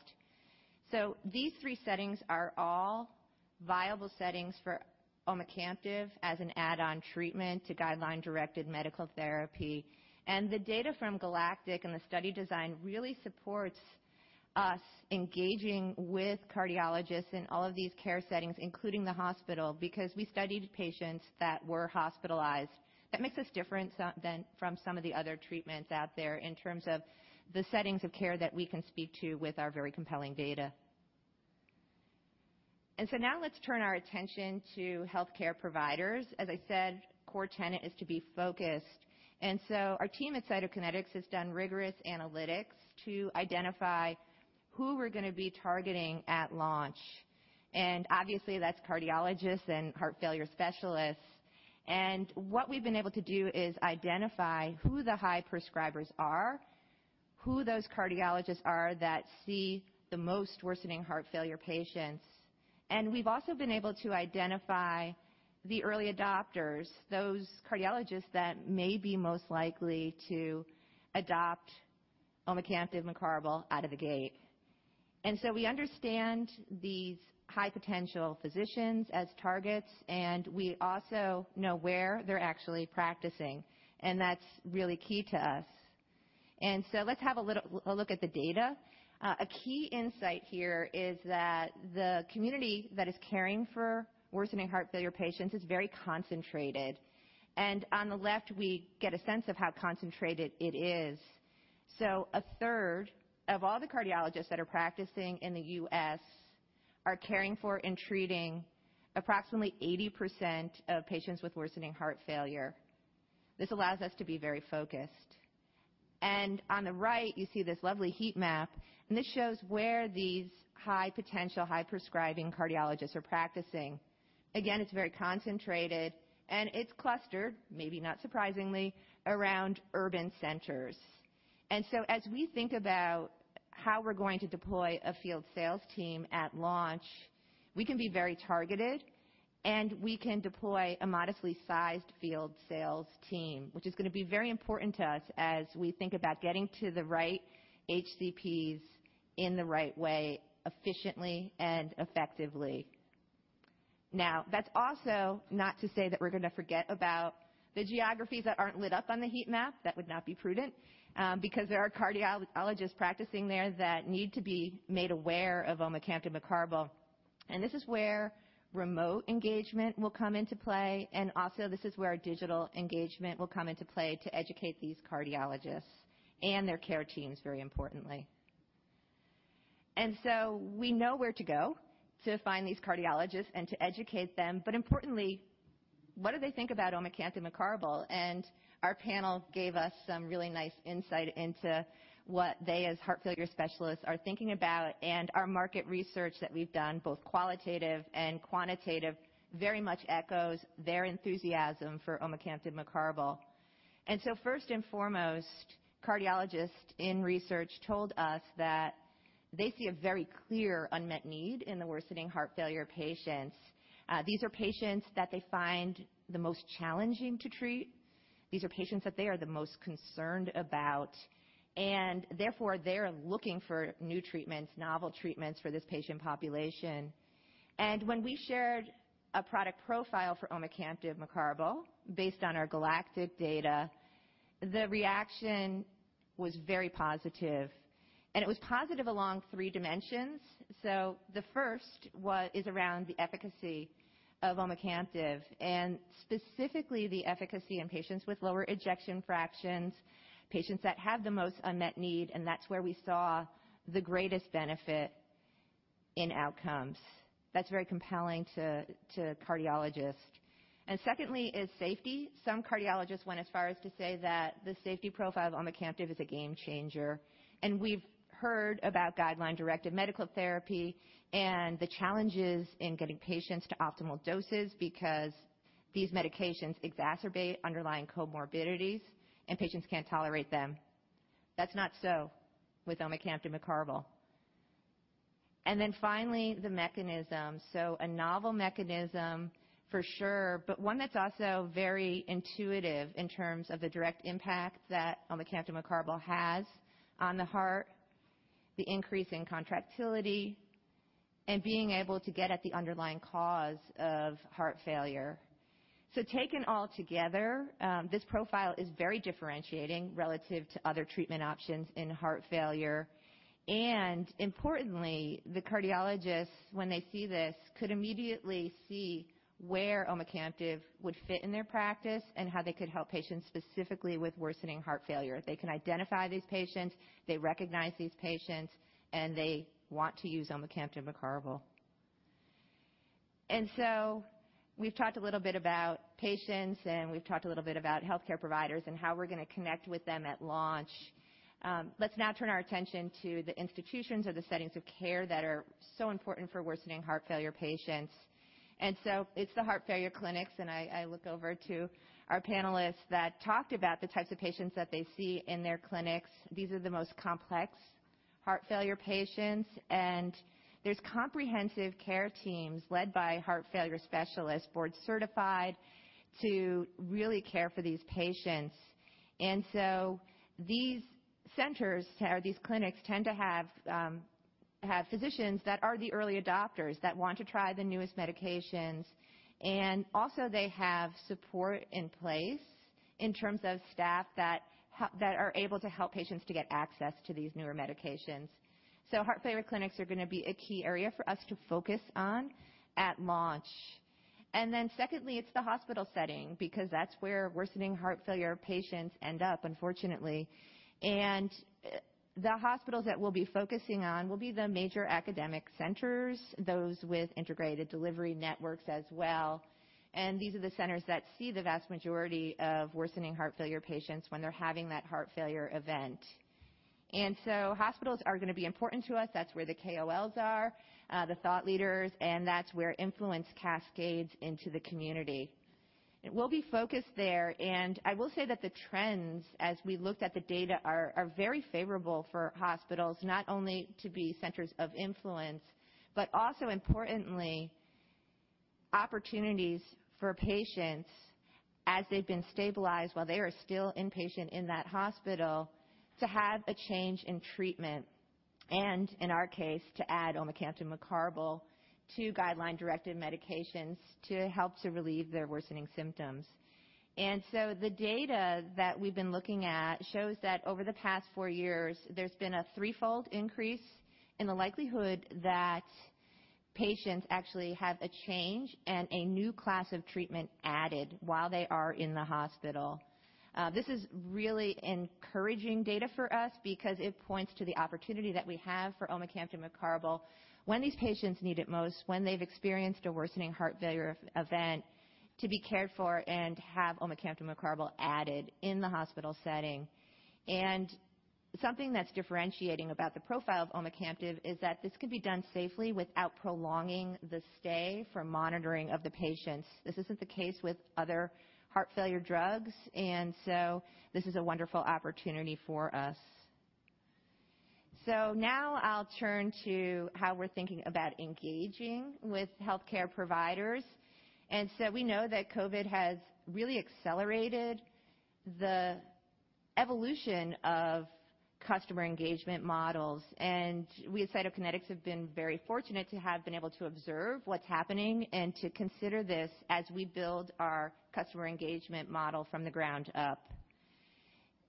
Speaker 12: These three settings are all viable settings for omecamtiv as an add-on treatment to guideline-directed medical therapy. The data from GALACTIC-HF and the study design really supports us engaging with cardiologists in all of these care settings, including the hospital, because we studied patients that were hospitalized. That makes us different from some of the other treatments out there in terms of the settings of care that we can speak to with our very compelling data. Now let's turn our attention to healthcare providers. As I said, core tenet is to be focused. Our team at Cytokinetics has done rigorous analytics to identify who we're going to be targeting at launch. Obviously, that's cardiologists and heart failure specialists. What we've been able to do is identify who the high prescribers are, who those cardiologists are that see the most worsening heart failure patients. We've also been able to identify the early adopters, those cardiologists that may be most likely to adopt omecamtiv mecarbil out of the gate. We understand these high-potential physicians as targets, we also know where they're actually practicing, and that's really key to us. Let's have a look at the data. A key insight here is that the community that is caring for worsening heart failure patients is very concentrated. On the left, we get a sense of how concentrated it is. A third of all the cardiologists that are practicing in the U.S. are caring for and treating approximately 80% of patients with worsening heart failure. This allows us to be very focused. On the right, you see this lovely heat map, and this shows where these high-potential, high-prescribing cardiologists are practicing. Again, it's very concentrated, and it's clustered, maybe not surprisingly, around urban centers. As we think about how we're going to deploy a field sales team at launch, we can be very targeted, and we can deploy a modestly sized field sales team, which is going to be very important to us as we think about getting to the right HCPs in the right way, efficiently and effectively. That's also not to say that we're going to forget about the geographies that aren't lit up on the heat map. That would not be prudent, because there are cardiologists practicing there that need to be made aware of omecamtiv mecarbil. This is where remote engagement will come into play. Also, this is where digital engagement will come into play to educate these cardiologists and their care teams, very importantly. We know where to go to find these cardiologists and to educate them. Importantly, what do they think about omecamtiv mecarbil? Our panel gave us some really nice insight into what they, as heart failure specialists, are thinking about, and our market research that we've done, both qualitative and quantitative, very much echoes their enthusiasm for omecamtiv mecarbil. First and foremost, cardiologists in research told us that they see a very clear unmet need in the worsening heart failure patients. These are patients that they find the most challenging to treat. These are patients that they are the most concerned about, and therefore, they're looking for new treatments, novel treatments for this patient population. When we shared a product profile for omecamtiv mecarbil based on our GALACTIC-HF data, the reaction was very positive, and it was positive along three dimensions. The first is around the efficacy of omecamtiv and specifically the efficacy in patients with lower ejection fractions, patients that have the most unmet need, and that's where we saw the greatest benefit in outcomes. That's very compelling to cardiologists. Secondly is safety. Some cardiologists went as far as to say that the safety profile of omecamtiv is a game changer. We've heard about guideline-directed medical therapy and the challenges in getting patients to optimal doses because these medications exacerbate underlying comorbidities, and patients can't tolerate them. That's not so with omecamtiv mecarbil. Finally, the mechanism. A novel mechanism for sure, but one that's also very intuitive in terms of the direct impact that omecamtiv mecarbil has on the heart, the increase in contractility, and being able to get at the underlying cause of heart failure. Taken all together, this profile is very differentiating relative to other treatment options in heart failure. Importantly, the cardiologists, when they see this, could immediately see where omecamtiv would fit in their practice and how they could help patients specifically with worsening heart failure. They can identify these patients, they recognize these patients, and they want to use omecamtiv mecarbil. We've talked a little bit about patients, and we've talked a little bit about healthcare providers and how we're going to connect with them at launch. Let's now turn our attention to the institutions or the settings of care that are so important for worsening heart failure patients. It's the heart failure clinics, and I look over to our panelists that talked about the types of patients that they see in their clinics. These are the most complex heart failure patients. There's comprehensive care teams led by heart failure specialists, board-certified, to really care for these patients. These centers or these clinics tend to have physicians that are the early adopters that want to try the newest medications. Also they have support in place in terms of staff that are able to help patients to get access to these newer medications. Heart failure clinics are going to be a key area for us to focus on at launch. Then secondly, it's the hospital setting because that's where worsening heart failure patients end up, unfortunately. The hospitals that we'll be focusing on will be the major academic centers, those with integrated delivery networks as well. These are the centers that see the vast majority of worsening heart failure patients when they're having that heart failure event. Hospitals are going to be important to us. That's where the KOLs are, the thought leaders, and that's where influence cascades into the community. We'll be focused there. I will say that the trends, as we looked at the data, are very favorable for hospitals, not only to be centers of influence, but also importantly, opportunities for patients as they've been stabilized while they are still inpatient in that hospital to have a change in treatment and in our case, to add omecamtiv mecarbil to guideline-directed medications to help to relieve their worsening symptoms. The data that we've been looking at shows that over the past four years, there's been a threefold increase in the likelihood that patients actually have a change and a new class of treatment added while they are in the hospital. This is really encouraging data for us because it points to the opportunity that we have for omecamtiv mecarbil when these patients need it most, when they've experienced a worsening heart failure event, to be cared for and have omecamtiv mecarbil added in the hospital setting. Something that's differentiating about the profile of omecamtiv is that this could be done safely without prolonging the stay for monitoring of the patients. This isn't the case with other heart failure drugs. This is a wonderful opportunity for us. Now I'll turn to how we're thinking about engaging with healthcare providers. We know that COVID has really accelerated the evolution of customer engagement models. We at Cytokinetics have been very fortunate to have been able to observe what's happening and to consider this as we build our customer engagement model from the ground up.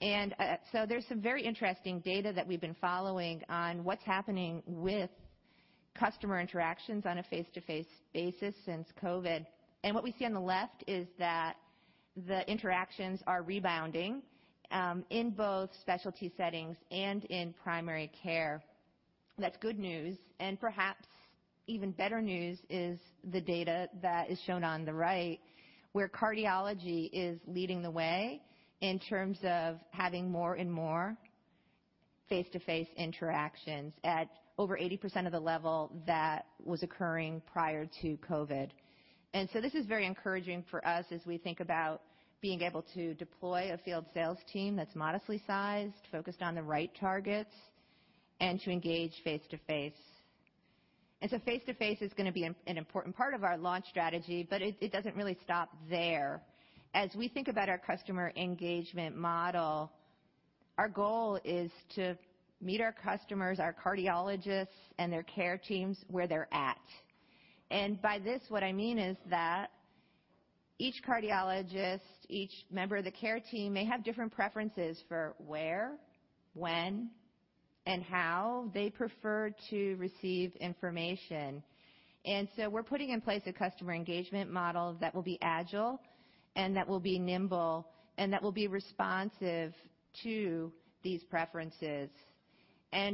Speaker 12: There's some very interesting data that we've been following on what's happening with customer interactions on a face-to-face basis since COVID. What we see on the left is that the interactions are rebounding, in both specialty settings and in primary care. That's good news, and perhaps even better news is the data that is shown on the right, where cardiology is leading the way in terms of having more and more face-to-face interactions at over 80% of the level that was occurring prior to COVID. This is very encouraging for us as we think about being able to deploy a field sales team that's modestly sized, focused on the right targets, and to engage face-to-face. Face-to-face is going to be an important part of our launch strategy, but it doesn't really stop there. As we think about our customer engagement model, our goal is to meet our customers, our cardiologists, and their care teams where they're at. By this, what I mean is that each cardiologist, each member of the care team may have different preferences for where, when, and how they prefer to receive information. We're putting in place a customer engagement model that will be agile and that will be nimble and that will be responsive to these preferences.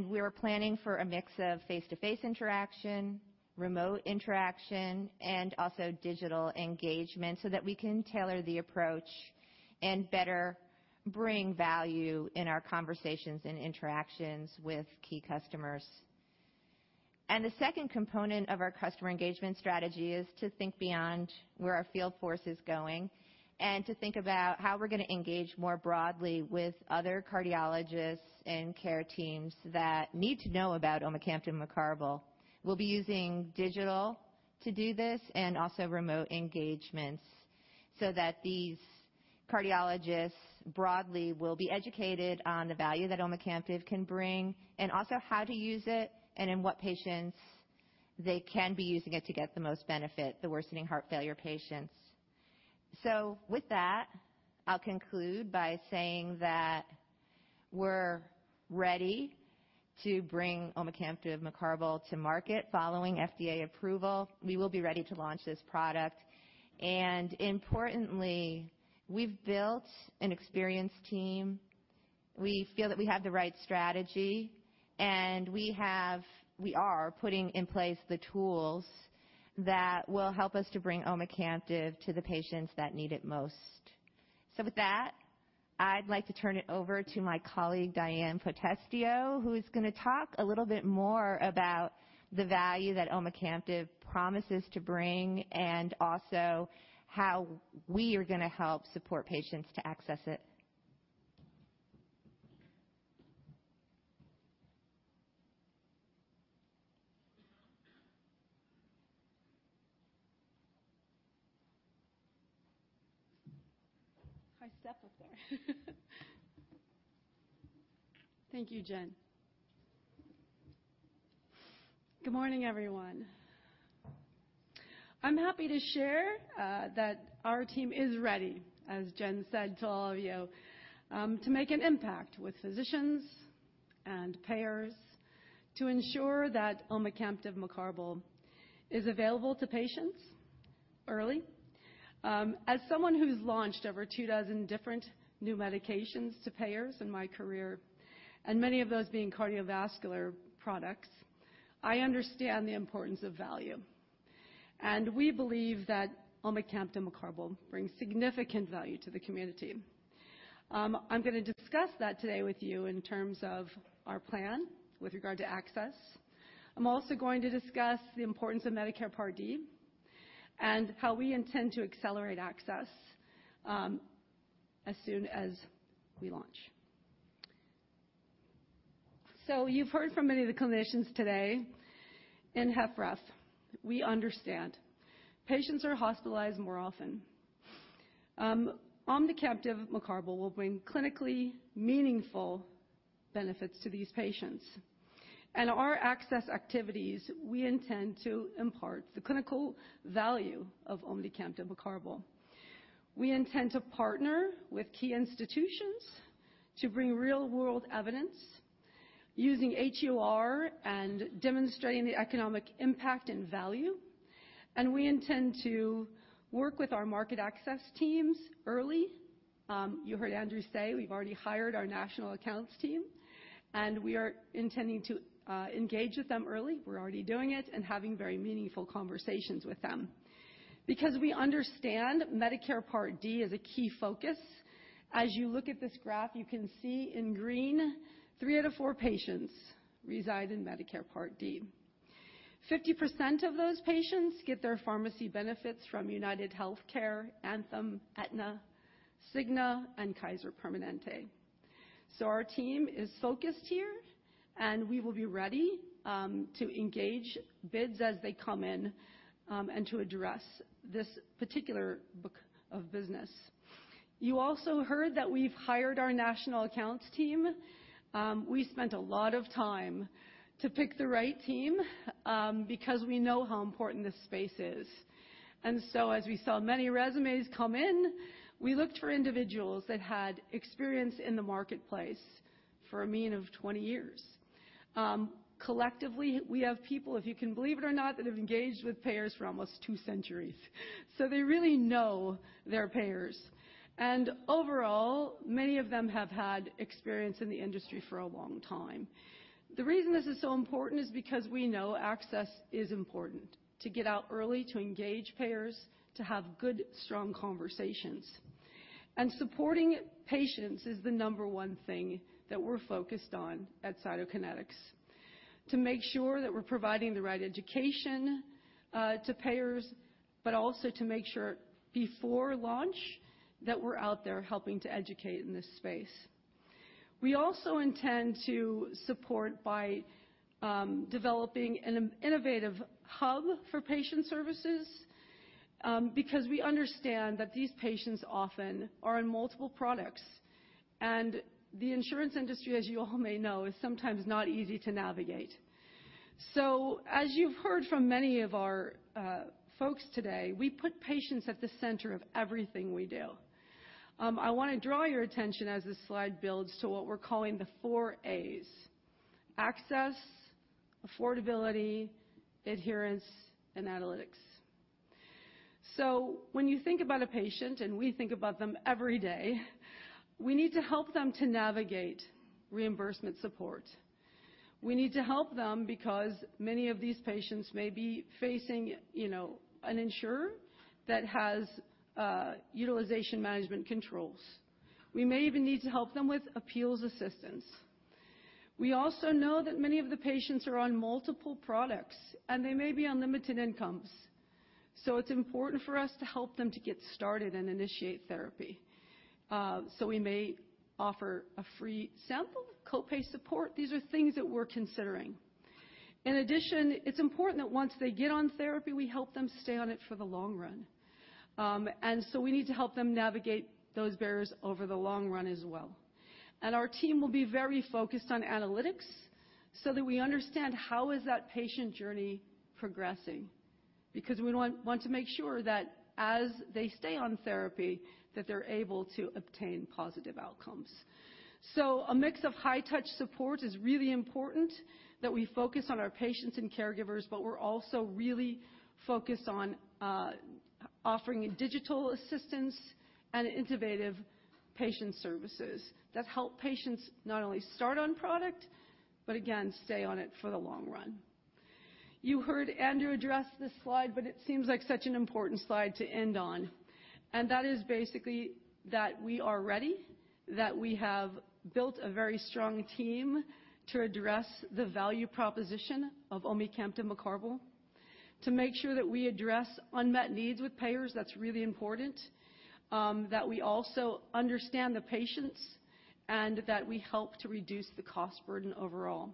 Speaker 12: We're planning for a mix of face-to-face interaction, remote interaction, and also digital engagement so that we can tailor the approach and better bring value in our conversations and interactions with key customers. The second component of our customer engagement strategy is to think beyond where our field force is going and to think about how we're going to engage more broadly with other cardiologists and care teams that need to know about omecamtiv mecarbil. We'll be using digital to do this and also remote engagements so that these cardiologists broadly will be educated on the value that omecamtiv can bring and also how to use it and in what patients they can be using it to get the most benefit, the worsening heart failure patients. With that, I'll conclude by saying that we're ready to bring omecamtiv mecarbil to market following FDA approval. We will be ready to launch this product, and importantly, we've built an experienced team. We feel that we have the right strategy, and we are putting in place the tools that will help us to bring omecamtiv to the patients that need it most. With that, I'd like to turn it over to my colleague, Diann Potestio, who's going to talk a little bit more about the value that omecamtiv promises to bring and also how we are going to help support patients to access it.
Speaker 13: High step up there. Thank you, Jen. Good morning, everyone. I'm happy to share that our team is ready, as Jen said to all of you, to make an impact with physicians and payers to ensure that omecamtiv mecarbil is available to patients early. As someone who's launched over two dozen different new medications to payers in my career, and many of those being cardiovascular products, I understand the importance of value, and we believe that omecamtiv mecarbil brings significant value to the community. I'm going to discuss that today with you in terms of our plan with regard to access. I'm also going to discuss the importance of Medicare Part D and how we intend to accelerate access as soon as we launch. You've heard from many of the clinicians today in HFpEF. We understand. Patients are hospitalized more often. omecamtiv mecarbil will bring clinically meaningful benefits to these patients. Our access activities, we intend to impart the clinical value of omecamtiv mecarbil. We intend to partner with key institutions to bring real-world evidence using RWE and demonstrating the economic impact and value, and we intend to work with our market access teams early. You heard Andrew say we've already hired our national accounts team, and we are intending to engage with them early. We're already doing it and having very meaningful conversations with them. We understand Medicare Part D is a key focus, as you look at this graph, you can see in green, three out of four patients reside in Medicare Part D. 50% of those patients get their pharmacy benefits from UnitedHealthcare, Anthem, Aetna, Cigna, and Kaiser Permanente. Our team is focused here, and we will be ready to engage bids as they come in and to address this particular book of business. You also heard that we've hired our national accounts team. We spent a lot of time to pick the right team because we know how important this space is. As we saw many resumes come in, we looked for individuals that had experience in the marketplace for a mean of 20 years. Collectively, we have people, if you can believe it or not, that have engaged with payers for almost two centuries, so they really know their payers. Overall, many of them have had experience in the industry for a long time. The reason this is so important is because we know access is important to get out early, to engage payers, to have good, strong conversations. Supporting patients is the number one thing that we're focused on at Cytokinetics, to make sure that we're providing the right education to payers, but also to make sure before launch that we're out there helping to educate in this space. We also intend to support by developing an innovative hub for patient services because we understand that these patients often are on multiple products, and the insurance industry, as you all may know, is sometimes not easy to navigate. As you've heard from many of our folks today, we put patients at the center of everything we do. I want to draw your attention as this slide builds to what we're calling the four A's, access, affordability, adherence, and analytics. When you think about a patient, and we think about them every day, we need to help them to navigate reimbursement support. We need to help them because many of these patients may be facing an insurer that has utilization management controls. We may even need to help them with appeals assistance. We also know that many of the patients are on multiple products, and they may be on limited incomes. It's important for us to help them to get started and initiate therapy. We may offer a free sample, co-pay support. These are things that we're considering. In addition, it's important that once they get on therapy, we help them stay on it for the long run. We need to help them navigate those barriers over the long run as well. Our team will be very focused on analytics so that we understand how is that patient journey progressing because we want to make sure that as they stay on therapy, that they're able to obtain positive outcomes. A mix of high-touch support is really important that we focus on our patients and caregivers, but we're also really focused on offering digital assistance and innovative patient services that help patients not only start on product, but again, stay on it for the long run. You heard Andrew address this slide, but it seems like such an important slide to end on, and that is basically that we are ready, that we have built a very strong team to address the value proposition of omecamtiv mecarbil. To make sure that we address unmet needs with payers, that's really important, that we also understand the patients, and that we help to reduce the cost burden overall.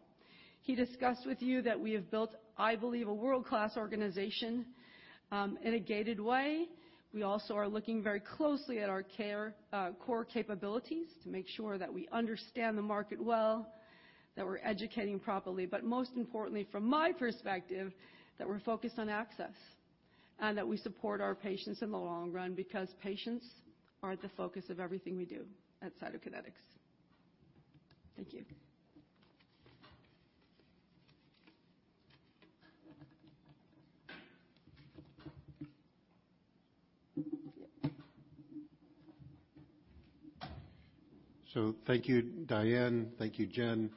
Speaker 13: He discussed with you that we have built, I believe, a world-class organization, in a guided way. We also are looking very closely at our core capabilities to make sure that we understand the market well, that we're educating properly, but most importantly, from my perspective, that we're focused on access and that we support our patients in the long run because patients are at the focus of everything we do at Cytokinetics. Thank you.
Speaker 2: Thank you, Diann. Thank you, Jen.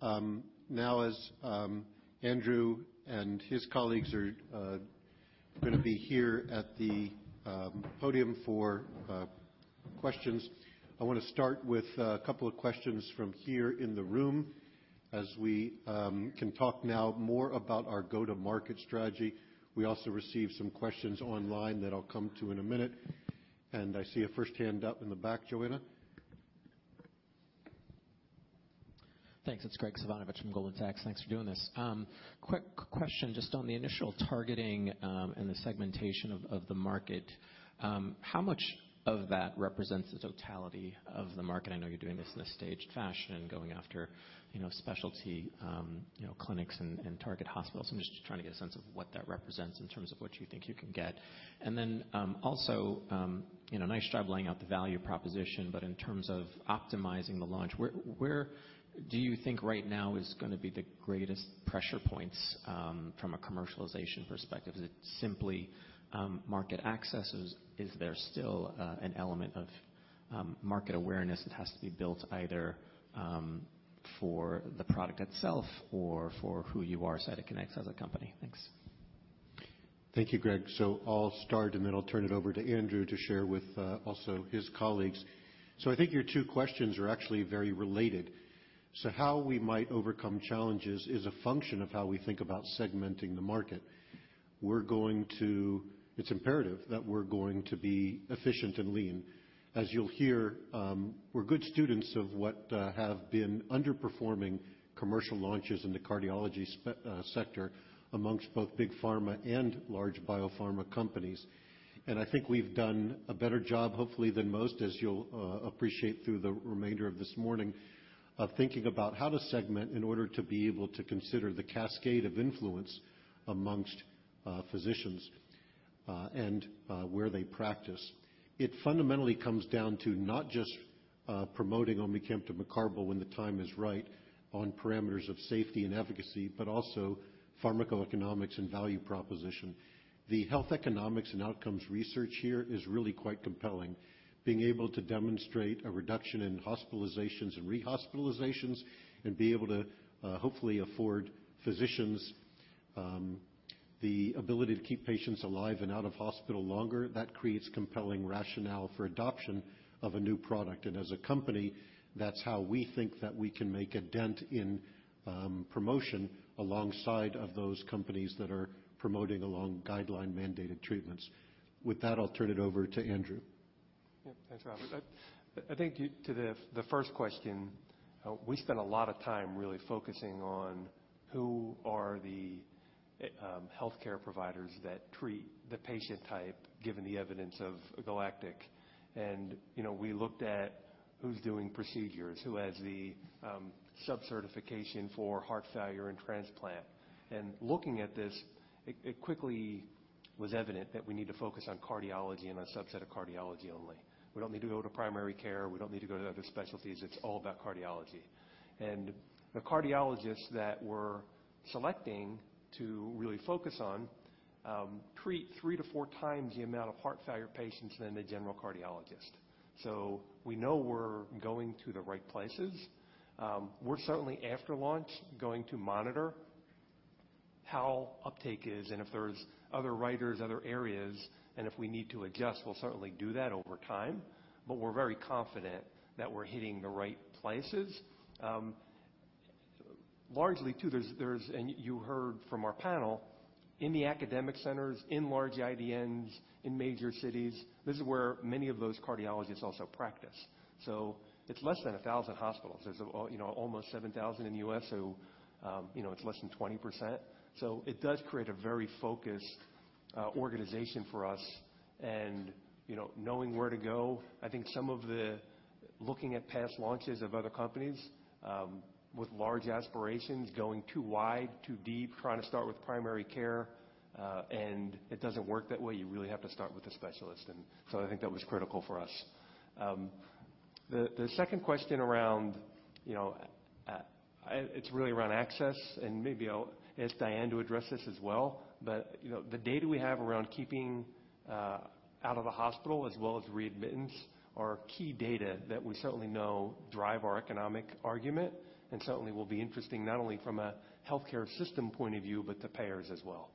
Speaker 2: Now as Andrew and his colleagues are going to be here at the podium for questions, I want to start with a couple of questions from here in the room as we can talk now more about our go-to-market strategy. We also received some questions online that I'll come to in a minute, and I see a first hand up in the back. Joanna?
Speaker 14: Thanks. It's Graig Suvannavejh from Goldman Sachs. Thanks for doing this. Quick question just on the initial targeting, and the segmentation of the market. How much of that represents the totality of the market? I know you're doing this in a staged fashion and going after specialty clinics and target hospitals. I'm just trying to get a sense of what that represents in terms of what you think you can get. Also, nice job laying out the value proposition, but in terms of optimizing the launch, where do you think right now is going to be the greatest pressure points, from a commercialization perspective? Is it simply market access? Is there still an element of market awareness that has to be built either for the product itself or for who you are, Cytokinetics, as a company? Thanks.
Speaker 2: Thank you, Graig. I'll start, and then I'll turn it over to Andrew to share with also his colleagues. I think your two questions are actually very related. How we might overcome challenges is a function of how we think about segmenting the market. It's imperative that we're going to be efficient and lean. As you'll hear, we're good students of what have been underperforming commercial launches in the cardiology sector amongst both big pharma and large biopharma companies. I think we've done a better job, hopefully, than most, as you'll appreciate through the remainder of this morning, of thinking about how to segment in order to be able to consider the cascade of influence amongst physicians, and where they practice It fundamentally comes down to not just promoting omecamtiv mecarbil when the time is right on parameters of safety and efficacy, but also pharmacoeconomics and value proposition. The health economics and outcomes research here is really quite compelling. Being able to demonstrate a reduction in hospitalizations and rehospitalizations and be able to, hopefully, afford physicians the ability to keep patients alive and out of hospital longer, that creates compelling rationale for adoption of a new product. As a company, that's how we think that we can make a dent in promotion alongside of those companies that are promoting along guideline-mandated treatments. With that, I'll turn it over to Andrew.
Speaker 11: Yeah. Thanks, Robert. I think to the first question, we spent a lot of time really focusing on who are the healthcare providers that treat the patient type, given the evidence of GALACTIC-HF. We looked at who's doing procedures, who has the sub-certification for heart failure and transplant. Looking at this, it quickly was evident that we need to focus on cardiology and a subset of cardiology only. We don't need to go to primary care. We don't need to go to other specialties. It's all about cardiology. The cardiologists that we're selecting to really focus on treat three to four times the amount of heart failure patients than the general cardiologist. We know we're going to the right places. We're certainly, after launch, going to monitor how uptake is and if there's other drivers, other areas, and if we need to adjust, we'll certainly do that over time, but we're very confident that we're hitting the right places. Largely, too, and you heard from our panel, in the academic centers, in large IDNs, in major cities, this is where many of those cardiologists also practice. It's less than 1,000 hospitals. There's almost 7,000 in the U.S., so it's less than 20%. It does create a very focused organization for us and knowing where to go. I think some of the looking at past launches of other companies, with large aspirations going too wide, too deep, trying to start with primary care, and it doesn't work that way. You really have to start with a specialist, and so I think that was critical for us. The second question, it's really around access, and maybe I'll ask Diann to address this as well. The data we have around keeping out of the hospital as well as readmittance are key data that we certainly know drive our economic argument and certainly will be interesting not only from a healthcare system point of view but to payers as well.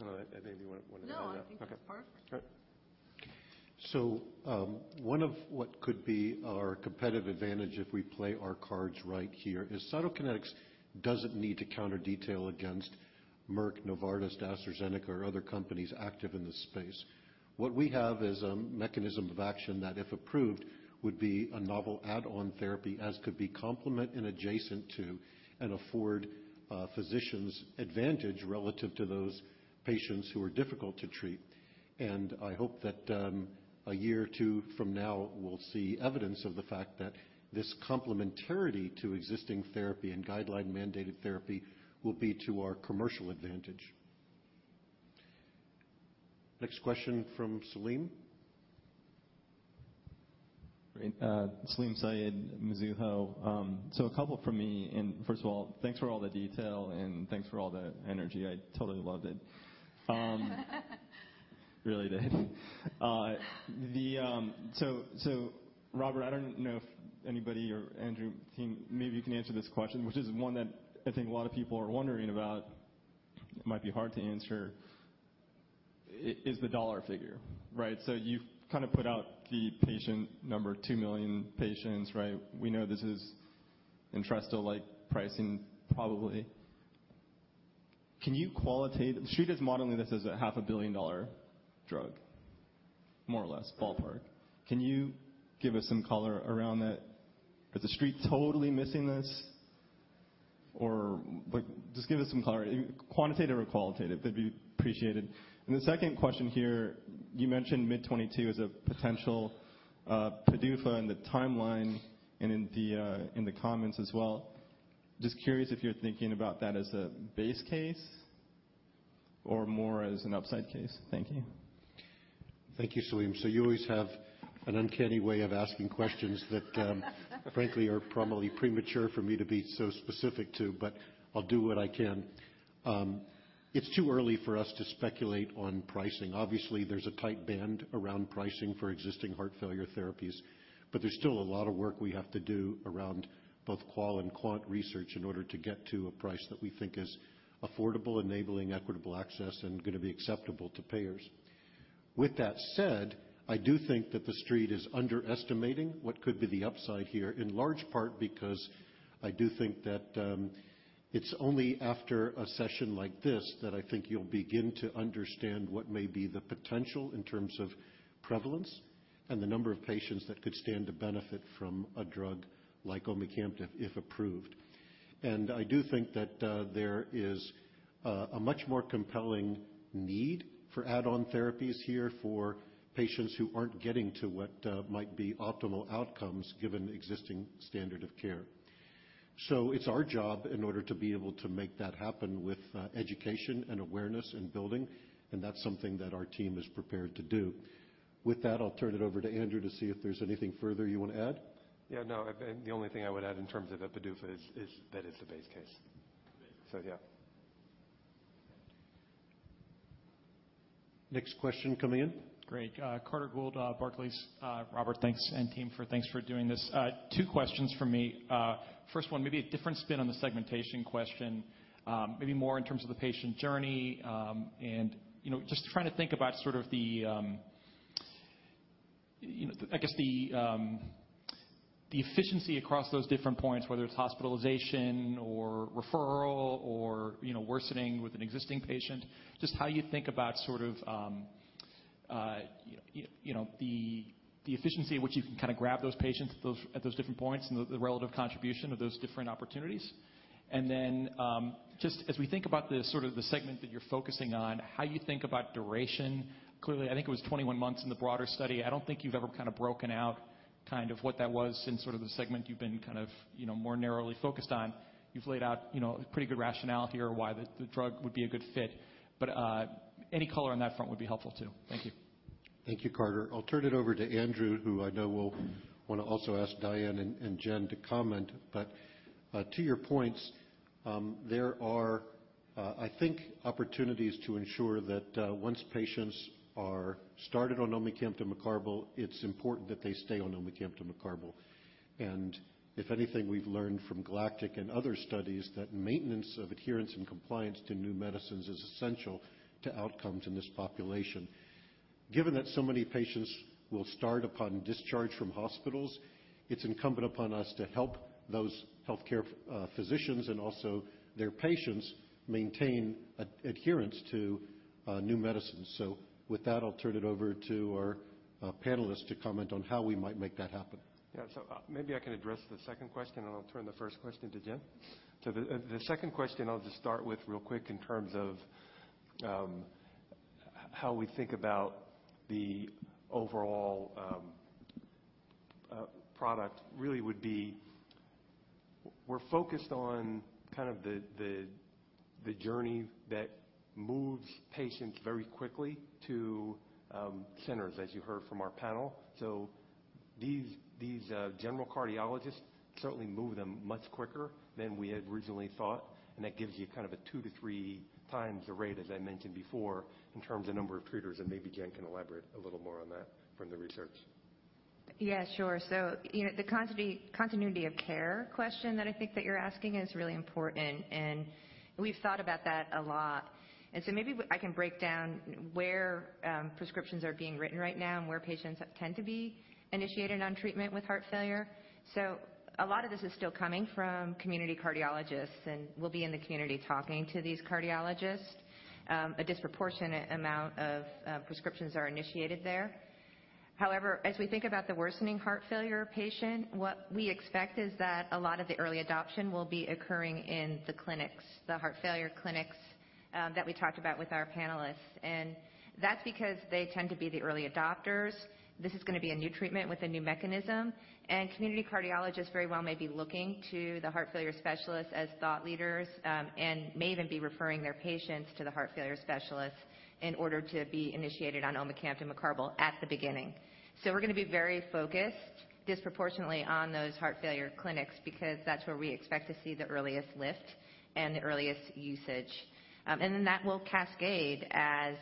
Speaker 11: I don't know, maybe you want to dive into that.
Speaker 13: No, I think that's perfect.
Speaker 11: Okay.
Speaker 2: One of what could be our competitive advantage if we play our cards right here is Cytokinetics doesn't need to counter-detail against Merck, Novartis, AstraZeneca, or other companies active in this space. What we have is a mechanism of action that, if approved, would be a novel add-on therapy as could be complement and adjacent to and afford physicians advantage relative to those patients who are difficult to treat. I hope that a year or two from now, we'll see evidence of the fact that this complementarity to existing therapy and guideline-mandated therapy will be to our commercial advantage. Next question from Salim.
Speaker 9: Great. Salim Syed, Mizuho. A couple from me. First of all, thanks for all the detail and thanks for all the energy. I totally loved it. Really did. Robert, I don't know if anybody or Andrew, team, maybe you can answer this question, which is one that I think a lot of people are wondering about. It might be hard to answer, is the dollar figure, right? You've kind of put out the patient number, two million patients, right? We know this is Entresto-like pricing probably. The Street is modeling this as a half a billion dollar drug, more or less, ballpark. Can you give us some color around that? Is The Street totally missing this? Just give us some color, quantitative or qualitative, that'd be appreciated. The second question here, you mentioned mid 2022 as a potential PDUFA and the timeline and in the comments as well. Just curious if you're thinking about that as a base case or more as an upside case. Thank you.
Speaker 2: Thank you, Salim. You always have an uncanny way of asking questions that frankly are probably premature for me to be so specific to, but I'll do what I can. It's too early for us to speculate on pricing. Obviously, there's a tight band around pricing for existing heart failure therapies. There's still a lot of work we have to do around both qual and quant research in order to get to a price that we think is affordable, enabling equitable access, and going to be acceptable to payers. With that said, I do think that The Street is underestimating what could be the upside here, in large part because I do think that it's only after a session like this that I think you'll begin to understand what may be the potential in terms of prevalence and the number of patients that could stand to benefit from a drug like omecamtiv, if approved. I do think that there is a much more compelling need for add-on therapies here for patients who aren't getting to what might be optimal outcomes given existing standard of care. It's our job in order to be able to make that happen with education and awareness and building, and that's something that our team is prepared to do. With that, I'll turn it over to Andrew to see if there's anything further you want to add.
Speaker 11: Yeah, no, the only thing I would add in terms of a PDUFA is that it's the base case. Yeah.
Speaker 2: Next question coming in.
Speaker 15: Great. Carter Gould, Barclays. Robert, thanks, and team, thanks for doing this. Two questions from me. First one, maybe a different spin on the segmentation question. Maybe more in terms of the patient journey. Just trying to think about sort of the efficiency across those different points, whether it's hospitalization or referral or worsening with an existing patient. Just how you think about sort of the efficiency at which you can kind of grab those patients at those different points and the relative contribution of those different opportunities. Then just as we think about the sort of the segment that you're focusing on, how you think about duration. Clearly, I think it was 21 months in the broader study. I don't think you've ever kind of broken out kind of what that was since sort of the segment you've been kind of more narrowly focused on. You've laid out pretty good rationale here why the drug would be a good fit, but any color on that front would be helpful, too. Thank you.
Speaker 2: Thank you, Carter. I'll turn it over to Andrew, who I know will want to also ask Diann and Jen to comment. To your points, there are I think opportunities to ensure that once patients are started on omecamtiv mecarbil, it's important that they stay on omecamtiv mecarbil. If anything we've learned from GALACTIC-HF and other studies, that maintenance of adherence and compliance to new medicines is essential to outcomes in this population. Given that so many patients will start upon discharge from hospitals, it's incumbent upon us to help those healthcare physicians and also their patients maintain adherence to new medicines. With that, I'll turn it over to our panelists to comment on how we might make that happen.
Speaker 11: Maybe I can address the second question, and I'll turn the first question to Jen. The second question I'll just start with real quick in terms of how we think about the overall product really would be we're focused on kind of the journey that moves patients very quickly to centers, as you heard from our panel. These general cardiologists certainly move them much quicker than we had originally thought, and that gives you kind of a two to three times the rate, as I mentioned before, in terms of number of treaters, and maybe Jen can elaborate a little more on that from the research.
Speaker 12: Yeah, sure. The continuity of care question that I think that you're asking is really important, and we've thought about that a lot. Maybe I can break down where prescriptions are being written right now and where patients tend to be initiated on treatment with heart failure. A lot of this is still coming from community cardiologists, and we'll be in the community talking to these cardiologists. A disproportionate amount of prescriptions are initiated there. However, as we think about the worsening heart failure patient, what we expect is that a lot of the early adoption will be occurring in the clinics, the heart failure clinics that we talked about with our panelists. That's because they tend to be the early adopters. This is going to be a new treatment with a new mechanism. Community cardiologists very well may be looking to the heart failure specialists as thought leaders, and may even be referring their patients to the heart failure specialists in order to be initiated on omecamtiv mecarbil at the beginning. We're going to be very focused disproportionately on those heart failure clinics because that's where we expect to see the earliest lift and the earliest usage. That will cascade as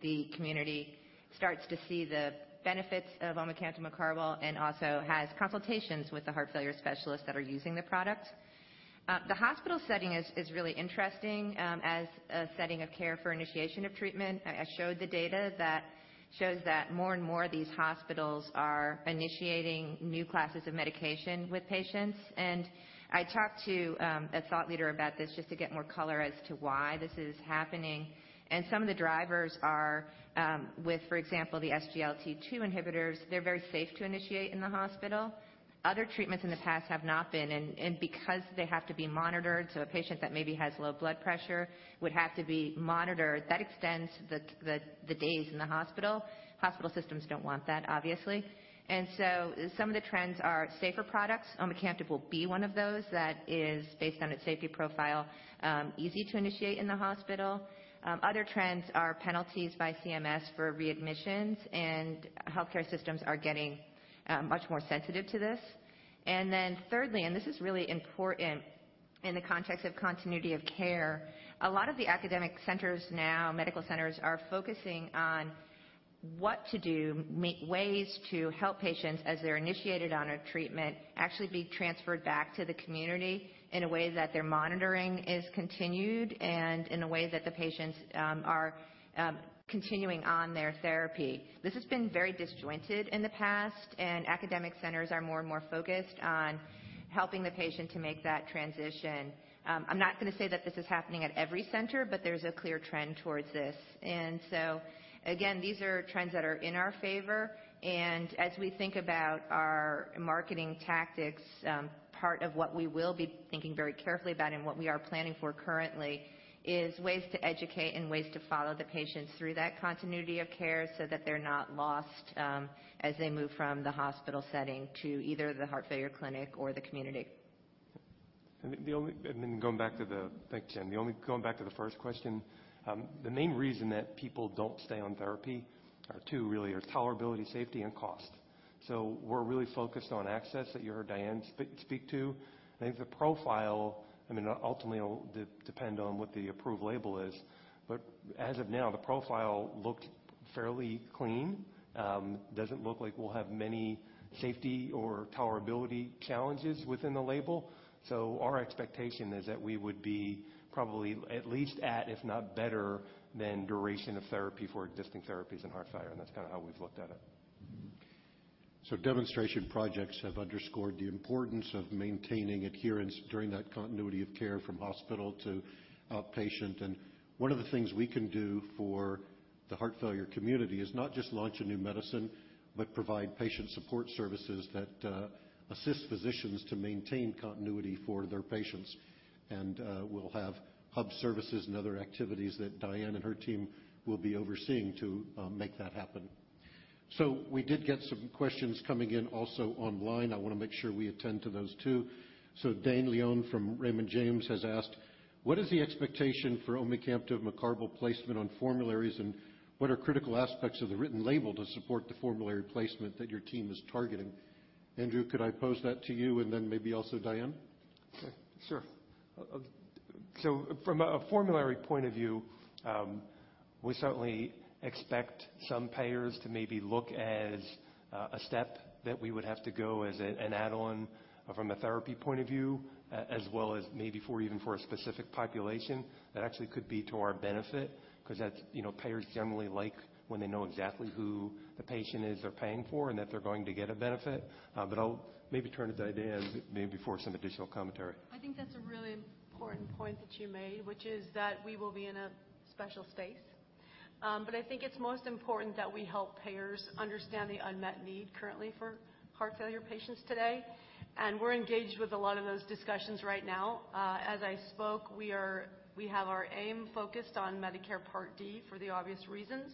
Speaker 12: the community starts to see the benefits of omecamtiv mecarbil and also has consultations with the heart failure specialists that are using the product. The hospital setting is really interesting as a setting of care for initiation of treatment. I showed the data that shows that more and more of these hospitals are initiating new classes of medication with patients. I talked to a thought leader about this just to get more color as to why this is happening. Some of the drivers are with, for example, the SGLT2 inhibitors. They're very safe to initiate in the hospital. Other treatments in the past have not been, and because they have to be monitored, so a patient that maybe has low blood pressure would have to be monitored. That extends the days in the hospital. Hospital systems don't want that, obviously. Some of the trends are safer products. omecamtiv will be one of those that is, based on its safety profile, easy to initiate in the hospital. Other trends are penalties by CMS for readmissions, and healthcare systems are getting much more sensitive to this. Thirdly, this is really important in the context of continuity of care, a lot of the academic centers now, medical centers, are focusing on what to do, ways to help patients as they're initiated on a treatment, actually be transferred back to the community in a way that their monitoring is continued and in a way that the patients are continuing on their therapy. This has been very disjointed in the past, and academic centers are more and more focused on helping the patient to make that transition. I'm not going to say that this is happening at every center, but there's a clear trend towards this. Again, these are trends that are in our favor. As we think about our marketing tactics, part of what we will be thinking very carefully about and what we are planning for currently is ways to educate and ways to follow the patients through that continuity of care so that they're not lost as they move from the hospital setting to either the heart failure clinic or the community.
Speaker 11: Thanks, Jen. Going back to the first question, the main reason that people don't stay on therapy are two, really, are tolerability, safety, and cost. We're really focused on access, that you heard Diann speak to. I think the profile, ultimately, it'll depend on what the approved label is. As of now, the profile looked fairly clean. Doesn't look like we'll have many safety or tolerability challenges within the label. Our expectation is that we would be probably at least at, if not better than, duration of therapy for existing therapies in heart failure, and that's kind of how we've looked at it.
Speaker 2: Demonstration projects have underscored the importance of maintaining adherence during that continuity of care from hospital to outpatient. One of the things we can do for the heart failure community is not just launch a new medicine, but provide patient support services that assist physicians to maintain continuity for their patients. We'll have hub services and other activities that Diane and her team will be overseeing to make that happen. We did get some questions coming in also online. I want to make sure we attend to those, too. Dane Leone from Raymond James has asked, "What is the expectation for omecamtiv mecarbil placement on formularies, and what are critical aspects of the written label to support the formulary placement that your team is targeting?" Andrew, could I pose that to you, and then maybe also Diann?
Speaker 11: Sure. From a formulary point of view, we certainly expect some payers to maybe look as a step that we would have to go as an add-on from a therapy point of view, as well as maybe for even for a specific population. That actually could be to our benefit because payers generally like when they know exactly who the patient is they're paying for and that they're going to get a benefit. I'll maybe turn it to Diann maybe for some additional commentary.
Speaker 13: I think that's a really important point that you made, which is that we will be in a special space. I think it's most important that we help payers understand the unmet need currently for heart failure patients today. We're engaged with a lot of those discussions right now. As I spoke, we have our aim focused on Medicare Part D for the obvious reasons,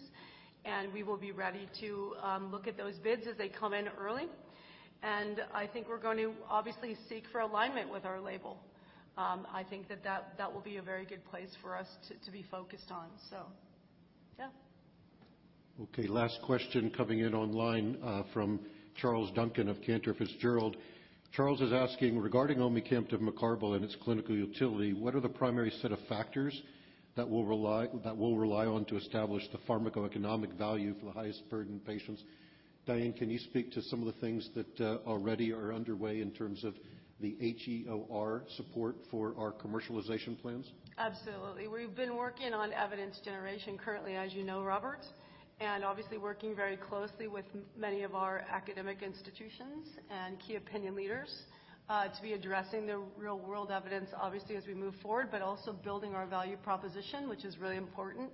Speaker 13: and we will be ready to look at those bids as they come in early. I think we're going to obviously seek for alignment with our label. I think that will be a very good place for us to be focused on. Yeah.
Speaker 2: Okay, last question coming in online from Charles Duncan of Cantor Fitzgerald. Charles is asking, Regarding omecamtiv mecarbil and its clinical utility, what are the primary set of factors that we'll rely on to establish the pharmacoeconomic value for the highest burden patients? Diann, can you speak to some of the things that already are underway in terms of the HEOR support for our commercialization plans?
Speaker 13: Absolutely. We've been working on evidence generation currently, as you know, Robert. Obviously working very closely with many of our academic institutions and key opinion leaders, to be addressing the real-world evidence, obviously, as we move forward, but also building our value proposition, which is really important.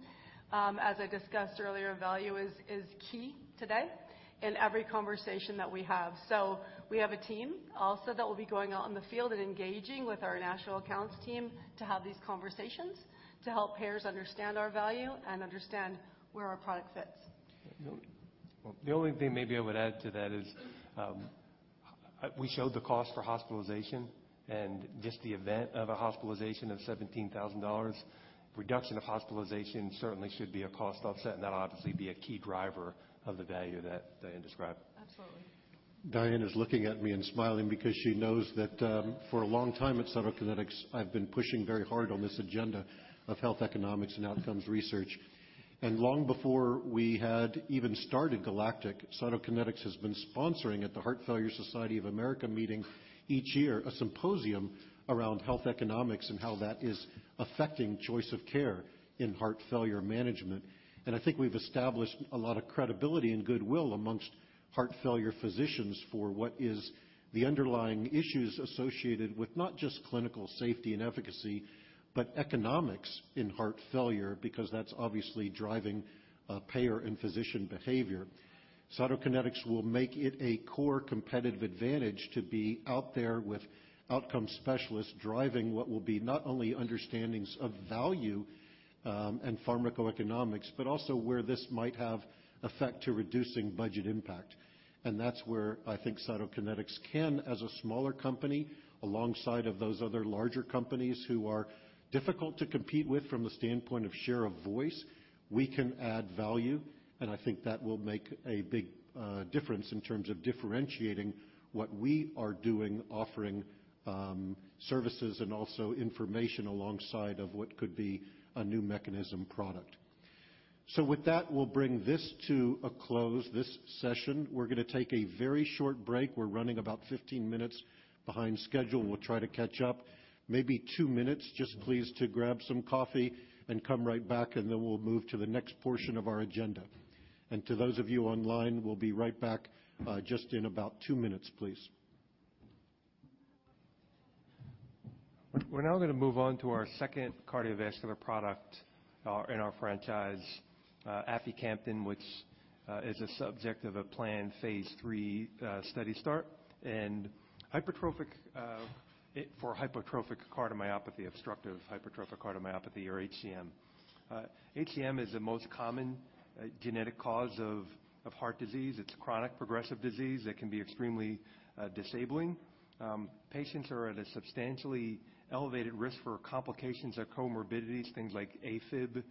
Speaker 13: As I discussed earlier, value is key today in every conversation that we have. We have a team also that will be going out in the field and engaging with our national accounts team to have these conversations to help payers understand our value and understand where our product fits.
Speaker 2: The only thing maybe I would add to that is, we showed the cost for hospitalization and just the event of a hospitalization of $17,000. Reduction of hospitalization certainly should be a cost offset, and that'll obviously be a key driver of the value that Diane described.
Speaker 13: Absolutely.
Speaker 2: Diann is looking at me and smiling because she knows that for a long time at Cytokinetics, I've been pushing very hard on this agenda of health economics and outcomes research. Long before we had even started GALACTIC, Cytokinetics has been sponsoring at the Heart Failure Society of America meeting each year, a symposium around health economics and how that is affecting choice of care in heart failure management. I think we've established a lot of credibility and goodwill amongst heart failure physicians for what is the underlying issues associated with not just clinical safety and efficacy, but economics in heart failure, because that's obviously driving payer and physician behavior. Cytokinetics will make it a core competitive advantage to be out there with outcome specialists driving what will be not only understandings of value, and pharmacoeconomics, but also where this might have effect to reducing budget impact. That's where I think Cytokinetics can, as a smaller company, alongside of those other larger companies who are difficult to compete with from the standpoint of share of voice, we can add value, and I think that will make a big difference in terms of differentiating what we are doing, offering services and also information alongside of what could be a new mechanism product. With that, we'll bring this to a close, this session. We're going to take a very short break. We're running about 15 minutes behind schedule, and we'll try to catch up. Maybe two minutes, just please to grab some coffee and come right back, and then we'll move to the next portion of our agenda. To those of you online, we'll be right back, just in about two minutes, please.
Speaker 11: We're now going to move on to our second cardiovascular product in our franchise, aficamten, which is a subject of a planned phase III study start for hypertrophic cardiomyopathy, obstructive hypertrophic cardiomyopathy or HCM. HCM is the most common genetic cause of heart disease. It's a chronic progressive disease that can be extremely disabling. Patients are at a substantially elevated risk for complications or comorbidities, things like AFib,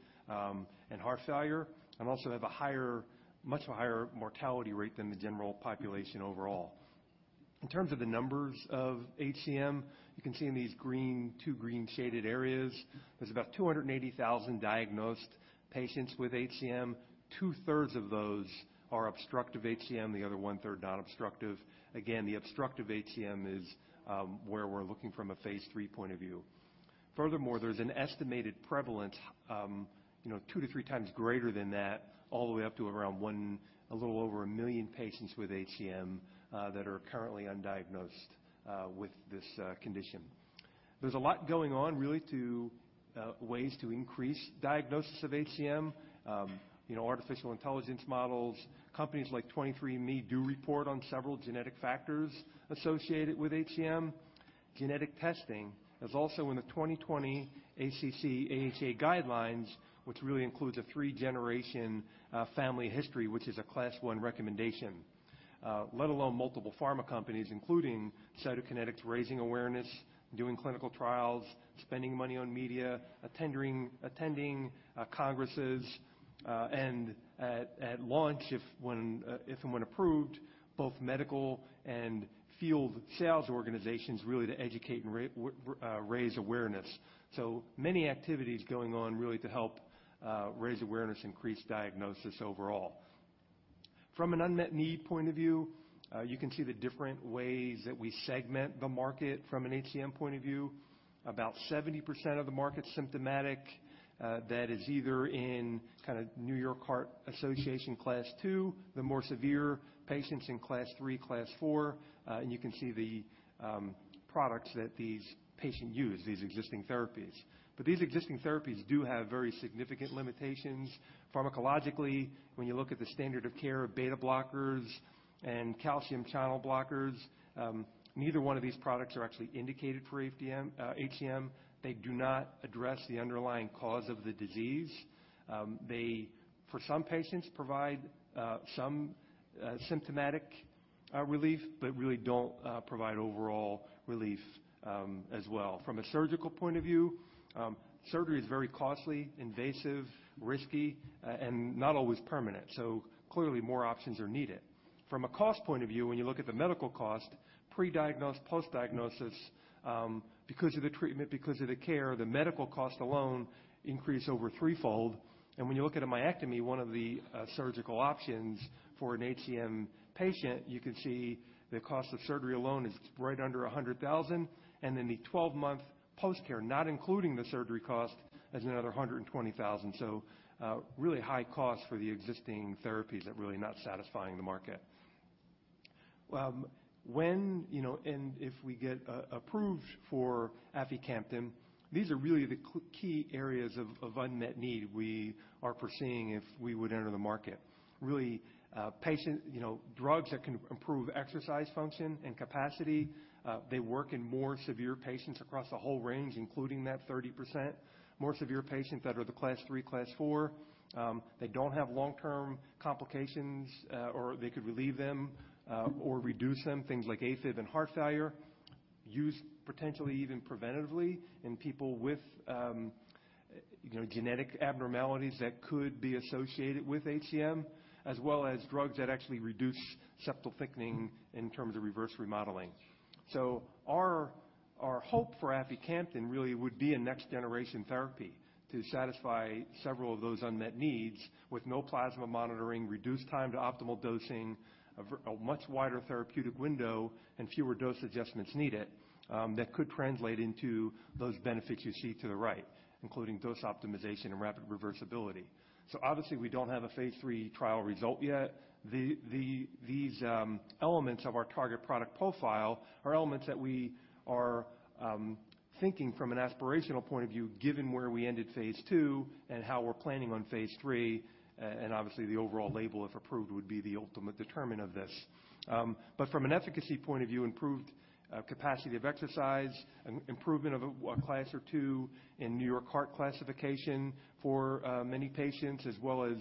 Speaker 11: and heart failure, and also have a much higher mortality rate than the general population overall. In terms of the numbers of HCM, you can see in these two green shaded areas, there's about 280,000 diagnosed patients with HCM. Two-thirds of those are obstructive HCM, the other one-third non-obstructive. The obstructive HCM is where we're looking from a phase III point of view. There's an estimated prevalence, two-three times greater than that, all the way up to around one, a little over one million patients with HCM, that are currently undiagnosed with this condition. There's a lot going on, really, to ways to increase diagnosis of HCM. Artificial intelligence models. Companies like 23andMe do report on several genetic factors associated with HCM. Genetic testing is also in the 2020 ACC/AHA guidelines, which really includes a three-generation family history, which is a class I recommendation. Let alone multiple pharma companies, including Cytokinetics, raising awareness, doing clinical trials, spending money on media, attending congresses. At launch, if and when approved, both medical and field sales organizations really to educate and raise awareness. Many activities going on really to help raise awareness, increase diagnosis overall. From an unmet need point of view, you can see the different ways that we segment the market from an HCM point of view. About 70% of the market's symptomatic. That is either in New York Heart Association class II, the more severe patients in class III, class IV. You can see the products that these patients use, these existing therapies. These existing therapies do have very significant limitations pharmacologically. When you look at the standard of care of beta blockers and calcium channel blockers, neither one of these products are actually indicated for HCM. They do not address the underlying cause of the disease. They, for some patients, provide some symptomatic relief but really don't provide overall relief as well. From a surgical point of view, surgery is very costly, invasive, risky, and not always permanent. Clearly, more options are needed. From a cost point of view, when you look at the medical cost, pre-diagnosis, post-diagnosis, because of the treatment, because of the care, the medical cost alone increased over threefold. When you look at a myectomy, one of the surgical options for an HCM patient, you can see the cost of surgery alone is right under $100,000. The 12-month post-care, not including the surgery cost, is another $120,000. Really high cost for the existing therapies that are really not satisfying the market. When and if we get approved for aficamten, these are really the key areas of unmet need we are foreseeing if we would enter the market. Really, drugs that can improve exercise function and capacity. They work in more severe patients across the whole range, including that 30% more severe patients that are the Class III, Class IV. They don't have long-term complications, or they could relieve them or reduce them, things like AFib and heart failure. Used potentially even preventatively in people with genetic abnormalities that could be associated with HCM, as well as drugs that actually reduce septal thickening in terms of reverse remodeling. Our hope for aficamten really would be a next-generation therapy to satisfy several of those unmet needs with no plasma monitoring, reduced time to optimal dosing, a much wider therapeutic window, and fewer dose adjustments needed. That could translate into those benefits you see to the right, including dose optimization and rapid reversibility. Obviously, we don't have a phase III trial result yet. These elements of our target product profile are elements that we are thinking from an aspirational point of view, given where we ended phase II and how we're planning on phase III. Obviously, the overall label, if approved, would be the ultimate determinant of this. From an efficacy point of view, improved capacity of exercise, improvement of a class or two in New York Heart Classification for many patients, as well as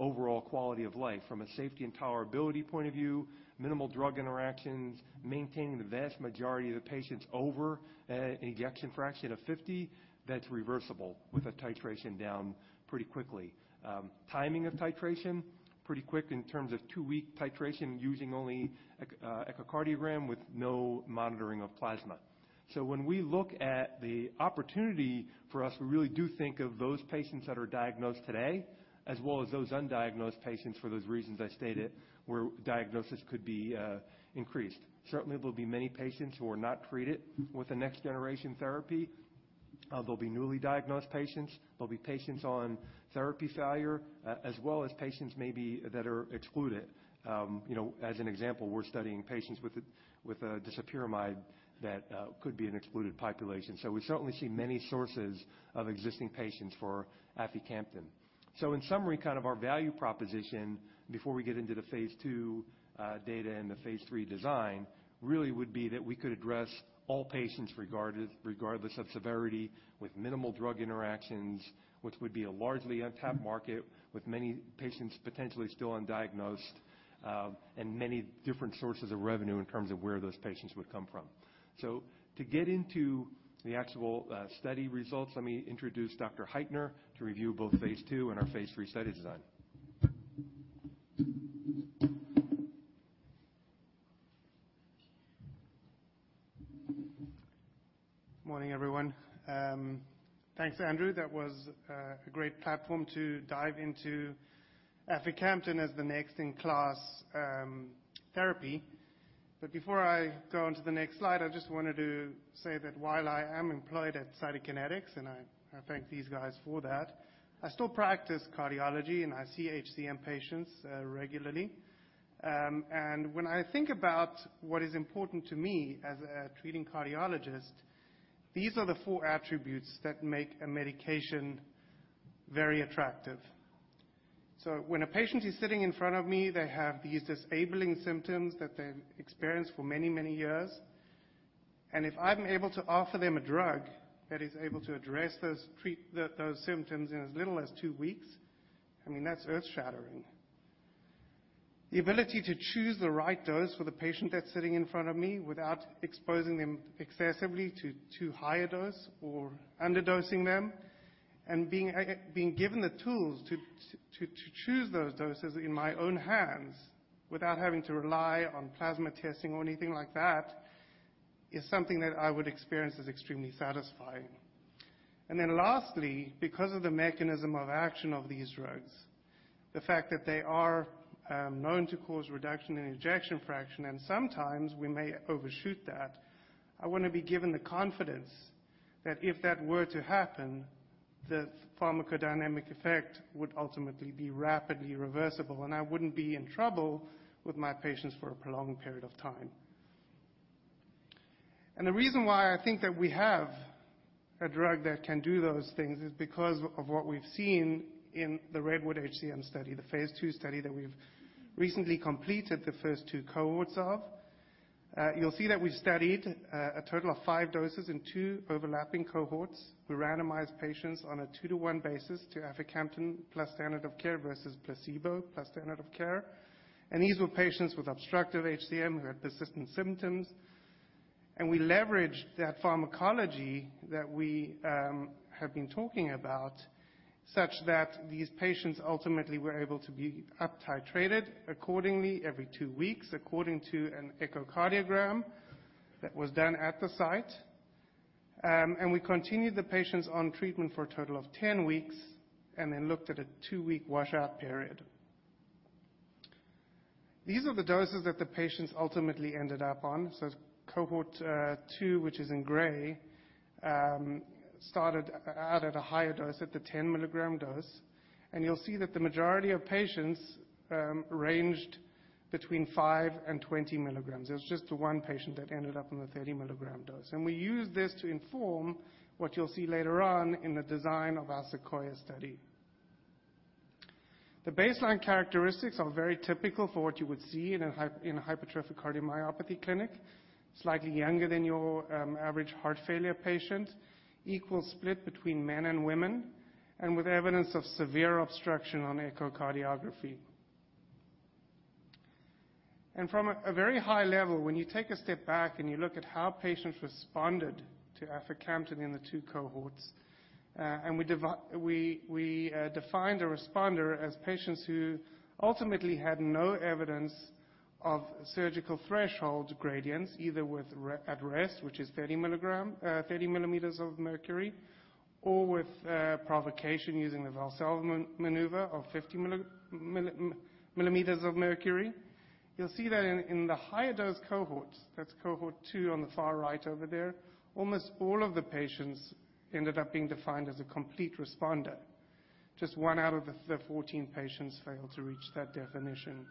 Speaker 11: overall quality of life. From a safety and tolerability point of view, minimal drug interactions, maintaining the vast majority of the patients over an ejection fraction of 50, that's reversible with a titration down pretty quickly. Timing of titration, pretty quick in terms of two-week titration using only echocardiogram with no monitoring of plasma. When we look at the opportunity for us, we really do think of those patients that are diagnosed today, as well as those undiagnosed patients for those reasons I stated, where diagnosis could be increased. Certainly, there'll be many patients who are not treated with a next-generation therapy. There'll be newly diagnosed patients. There'll be patients on therapy failure, as well as patients maybe that are excluded. As an example, we're studying patients with disopyramide that could be an excluded population. We certainly see many sources of existing patients for aficamten. In summary, our value proposition before we get into the phase II data and the phase III design, really would be that we could address all patients regardless of severity, with minimal drug interactions. Which would be a largely untapped market with many patients potentially still undiagnosed, and many different sources of revenue in terms of where those patients would come from. To get into the actual study results, let me introduce Dr. Heitner to review both phase II and our phase III study design.
Speaker 16: Morning, everyone. Thanks, Andrew. That was a great platform to dive into aficamten as the next in-class therapy. Before I go onto the next slide, I just wanted to say that while I am employed at Cytokinetics, and I thank these guys for that, I still practice cardiology, and I see HCM patients regularly. When I think about what is important to me as a treating cardiologist, these are the four attributes that make a medication very attractive. When a patient is sitting in front of me, they have these disabling symptoms that they've experienced for many, many years. If I'm able to offer them a drug that is able to address those, treat those symptoms in as little as two weeks, I mean, that's earth-shattering. The ability to choose the right dose for the patient that's sitting in front of me without exposing them excessively to too high a dose or underdosing them, and being given the tools to choose those doses in my own hands without having to rely on plasma testing or anything like that, is something that I would experience as extremely satisfying. Lastly, because of the mechanism of action of these drugs, the fact that they are known to cause reduction in ejection fraction, and sometimes we may overshoot that, I want to be given the confidence that if that were to happen, the pharmacodynamic effect would ultimately be rapidly reversible, and I wouldn't be in trouble with my patients for a prolonged period of time. The reason why I think that we have a drug that can do those things is because of what we've seen in the REDWOOD-HCM study, the phase II study that we've recently completed the first two cohorts of. You'll see that we've studied a total of five doses in two overlapping cohorts. We randomized patients on a two-one basis to aficamten plus standard of care versus placebo plus standard of care. These were patients with obstructive HCM who had persistent symptoms. We leveraged that pharmacology that we have been talking about, such that these patients ultimately were able to be uptitrated accordingly every two weeks, according to an echocardiogram that was done at the site. We continued the patients on treatment for a total of 10 weeks and then looked at a two-week washout period. Cohort two, which is in gray, started out at a higher dose, at the 10-mg dose. You'll see that the majority of patients ranged between five mg and 20 mg. There's just the one patient that ended up on the 30-mg dose. We used this to inform what you'll see later on in the design of our SEQUOIA study. The baseline characteristics are very typical for what you would see in a hypertrophic cardiomyopathy clinic. Slightly younger than your average heart failure patient, equal split between men and women, and with evidence of severe obstruction on echocardiography. From a very high level, when you take a step back and you look at how patients responded to aficamten in the two cohorts, and we defined a responder as patients who ultimately had no evidence of surgical threshold gradients, either at rest, which is 30 mm of mercury, or with provocation using the Valsalva maneuver of 50 mm of mercury. You'll see that in the higher dose cohorts, that's Cohort two on the far right over there, almost all of the patients ended up being defined as a complete responder. Just one out of the 14 patients failed to reach that definition.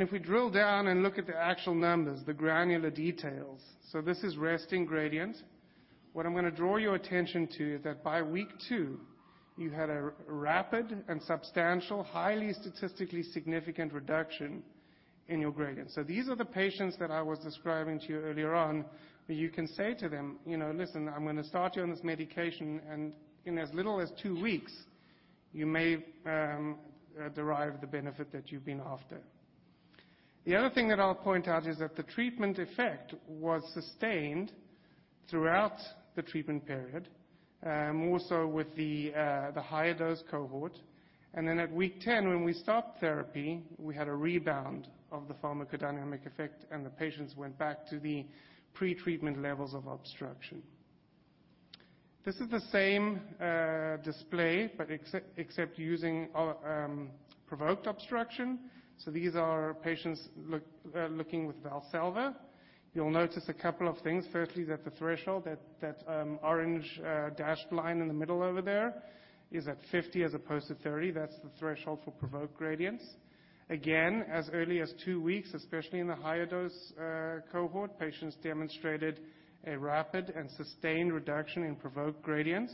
Speaker 16: If we drill down and look at the actual numbers, the granular details, this is resting gradient. What I'm going to draw your attention to is that by week two, you had a rapid and substantial, highly statistically significant reduction in your gradient. These are the patients that I was describing to you earlier on, where you can say to them, Listen, I'm going to start you on this medication, and in as little as two weeks, you may derive the benefit that you've been after The other thing that I'll point out is that the treatment effect was sustained throughout the treatment period, more so with the higher dose cohort. Then at week 10, when we stopped therapy, we had a rebound of the pharmacodynamic effect, and the patients went back to the pretreatment levels of obstruction. This is the same display, but except using provoked obstruction. These are patients looking with Valsalva. You'll notice a couple of things. Firstly, that the threshold, that orange dashed line in the middle over there, is at 50 as opposed to 30. That's the threshold for provoked gradients. Again, as early as two weeks, especially in the higher dose cohort, patients demonstrated a rapid and sustained reduction in provoked gradients.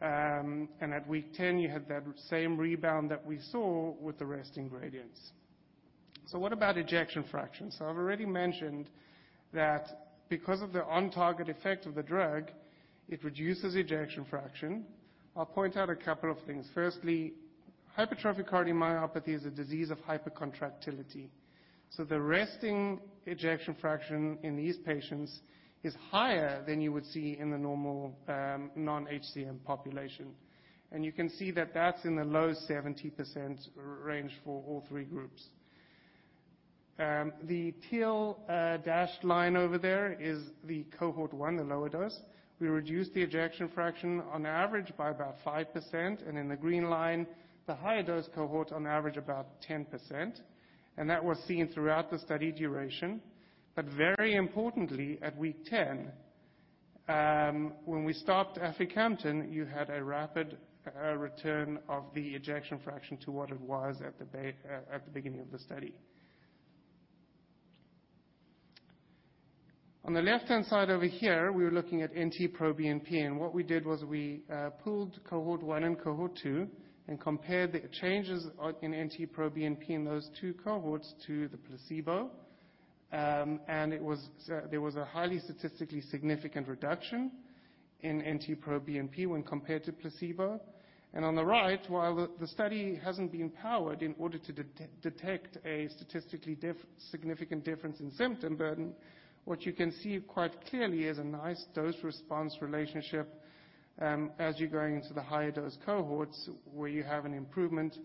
Speaker 16: At Week 10, you had that same rebound that we saw with the resting gradients. What about ejection fraction? I've already mentioned that because of the on-target effect of the drug, it reduces ejection fraction. I'll point out a couple of things. Firstly, hypertrophic cardiomyopathy is a disease of hypercontractility. The resting ejection fraction in these patients is higher than you would see in the normal non-HCM population. You can see that that's in the low 70% range for all three groups. The teal dashed line over there is the Cohort one, the lower dose. We reduced the ejection fraction on average by about 5%, and in the green line, the higher dose cohort, on average about 10%. That was seen throughout the study duration. Very importantly, at week 10, when we stopped aficamten, you had a rapid return of the ejection fraction to what it was at the beginning of the study. On the left-hand side over here, we are looking at NT-proBNP. What we did was we pooled Cohort one and Cohort two and compared the changes in NT-proBNP in those two cohorts to the placebo. There was a highly statistically significant reduction in NT-proBNP when compared to placebo. On the right, while the study hasn't been powered in order to detect a statistically significant difference in symptom burden, what you can see quite clearly is a nice dose-response relationship. As you're going into the higher dose cohorts where you have an improvement,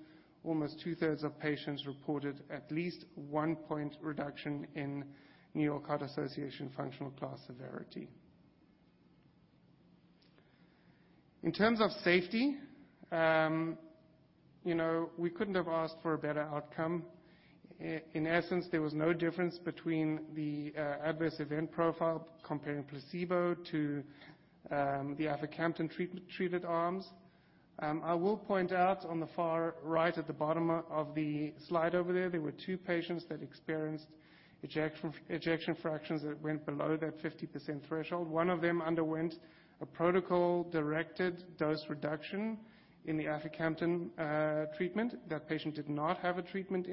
Speaker 16: almost two-thirds of patients reported at least one point reduction in New York Heart Association functional class severity. In terms of safety, we couldn't have asked for a better outcome. In essence, there was no difference between the adverse event profile comparing placebo to the aficamten-treated arms. I will point out on the far right at the bottom of the slide over there were two patients that experienced ejection fractions that went below that 50% threshold. One of them underwent a protocol-directed dose reduction in the aficamten treatment. That patient did not have a treatment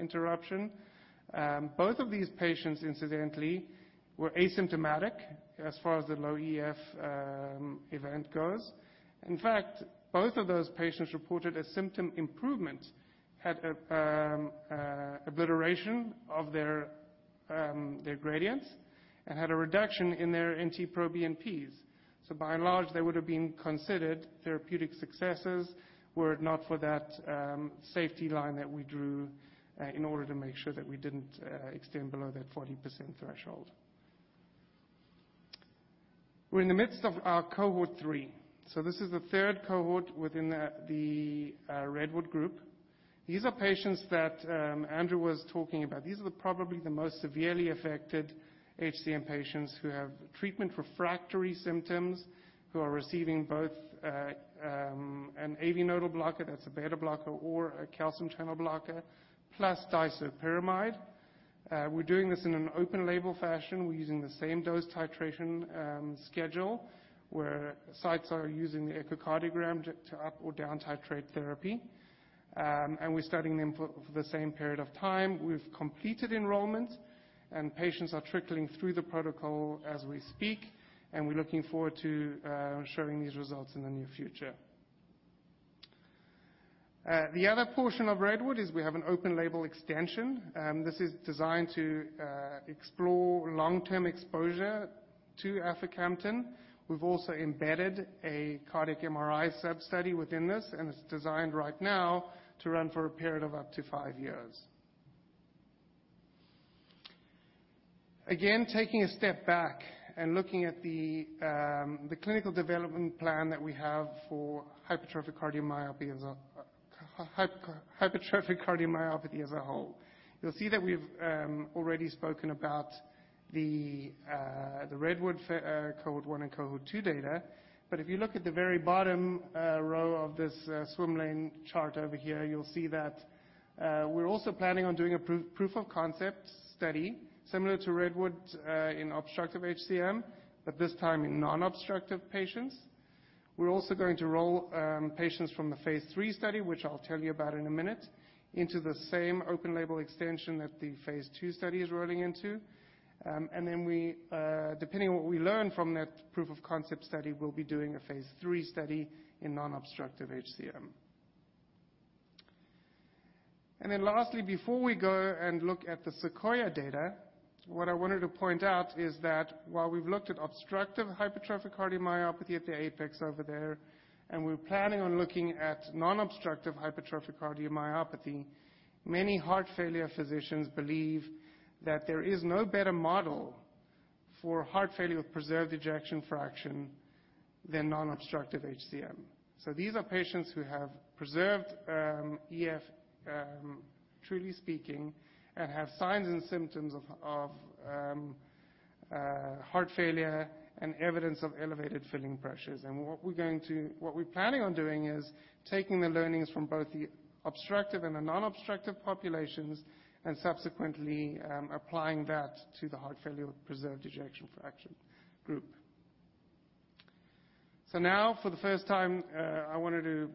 Speaker 16: interruption. Both of these patients, incidentally, were asymptomatic as far as the low EF event goes. In fact, both of those patients reported a symptom improvement, had obliteration of their gradients, and had a reduction in their NT-proBNPs. By and large, they would have been considered therapeutic successes were it not for that safety line that we drew in order to make sure that we didn't extend below that 40% threshold. We're in the midst of our Cohort three. This is the third cohort within the REDWOOD group. These are patients that Andrew was talking about. These are probably the most severely affected HCM patients who have treatment-refractory symptoms, who are receiving both an AV nodal blocker, that's a beta blocker or a calcium channel blocker, plus disopyramide. We're doing this in an open-label fashion. We're using the same dose titration schedule, where sites are using the echocardiogram to up or down titrate therapy. We're studying them for the same period of time. We've completed enrollment, and patients are trickling through the protocol as we speak, and we're looking forward to showing these results in the near future. The other portion of REDWOOD is we have an open-label extension. This is designed to explore long-term exposure to aficamten. We've also embedded a cardiac MRI sub-study within this, and it's designed right now to run for a period of up to five years. Again, taking a step back and looking at the clinical development plan that we have for hypertrophic cardiomyopathy as a whole. You'll see that we've already spoken about the REDWOOD Cohort one and Cohort two data. If you look at the very bottom row of this swim lane chart over here, you'll see that we're also planning on doing a proof of concept study similar to REDWOOD in obstructive HCM, but this time in non-obstructive patients. We're also going to roll patients from the phase III study, which I'll tell you about in a minute, into the same open-label extension that the phase II study is rolling into. Depending on what we learn from that proof of concept study, we'll be doing a phase III study in non-obstructive HCM. Lastly, before we go and look at the SEQUOIA data, what I wanted to point out is that while we've looked at obstructive hypertrophic cardiomyopathy at the apex over there, and we're planning on looking at non-obstructive hypertrophic cardiomyopathy, many heart failure physicians believe that there is no better model for heart failure with preserved ejection fraction than non-obstructive HCM. These are patients who have preserved EF, truly speaking, and have signs and symptoms of heart failure and evidence of elevated filling pressures. What we're planning on doing is taking the learnings from both the obstructive and the non-obstructive populations and subsequently applying that to the heart failure with preserved ejection fraction group. Now, for the first time, I wanted to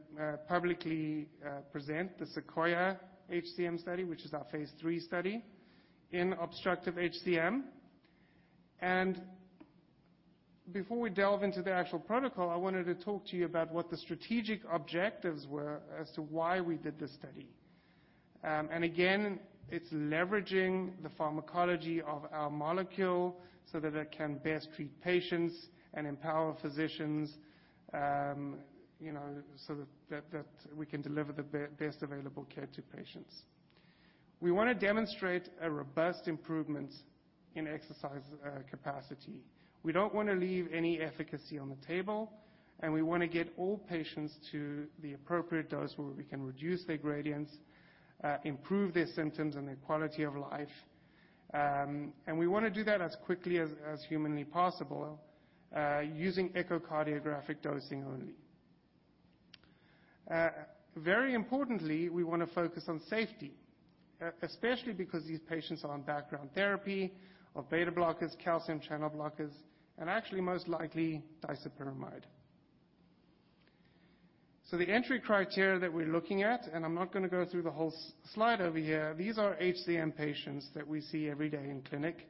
Speaker 16: publicly present the SEQUOIA-HCM study, which is our phase III study in obstructive HCM. Before we delve into the actual protocol, I wanted to talk to you about what the strategic objectives were as to why we did this study. Again, it's leveraging the pharmacology of our molecule so that it can best treat patients and empower physicians so that we can deliver the best available care to patients. We want to demonstrate a robust improvement in exercise capacity. We don't want to leave any efficacy on the table, and we want to get all patients to the appropriate dose where we can reduce their gradients, improve their symptoms and their quality of life. We want to do that as quickly as humanly possible using echocardiographic dosing only. Very importantly, we want to focus on safety, especially because these patients are on background therapy of beta blockers, calcium channel blockers, and actually, most likely disopyramide. The entry criteria that we're looking at, and I'm not going to go through the whole slide over here, these are HCM patients that we see every day in clinic.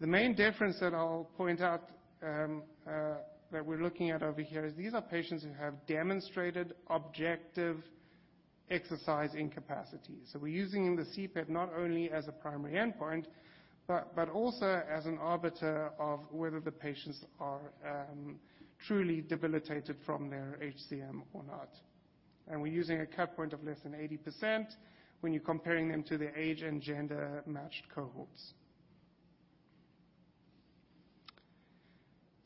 Speaker 16: The main difference that I'll point out that we're looking at over here is these are patients who have demonstrated objective exercise incapacity. We're using the CPET not only as a primary endpoint but also as an arbiter of whether the patients are truly debilitated from their HCM or not. We're using a cut point of less than 80% when you're comparing them to their age and gender-matched cohorts.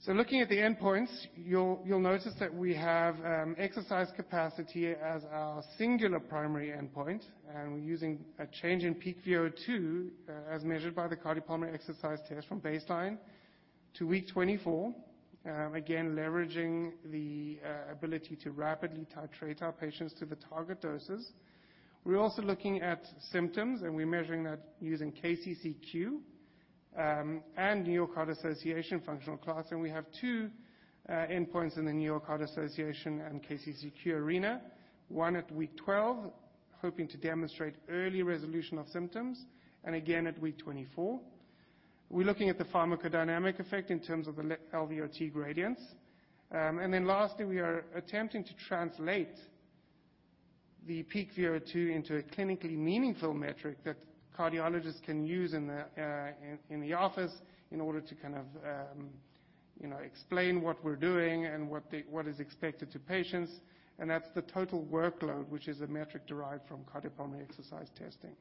Speaker 16: Looking at the endpoints, you'll notice that we have exercise capacity as our singular primary endpoint, and we're using a change in peak VO2 as measured by the cardiopulmonary exercise test from baseline to week 24. Again, leveraging the ability to rapidly titrate our patients to the target doses. We're also looking at symptoms, and we're measuring that using KCCQ and New York Heart Association functional class. We have two endpoints in the New York Heart Association and KCCQ arena. One at week 12, hoping to demonstrate early resolution of symptoms, and again at week 24. We're looking at the pharmacodynamic effect in terms of the LVOT gradients. Lastly, we are attempting to translate the peak VO2 into a clinically meaningful metric that cardiologists can use in the office in order to explain what we're doing and what is expected to patients. That's the total workload, which is a metric derived from cardiopulmonary exercise testing.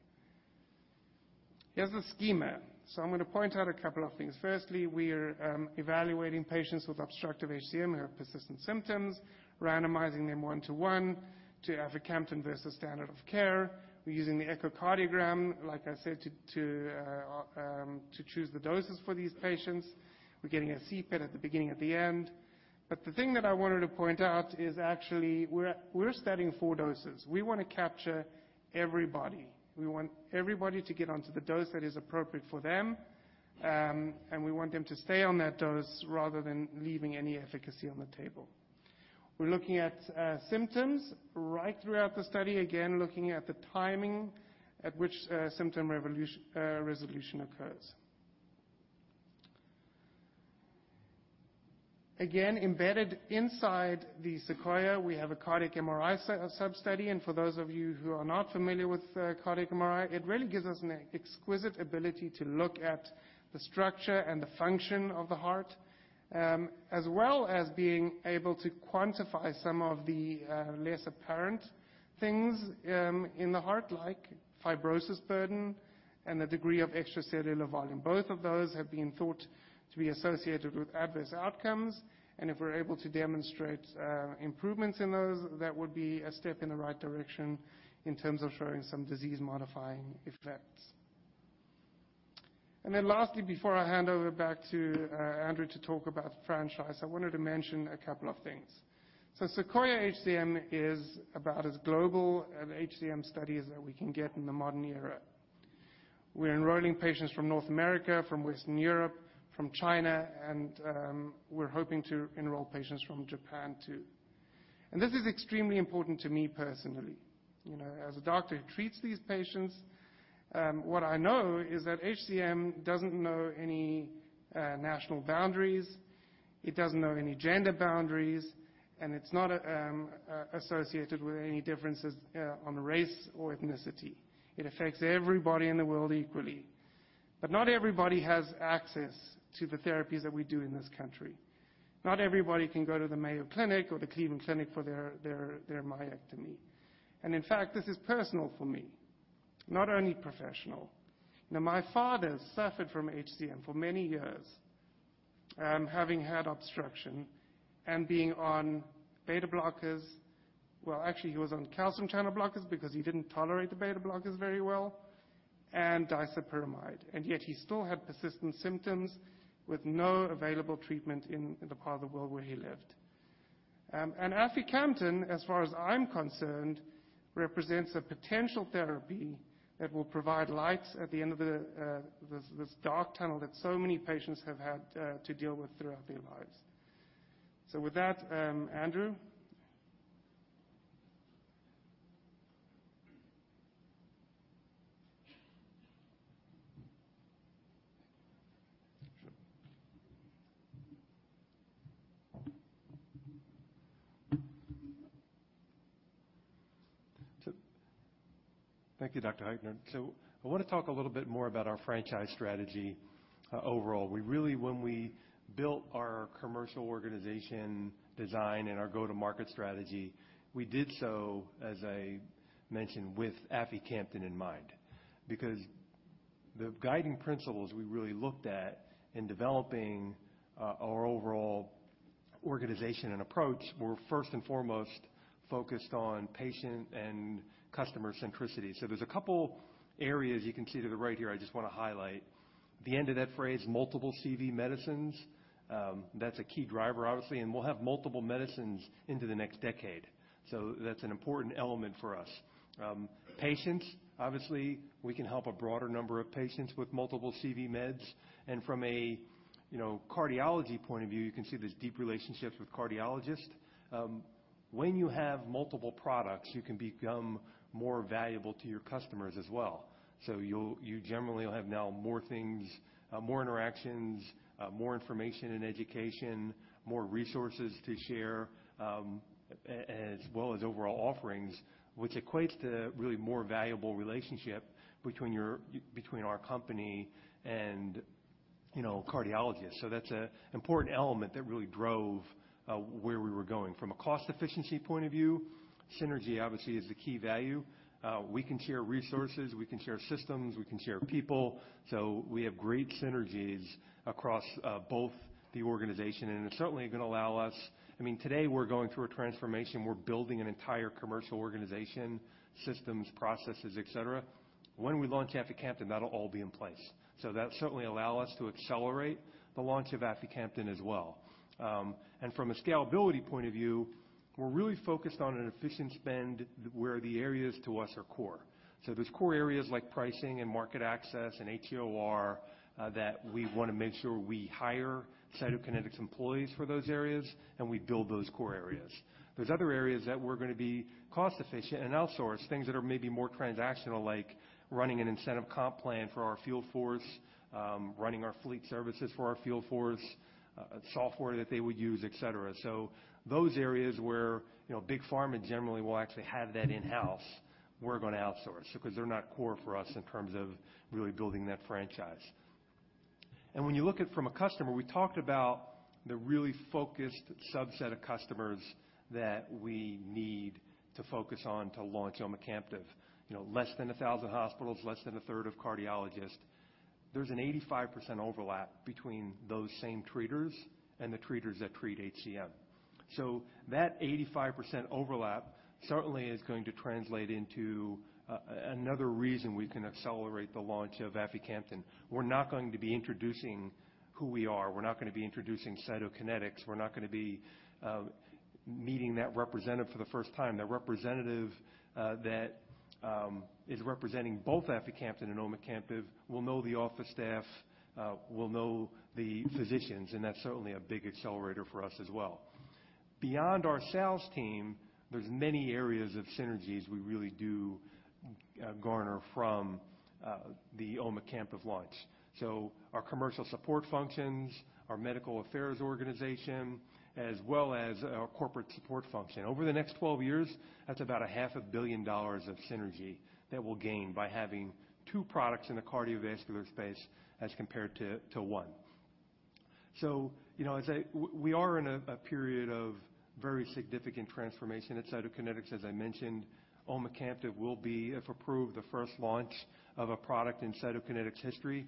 Speaker 16: Here's a schema. I'm going to point out a couple of things. Firstly, we're evaluating patients with obstructive HCM who have persistent symptoms, randomizing them one-to-one to aficamten versus standard of care. We're using the echocardiogram, like I said, to choose the doses for these patients. We're getting a CPET at the beginning and the end. The thing that I wanted to point out is actually we're studying four doses. We want to capture everybody. We want everybody to get onto the dose that is appropriate for them, and we want them to stay on that dose rather than leaving any efficacy on the table. We're looking at symptoms right throughout the study, again, looking at the timing at which symptom resolution occurs. Embedded inside the SEQUOIA, we have a cardiac MRI sub-study. For those of you who are not familiar with cardiac MRI, it really gives us an exquisite ability to look at the structure and the function of the heart, as well as being able to quantify some of the less apparent things in the heart like fibrosis burden and the degree of extracellular volume. Both of those have been thought to be associated with adverse outcomes. If we're able to demonstrate improvements in those, that would be a step in the right direction in terms of showing some disease-modifying effects. Lastly, before I hand over back to Andrew to talk about franchise, I wanted to mention a couple of things. SEQUOIA-HCM is about as global of an HCM study as we can get in the modern era. We're enrolling patients from North America, from Western Europe, from China. We're hoping to enroll patients from Japan, too. This is extremely important to me personally. As a doctor who treats these patients, what I know is that HCM doesn't know any national boundaries. It doesn't know any gender boundaries. It's not associated with any differences on race or ethnicity. It affects everybody in the world equally. Not everybody has access to the therapies that we do in this country. Not everybody can go to the Mayo Clinic or the Cleveland Clinic for their myectomy. In fact, this is personal for me, not only professional. My father suffered from HCM for many years, having had obstruction and being on beta blockers. Well, actually, he was on calcium channel blockers because he didn't tolerate the beta blockers very well, and disopyramide. Yet he still had persistent symptoms with no available treatment in the part of the world where he lived. Aficamten, as far as I'm concerned, represents a potential therapy that will provide light at the end of this dark tunnel that so many patients have had to deal with throughout their lives. With that, Andrew?
Speaker 11: Thank you, Dr. Heitner. I want to talk a little bit more about our franchise strategy overall. When we built our commercial organization design and our go-to-market strategy, we did so, as I mentioned, with aficamten in mind. The guiding principles we really looked at in developing our overall organization and approach were first and foremost focused on patient and customer centricity. There's a couple areas you can see to the right here I just want to highlight. The end of that phrase, multiple CV medicines, that's a key driver, obviously, and we'll have multiple medicines into the next decade. That's an important element for us. Patients, obviously, we can help a broader number of patients with multiple CV meds. From a cardiology point of view, you can see there's deep relationships with cardiologists. When you have multiple products, you can become more valuable to your customers as well. You generally will have now more things, more interactions, more information and education, more resources to share, as well as overall offerings, which equates to really more valuable relationship between our company and cardiologists. That's an important element that really drove where we were going. From a cost efficiency point of view, synergy obviously is the key value. We can share resources. We can share systems. We can share people. We have great synergies across both the organization. Today, we're going through a transformation. We're building an entire commercial organization, systems, processes, et cetera. When we launch aficamten, that'll all be in place. That certainly allow us to accelerate the launch of aficamten as well. From a scalability point of view, we're really focused on an efficient spend where the areas to us are core. There's core areas like pricing and market access and HEOR that we want to make sure we hire Cytokinetics employees for those areas and we build those core areas. There's other areas that we're going to be cost-efficient and outsource things that are maybe more transactional, like running an incentive comp plan for our field force, running our fleet services for our field force, software that they would use, et cetera. Those areas where big pharma generally will actually have that in-house, we're going to outsource because they're not core for us in terms of really building that franchise. When you look at from a customer, we talked about the really focused subset of customers that we need to focus on to launch omecamtiv. Less than 1,000 hospitals, less than a third of cardiologists. There's an 85% overlap between those same treaters and the treaters that treat HCM. That 85% overlap certainly is going to translate into another reason we can accelerate the launch of aficamten. We're not going to be introducing who we are. We're not going to be introducing Cytokinetics. We're not going to be meeting that representative for the first time. The representative that is representing both aficamten and omecamtiv will know the office staff, will know the physicians, and that's certainly a big accelerator for us as well. Beyond our sales team, there's many areas of synergies we really do garner from the omecamtiv launch. Our commercial support functions, our medical affairs organization, as well as our corporate support function. Over the next 12 years, that's about a $500,000 of synergy that we'll gain by having two products in the cardiovascular space as compared to one. We are in a period of very significant transformation at Cytokinetics. As I mentioned, omecamtiv will be, if approved, the first launch of a product in Cytokinetics history.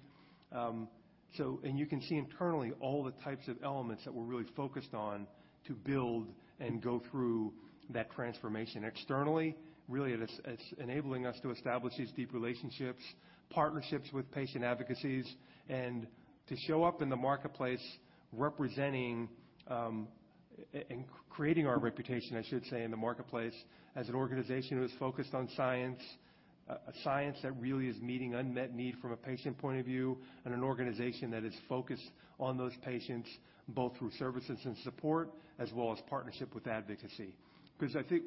Speaker 11: You can see internally all the types of elements that we're really focused on to build and go through that transformation externally. Really, it's enabling us to establish these deep relationships, partnerships with patient advocacies, and to show up in the marketplace representing and creating our reputation, I should say, in the marketplace as an organization that is focused on science, a science that really is meeting unmet need from a patient point of view and an organization that is focused on those patients, both through services and support as well as partnership with advocacy. Because I think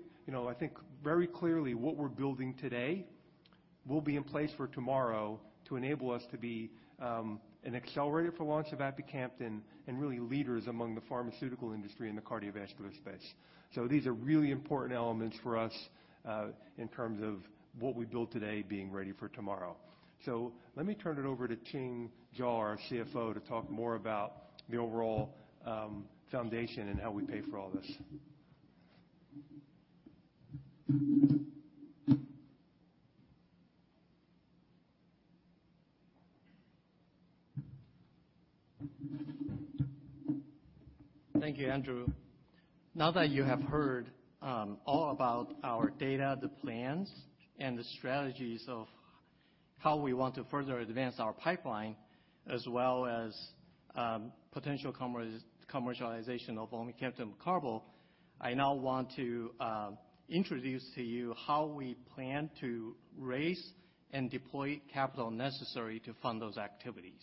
Speaker 11: very clearly what we're building today will be in place for tomorrow to enable us to be an accelerator for launch of aficamten and really leaders among the pharmaceutical industry in the cardiovascular space. So these are really important elements for us in terms of what we build today being ready for tomorrow. Let me turn it over to Ching Jaw, our CFO, to talk more about the overall foundation and how we pay for all this.
Speaker 17: Thank you, Andrew. Now that you have heard all about our data, the plans, and the strategies of how we want to further advance our pipeline as well as potential commercialization of omecamtiv mecarbil, I now want to introduce to you how we plan to raise and deploy capital necessary to fund those activities.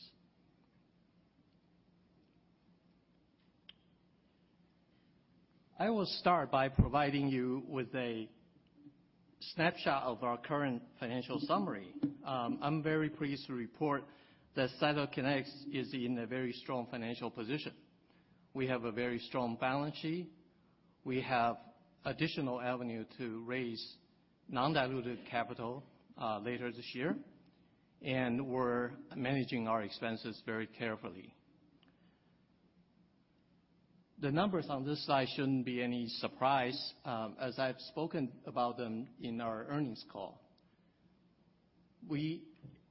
Speaker 17: I will start by providing you with a snapshot of our current financial summary. I'm very pleased to report that Cytokinetics is in a very strong financial position. We have a very strong balance sheet. We have additional avenue to raise non-diluted capital later this year, and we're managing our expenses very carefully. The numbers on this slide shouldn't be any surprise, as I've spoken about them in our earnings call. We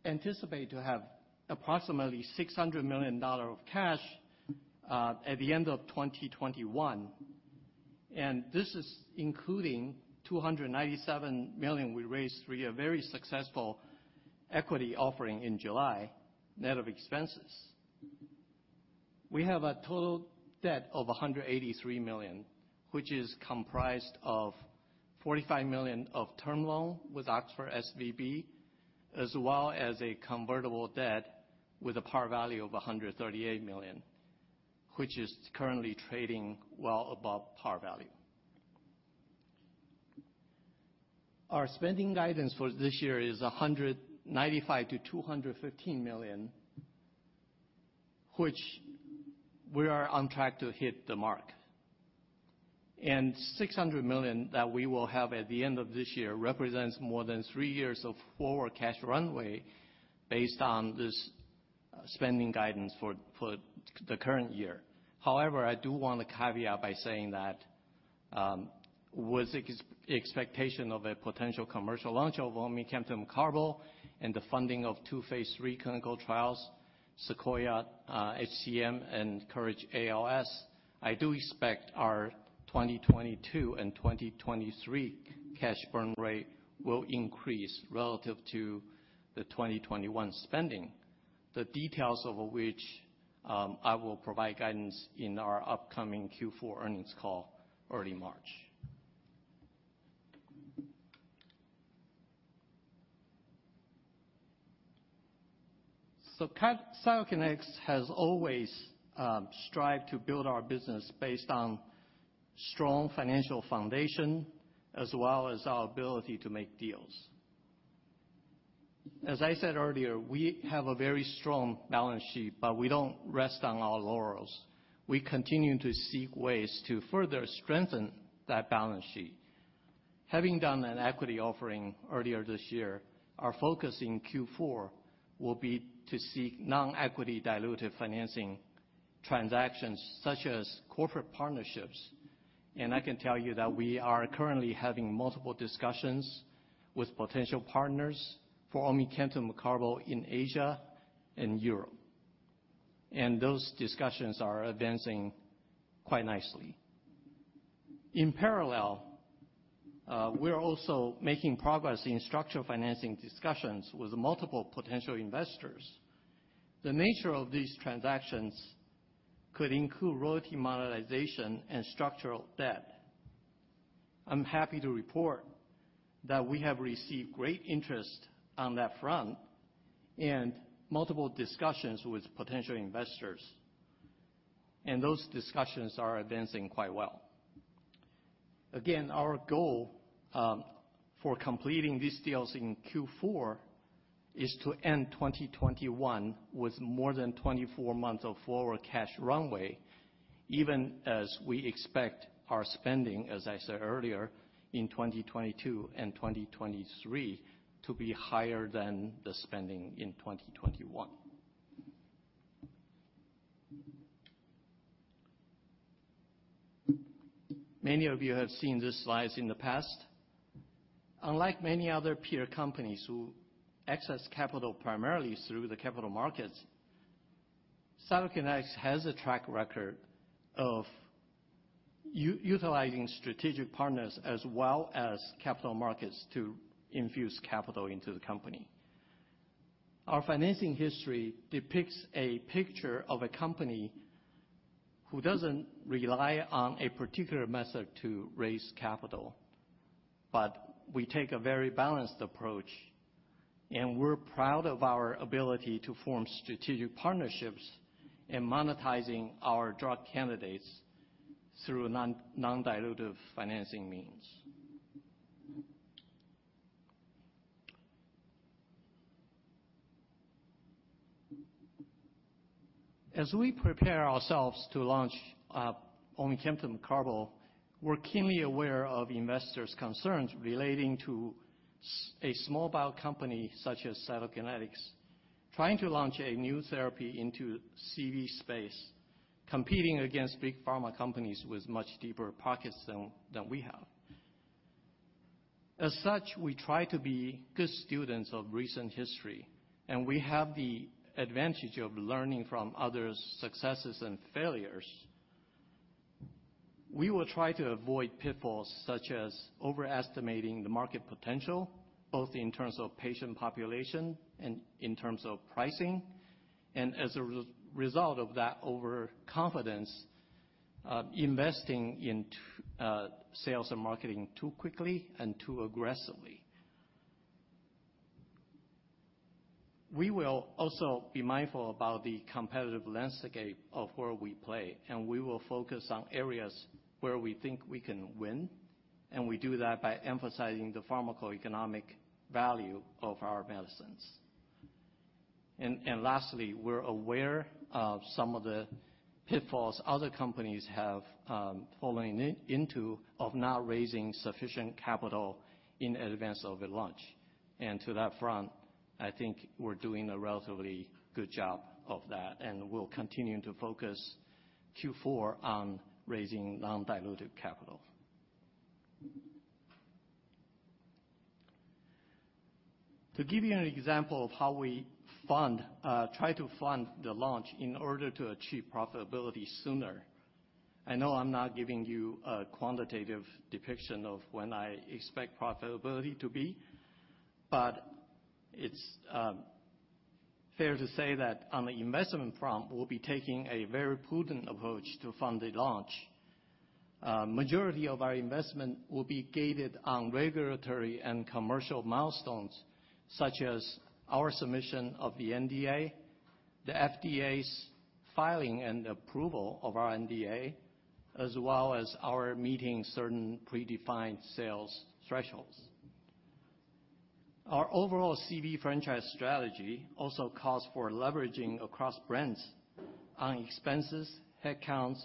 Speaker 17: anticipate to have approximately $600 million of cash at the end of 2021. This is including $297 million we raised through a very successful equity offering in July, net of expenses. We have a total debt of $183 million, which is comprised of $45 million of term loan with Oxford SVB, as well as a convertible debt with a par value of $138 million, which is currently trading well above par value. Our spending guidance for this year is $195 million-$215 million, which we are on track to hit the mark. $600 million that we will have at the end of this year represents more than three years of forward cash runway based on this spending guidance for the current year. However, I do want to caveat by saying that with expectation of a potential commercial launch of omecamtiv mecarbil and the funding of two phase III clinical trials, SEQUOIA-HCM and COURAGE-ALS, I do expect our 2022 and 2023 cash burn rate will increase relative to the 2021 spending. The details of which I will provide guidance in our upcoming Q4 earnings call early March. Cytokinetics has always strived to build our business based on strong financial foundation as well as our ability to make deals. As I said earlier, we have a very strong balance sheet, but we don't rest on our laurels. We continue to seek ways to further strengthen that balance sheet. Having done an equity offering earlier this year, our focus in Q4 will be to seek non-equity diluted financing transactions, such as corporate partnerships. I can tell you that we are currently having multiple discussions with potential partners for omecamtiv mecarbil in Asia and Europe. Those discussions are advancing quite nicely. In parallel, we are also making progress in structural financing discussions with multiple potential investors. The nature of these transactions could include royalty monetization and structural debt. I'm happy to report that we have received great interest on that front and multiple discussions with potential investors, and those discussions are advancing quite well. Again, our goal for completing these deals in Q4 is to end 2021 with more than 24 months of forward cash runway, even as we expect our spending, as I said earlier, in 2022 and 2023 to be higher than the spending in 2021. Many of you have seen these slides in the past. Unlike many other peer companies who access capital primarily through the capital markets, Cytokinetics has a track record of utilizing strategic partners as well as capital markets to infuse capital into the company. Our financing history depicts a picture of a company who doesn't rely on a particular method to raise capital, but we take a very balanced approach. We're proud of our ability to form strategic partnerships in monetizing our drug candidates through non-dilutive financing means. As we prepare ourselves to launch omecamtiv mecarbil, we're keenly aware of investors' concerns relating to a small bio company such as Cytokinetics, trying to launch a new therapy into CV space, competing against big pharma companies with much deeper pockets than we have. We try to be good students of recent history, and we have the advantage of learning from others' successes and failures. We will try to avoid pitfalls such as overestimating the market potential, both in terms of patient population and in terms of pricing. As a result of that overconfidence, investing in sales and marketing too quickly and too aggressively. We will also be mindful about the competitive landscape of where we play, and we will focus on areas where we think we can win, and we do that by emphasizing the pharmacoeconomic value of our medicines. Lastly, we're aware of some of the pitfalls other companies have fallen into of not raising sufficient capital in advance of a launch. To that front, I think we're doing a relatively good job of that, and we'll continue to focus Q4 on raising non-dilutive capital. To give you an example of how we try to fund the launch in order to achieve profitability sooner. I know I'm not giving you a quantitative depiction of when I expect profitability to be, but it's fair to say that on the investment front, we'll be taking a very prudent approach to fund the launch. A majority of our investment will be gated on regulatory and commercial milestones, such as our submission of the NDA, the FDA's filing and approval of our NDA, as well as our meeting certain predefined sales thresholds. Our overall CV franchise strategy also calls for leveraging across brands on expenses, headcounts,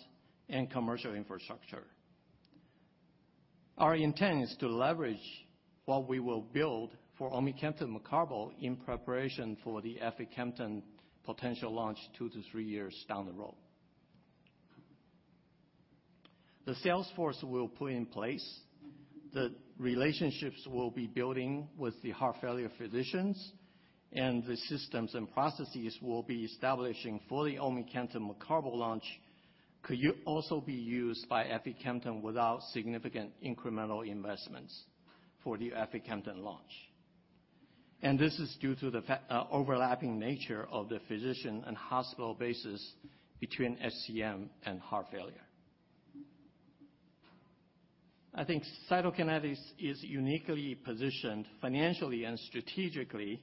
Speaker 17: and commercial infrastructure. Our intent is to leverage what we will build for omecamtiv mecarbil in preparation for the aficamten potential launch two- three years down the road. The sales force we'll put in place, the relationships we'll be building with the heart failure physicians, the systems and processes we'll be establishing for the omecamtiv mecarbil launch could also be used by aficamten without significant incremental investments for the aficamten launch. This is due to the overlapping nature of the physician and hospital basis between HCM and heart failure. I think Cytokinetics is uniquely positioned financially and strategically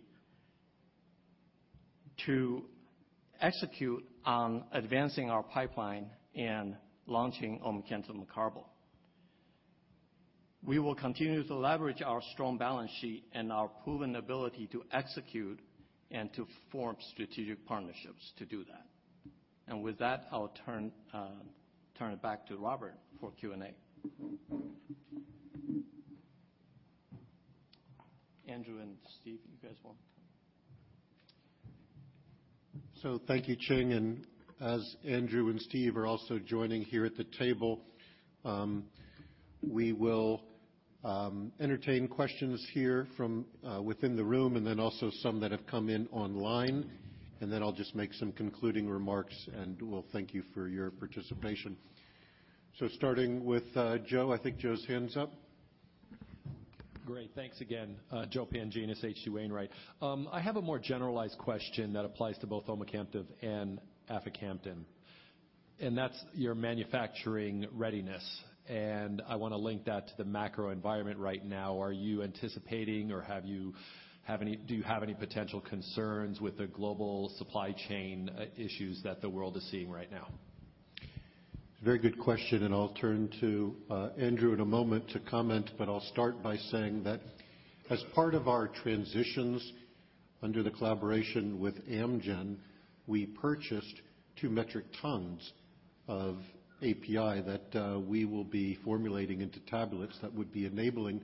Speaker 17: to execute on advancing our pipeline and launching omecamtiv mecarbil. We will continue to leverage our strong balance sheet and our proven ability to execute and to form strategic partnerships to do that. With that, I'll turn it back to Robert for Q&A. Andrew and Steve, you guys want?
Speaker 2: Thank you, Ching. As Andrew and Stephen are also joining here at the table, we will entertain questions here from within the room and also some that have come in online. I'll just make some concluding remarks, and we'll thank you for your participation. Starting with Joe. I think Joe's hand's up.
Speaker 7: Great. Thanks again. Joe Pantginis, H.C. Wainwright. I have a more generalized question that applies to both omecamtiv and aficamten, and that's your manufacturing readiness. I want to link that to the macro environment right now. Are you anticipating or do you have any potential concerns with the global supply chain issues that the world is seeing right now?
Speaker 2: Very good question. I'll turn to Andrew in a moment to comment, but I'll start by saying that as part of our transitions under the collaboration with Amgen, we purchased two metric tons of API that we will be formulating into tablets that would be enabling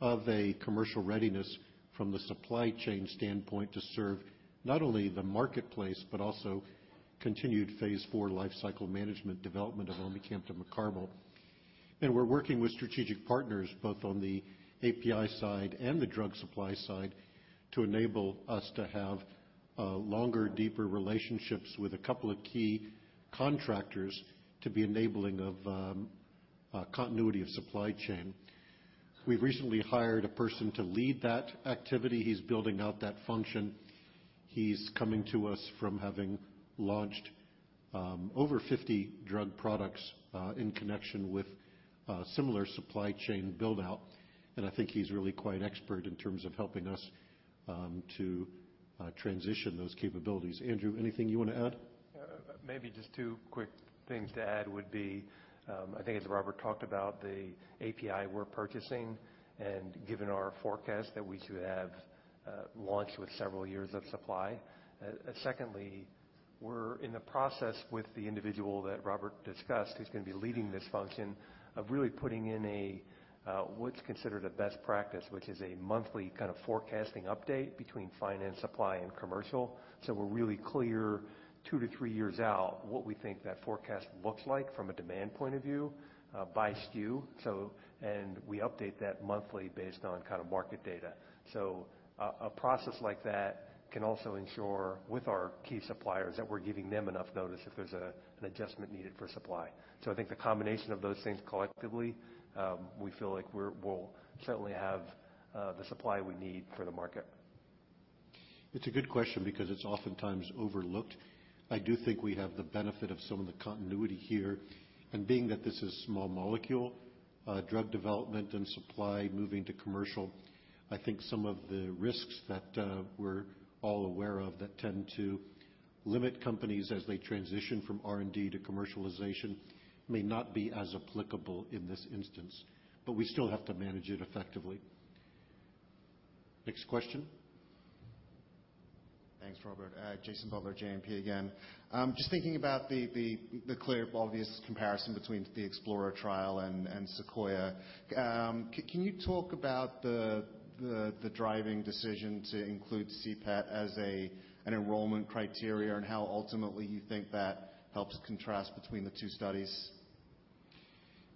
Speaker 2: of a commercial readiness from the supply chain standpoint to serve not only the marketplace but also continued phase IV life cycle management development of omecamtiv mecarbil. We're working with strategic partners both on the API side and the drug supply side to enable us to have longer, deeper relationships with a couple of key contractors to be enabling of continuity of supply chain. We've recently hired a person to lead that activity. He's building out that function. He's coming to us from having launched over 50 drug products in connection with similar supply chain build-out, and I think he's really quite expert in terms of helping us to transition those capabilities. Andrew, anything you want to add?
Speaker 11: Maybe just two quick things to add would be, I think as Robert talked about, the API we're purchasing. Given our forecast, we should have launch with several years of supply. Secondly, we're in the process with the individual that Robert discussed, who's going to be leading this function, of really putting in what's considered a best practice, which is a monthly kind of forecasting update between finance, supply, and commercial. We're really clear two-three years out what we think that forecast looks like from a demand point of view by SKU. We update that monthly based on kind of market data. A process like that can also ensure with our key suppliers that we're giving them enough notice if there's an adjustment needed for supply. I think the combination of those things collectively, we feel like we'll certainly have the supply we need for the market.
Speaker 2: It's a good question because it's oftentimes overlooked. I do think we have the benefit of some of the continuity here, and being that this is small molecule drug development and supply moving to commercial, I think some of the risks that we're all aware of that tend to limit companies as they transition from R&D to commercialization may not be as applicable in this instance, but we still have to manage it effectively. Next question.
Speaker 8: Thanks, Robert. Jason Butler, JMP again. Just thinking about the clear, obvious comparison between the EXPLORER trial and SEQUOIA. Can you talk about the driving decision to include CPET as an enrollment criteria and how ultimately you think that helps contrast between the two studies?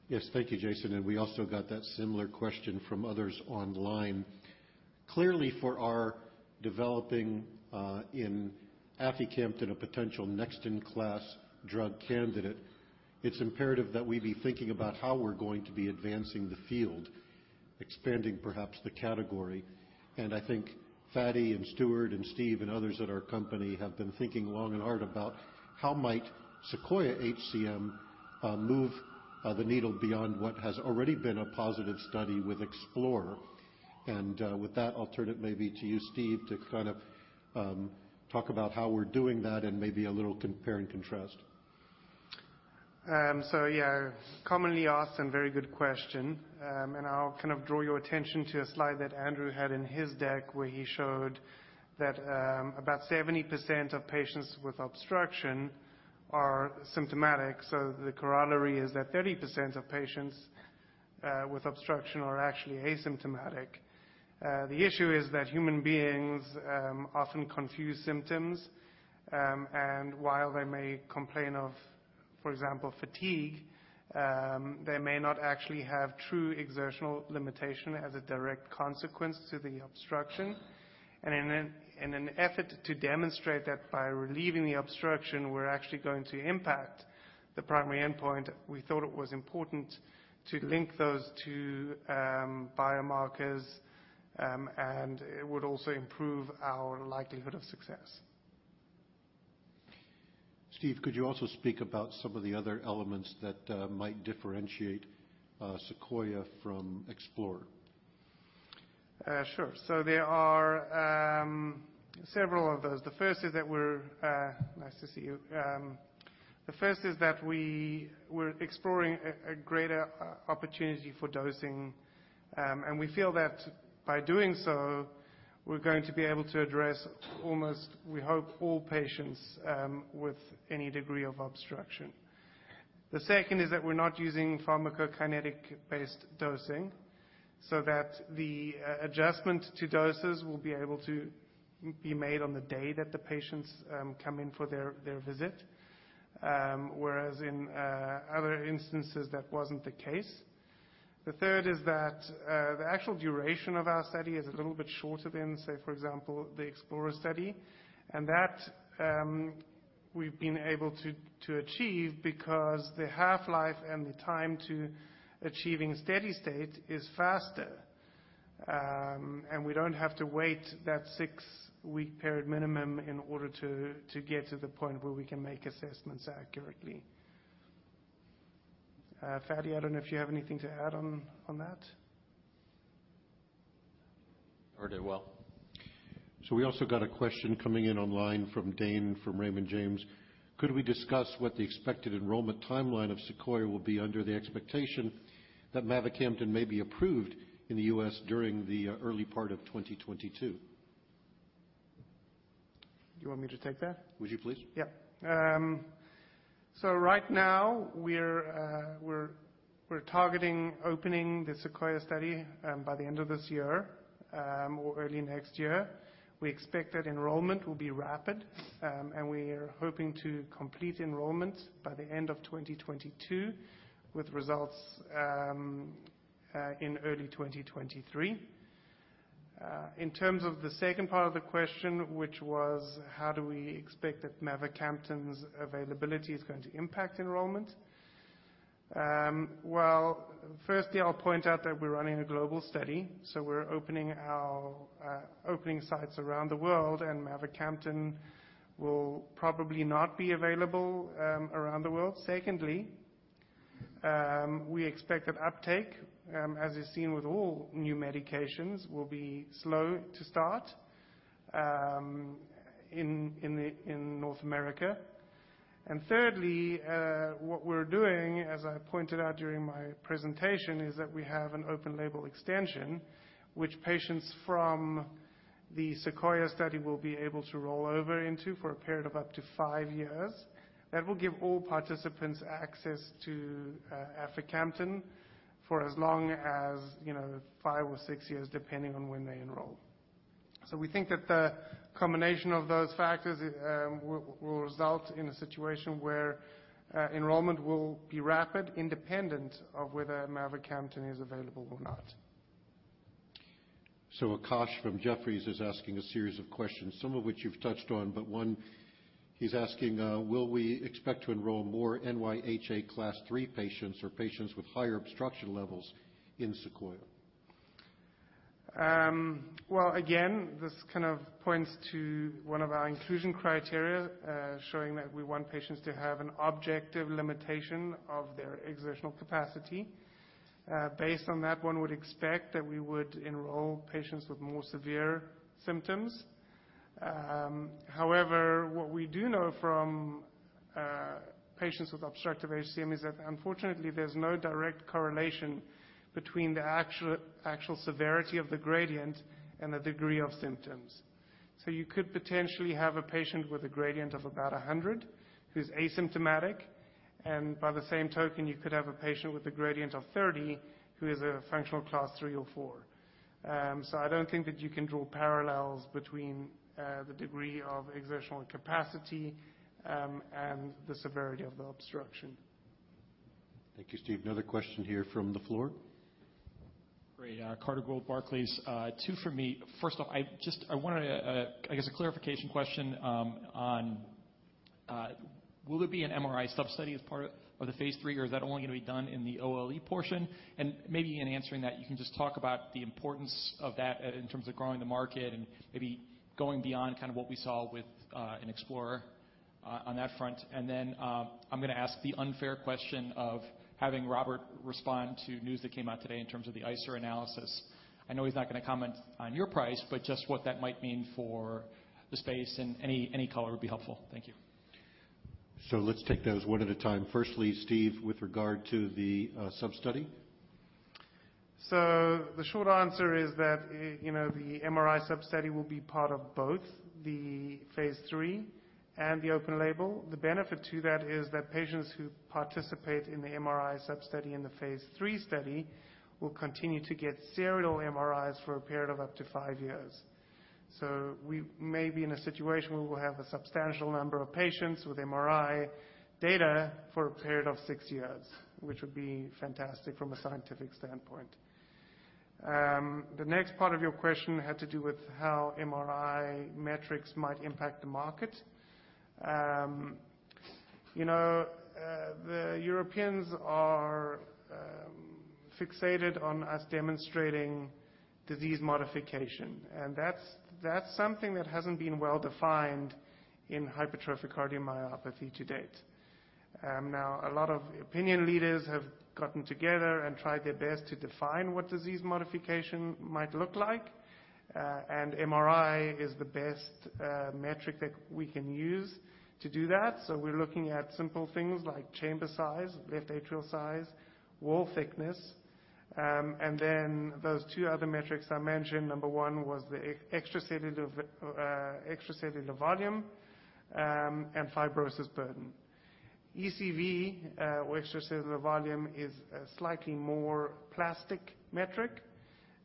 Speaker 2: Yes. Thank you, Jason. We also got that similar question from others online. Clearly, for our developing in aficamten a potential next-in-class drug candidate, it's imperative that we be thinking about how we're going to be advancing the field, expanding perhaps the category. I think Fady and Stuart and Steve and others at our company have been thinking long and hard about how might SEQUOIA-HCM move the needle beyond what has already been a positive study with EXPLORER-HCM. With that, I'll turn it maybe to you, Steve, to kind of talk about how we're doing that and maybe a little compare and contrast.
Speaker 16: Yeah, commonly asked and very good question. I'll kind of draw your attention to a slide that Andrew had in his deck where he showed that about 70% of patients with obstruction are symptomatic. The corollary is that 30% of patients with obstruction are actually asymptomatic. The issue is that human beings often confuse symptoms, and while they may complain of, for example, fatigue, they may not actually have true exertional limitation as a direct consequence to the obstruction. In an effort to demonstrate that by relieving the obstruction, we're actually going to impact the primary endpoint, we thought it was important to link those two biomarkers, and it would also improve our likelihood of success.
Speaker 2: Steve, could you also speak about some of the other elements that might differentiate SEQUOIA from EXPLORER-HCM?
Speaker 16: Sure. There are several of those. The first is that we were exploring a greater opportunity for dosing. We feel that by doing so, we're going to be able to address almost, we hope, all patients with any degree of obstruction. The second is that we're not using pharmacokinetic-based dosing, the adjustment to doses will be able to be made on the day that the patients come in for their visit. Whereas in other instances, that wasn't the case. The third is that the actual duration of our study is a little bit shorter than, say, for example, the EXPLORER study. That we've been able to achieve because the half-life and the time to achieving steady state is faster. We don't have to wait that six-week period minimum in order to get to the point where we can make assessments accurately. Fady, I don't know if you have anything to add on that.
Speaker 2: We also got a question coming in online from Dane from Raymond James. Could we discuss what the expected enrollment timeline of Sequoia will be under the expectation that mavacamten may be approved in the U.S. during the early part of 2022?
Speaker 16: You want me to take that?
Speaker 2: Would you please?
Speaker 16: Yeah. Right now, we're targeting opening the SEQUOIA study by the end of this year or early next year. We expect that enrollment will be rapid, and we are hoping to complete enrollment by the end of 2022 with results in early 2023. In terms of the second part of the question, which was how do we expect that mavacamten's availability is going to impact enrollment? Well, First, I'll point out that we're running a global study, so we're opening sites around the world, and mavacamten will probably not be available around the world. Secondly, we expect that uptake, as is seen with all new medications, will be slow to start in North America. Thirdly, what we're doing, as I pointed out during my presentation, is that we have an open label extension, which patients from the SEQUOIA study will be able to roll over into for a period of up to five years. That will give all participants access to aficamten for as long as five or six years, depending on when they enroll. We think that the combination of those factors will result in a situation where enrollment will be rapid, independent of whether mavacamten is available or not.
Speaker 2: Akash from Jefferies is asking a series of questions, some of which you've touched on, but one he's asking, will we expect to enroll more NYHA Class III patients or patients with higher obstruction levels in Sequoia?
Speaker 16: Well, again, this kind of points to one of our inclusion criteria, showing that we want patients to have an objective limitation of their exertional capacity. Based on that, one would expect that we would enroll patients with more severe symptoms. However, what we do know from patients with obstructive HCM is that unfortunately, there's no direct correlation between the actual severity of the gradient and the degree of symptoms. You could potentially have a patient with a gradient of about 100 who's asymptomatic, and by the same token, you could have a patient with a gradient of 30 who is a functional Class III or IV. I don't think that you can draw parallels between the degree of exertional capacity and the severity of the obstruction.
Speaker 2: Thank you, Steve. Another question here from the floor.
Speaker 15: Great. Carter Gould, Barclays. Two from me. First off, I guess a clarification question on will there be an MRI sub-study as part of the phase III, or is that only going to be done in the OLE portion? Maybe in answering that, you can just talk about the importance of that in terms of growing the market and maybe going beyond what we saw with EXPLORER on that front. I'm going to ask the unfair question of having Robert respond to news that came out today in terms of the ICER analysis. I know he's not going to comment on your price, just what that might mean for the space and any color would be helpful. Thank you.
Speaker 2: Let's take those one at a time. Firstly, Steve, with regard to the sub-study.
Speaker 16: The short answer is that the MRI sub-study will be part of both the phase III and the open label. The benefit to that is that patients who participate in the MRI sub-study in the phase III study will continue to get serial MRIs for a period of up to five years. We may be in a situation where we'll have a substantial number of patients with MRI data for a period of six years, which would be fantastic from a scientific standpoint. The next part of your question had to do with how MRI metrics might impact the market. The Europeans are fixated on us demonstrating disease modification, and that's something that hasn't been well-defined in hypertrophic cardiomyopathy to date. A lot of opinion leaders have gotten together and tried their best to define what disease modification might look like. MRI is the best metric that we can use to do that. We're looking at simple things like chamber size, left atrial size, wall thickness. Then those two other metrics I mentioned, number one was the extracellular volume, and fibrosis burden. ECV, or extracellular volume, is a slightly more plastic metric.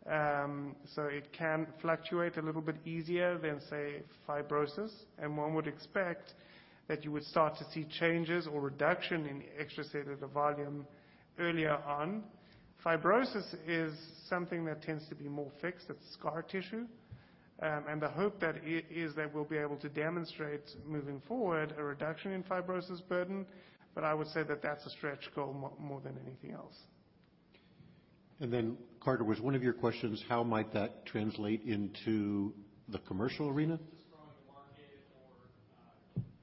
Speaker 16: It can fluctuate a little bit easier than, say, fibrosis. One would expect that you would start to see changes or reduction in extracellular volume earlier on. Fibrosis is something that tends to be more fixed. It's scar tissue. The hope is that we'll be able to demonstrate moving forward a reduction in fibrosis burden. I would say that that's a stretch goal more than anything else.
Speaker 2: Carter, was one of your questions how might that translate into the commercial arena?
Speaker 15: Just growing the market.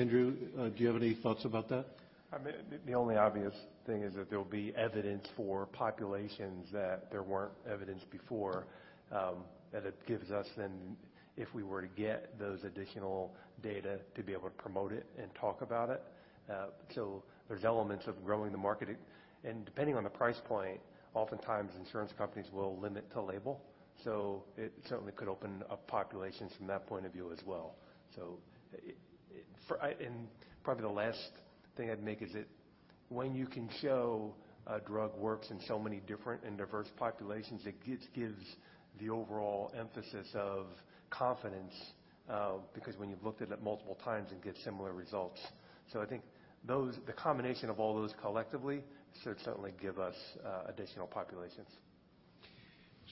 Speaker 2: Andrew, do you have any thoughts about that?
Speaker 11: The only obvious thing is that there will be evidence for populations that there weren't evidence before. It gives us then, if we were to get those additional data, to be able to promote it and talk about it. There's elements of growing the market. Depending on the price point, oftentimes insurance companies will limit to label. It certainly could open up populations from that point of view as well. Probably the last thing I'd make is that when you can show a drug works in so many different and diverse populations, it gives the overall emphasis of confidence, because when you've looked at it multiple times and get similar results. I think the combination of all those collectively should certainly give us additional populations.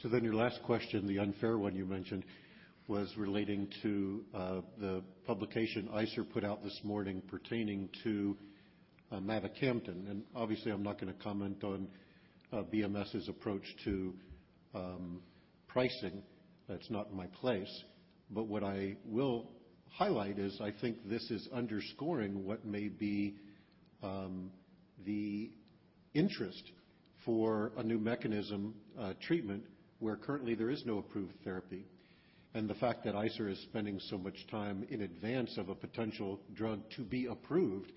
Speaker 2: Your last question, the unfair one you mentioned, was relating to the publication ICER put out this morning pertaining to mavacamten. Obviously, I'm not going to comment on BMS's approach to pricing. That's not my place. What I will highlight is I think this is underscoring what may be the interest for a new mechanism treatment, where currently there is no approved therapy. The fact that ICER is spending so much time in advance of a potential drug to be approved,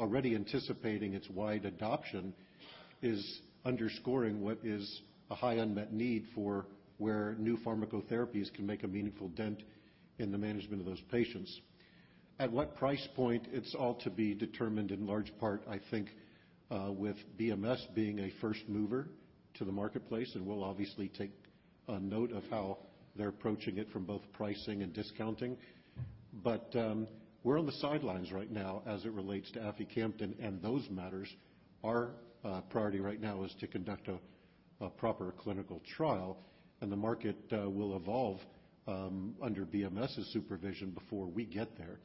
Speaker 2: already anticipating its wide adoption, is underscoring what is a high unmet need for where new pharmacotherapies can make a meaningful dent in the management of those patients. At what price point, it's all to be determined in large part, I think, with BMS being a first mover to the marketplace, and we'll obviously take a note of how they're approaching it from both pricing and discounting. We're on the sidelines right now as it relates to aficamten and those matters. Our priority right now is to conduct a proper clinical trial, and the market will evolve under BMS's supervision before we get there.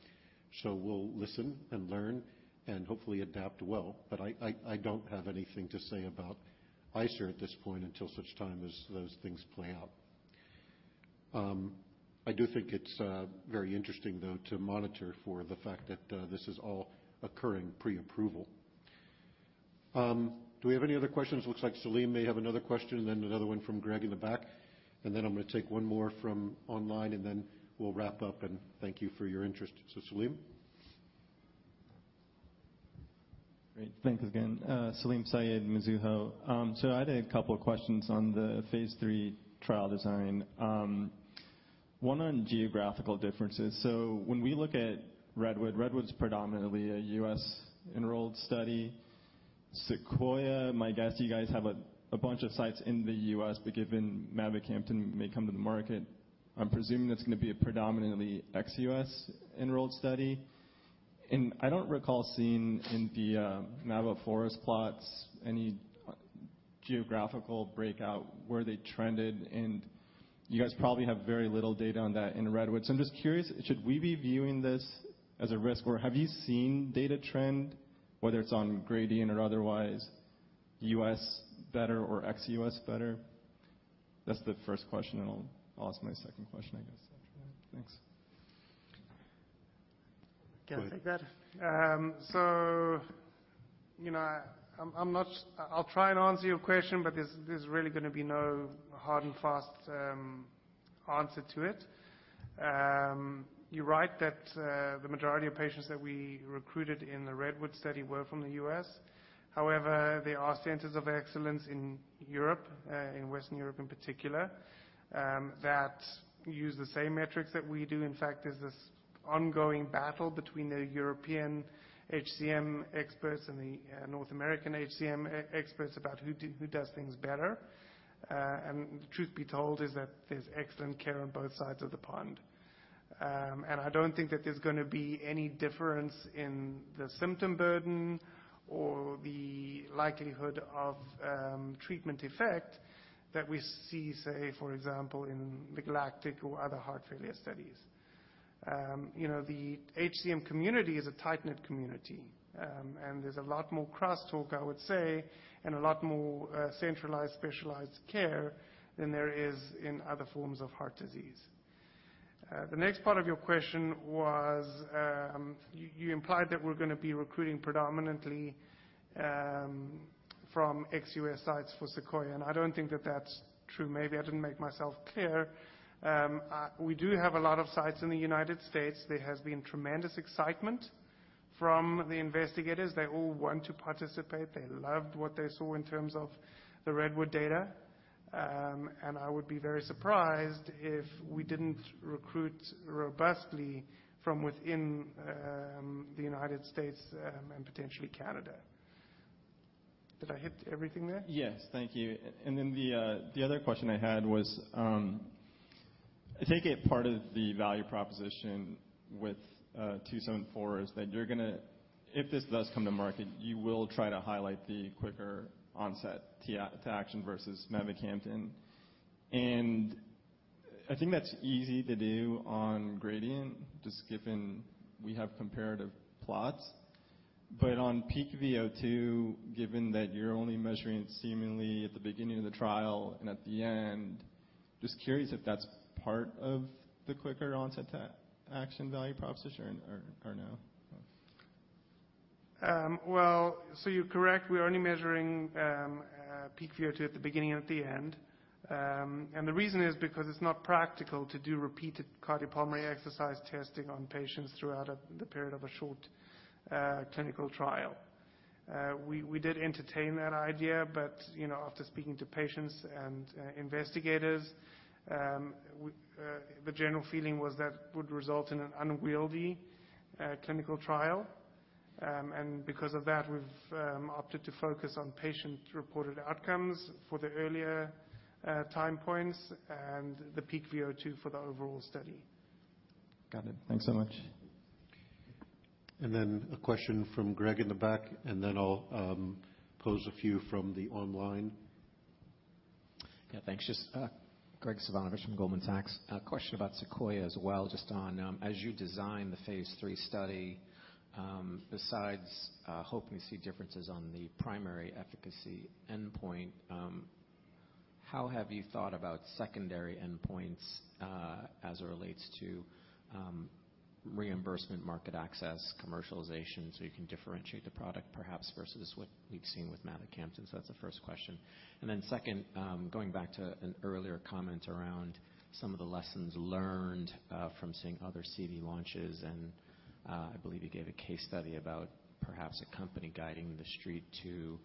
Speaker 2: We'll listen and learn and hopefully adapt well. I don't have anything to say about ICER at this point until such time as those things play out. I do think it's very interesting, though, to monitor for the fact that this is all occurring pre-approval. Do we have any other questions? Looks like Salim may have another question, then another one from Graig in the back. Then I'm going to take one more from online, and then we'll wrap up. Thank you for your interest. Salim.
Speaker 9: Great. Thanks again. Salim Syed, Mizuho. I had a couple questions on the phase III trial design. One on geographical differences. When we look at REDWOOD's predominantly a U.S.-enrolled study. SEQUOIA, my guess, you guys have a bunch of sites in the U.S., but given mavacamten may come to the market, I'm presuming it's going to be a predominantly ex-U.S. enrolled study. I don't recall seeing in the mava forest plots any geographical breakout where they trended, and you guys probably have very little data on that in REDWOOD. I'm just curious, should we be viewing this as a risk, or have you seen data trend, whether it's on gradient or otherwise, U.S. better or ex-U.S. better? That's the first question, and I'll ask my second question, I guess, after that. Thanks.
Speaker 2: Go ahead.
Speaker 16: Can I take that? I'll try and answer your question, but there's really going to be no hard and fast answer to it. You're right that the majority of patients that we recruited in the REDWOOD study were from the U.S. However, there are centers of excellence in Europe, in Western Europe in particular, that use the same metrics that we do. In fact, there's this ongoing battle between the European HCM experts and the North American HCM experts about who does things better. Truth be told is that there's excellent care on both sides of the pond. I don't think that there's going to be any difference in the symptom burden or the likelihood of treatment effect that we see, say, for example, in the GALACTIC or other heart failure studies. The HCM community is a tight-knit community. There's a lot more crosstalk, I would say, and a lot more centralized, specialized care than there is in other forms of heart disease. The next part of your question was, you implied that we're going to be recruiting predominantly from ex-U.S. sites for SEQUOIA, and I don't think that that's true. Maybe I didn't make myself clear. We do have a lot of sites in the United States. There has been tremendous excitement from the investigators. They all want to participate. They loved what they saw in terms of the REDWOOD data. I would be very surprised if we didn't recruit robustly from within the United States and potentially Canada. Did I hit everything there?
Speaker 9: Yes. Thank you. The other question I had was, I take it part of the value proposition with 274 is that if this does come to market, you will try to highlight the quicker onset to action versus mavacamten. I think that's easy to do on gradient, just given we have comparative plots. On peak VO2, given that you're only measuring seemingly at the beginning of the trial and at the end, just curious if that's part of the quicker onset to action value proposition or no?
Speaker 16: You're correct. We're only measuring peak VO2 at the beginning and at the end. The reason is because it's not practical to do repeated cardiopulmonary exercise testing on patients throughout the period of a short clinical trial. We did entertain that idea, after speaking to patients and investigators, the general feeling was that would result in an unwieldy clinical trial. Because of that, we've opted to focus on patient-reported outcomes for the earlier time points and the peak VO2 for the overall study.
Speaker 9: Got it. Thanks so much.
Speaker 2: Then a question from Graig in the back, and then I'll pose a few from the online.
Speaker 14: Thanks. Graig Suvannavejh from Goldman Sachs. A question about SEQUOIA as well, as you design the phase III study, besides hoping to see differences on the primary efficacy endpoint, how have you thought about secondary endpoints, as it relates to reimbursement, market access, commercialization, so you can differentiate the product perhaps versus what we've seen with mavacamten? That's the first question. Second, going back to an earlier comment around some of the lessons learned from seeing other CV launches, and I believe you gave a case study about perhaps a company guiding the street to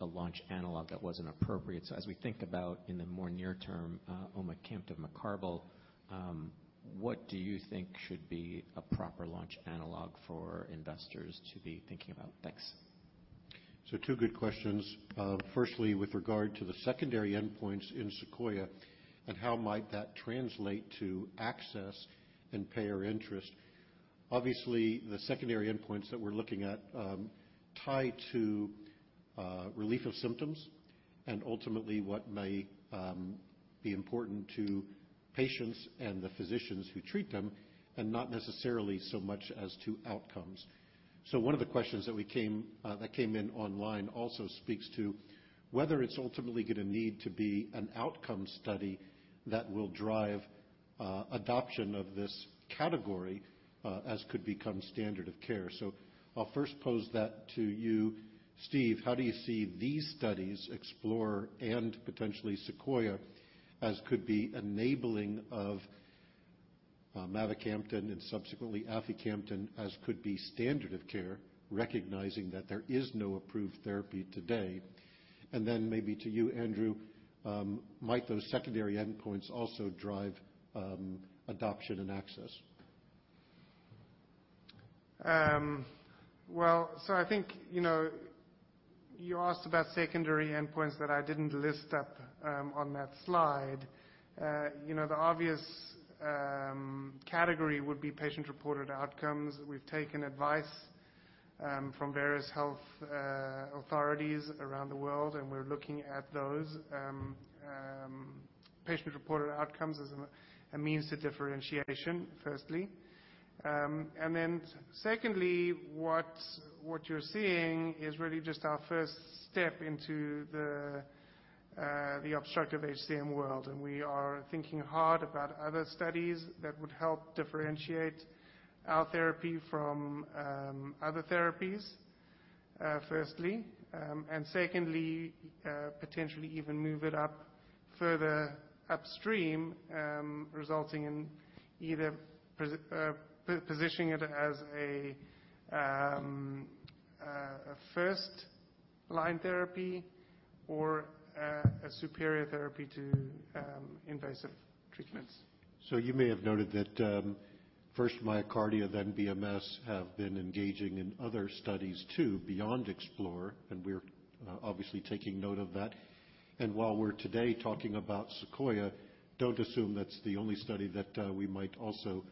Speaker 14: a launch analog that wasn't appropriate. As we think about in the more near term, omecamtiv mecarbil, what do you think should be a proper launch analog for investors to be thinking about? Thanks.
Speaker 2: Two good questions. Firstly, with regard to the secondary endpoints in SEQUOIA and how might that translate to access and payer interest. Obviously, the secondary endpoints that we're looking at tie to relief of symptoms and ultimately what may be important to patients and the physicians who treat them, and not necessarily so much as to outcomes. One of the questions that came in online also speaks to whether it's ultimately going to need to be an outcome study that will drive adoption of this category as could become standard of care. I'll first pose that to you, Steve. How do you see these studies, EXPLORER-HCM and potentially SEQUOIA, as could be enabling of mavacamten and subsequently aficamten as could be standard of care, recognizing that there is no approved therapy today? Then maybe to you, Andrew, might those secondary endpoints also drive adoption and access?
Speaker 16: Well, I think you asked about secondary endpoints that I didn't list up on that slide. The obvious category would be patient-reported outcomes. We've taken advice from various health authorities around the world, and we're looking at those patient-reported outcomes as a means to differentiation, firstly. Secondly, what you're seeing is really just our first step into the obstructive HCM world, and we are thinking hard about other studies that would help differentiate our therapy from other therapies, firstly. Secondly, potentially even move it up further upstream, resulting in either positioning it as a first-line therapy or a superior therapy to invasive treatments.
Speaker 2: You may have noted that first MyoKardia, then BMS, have been engaging in other studies too, beyond EXPLORER-HCM, and we're obviously taking note of that. While we're today talking about SEQUOIA, don't assume that's the only study that we might also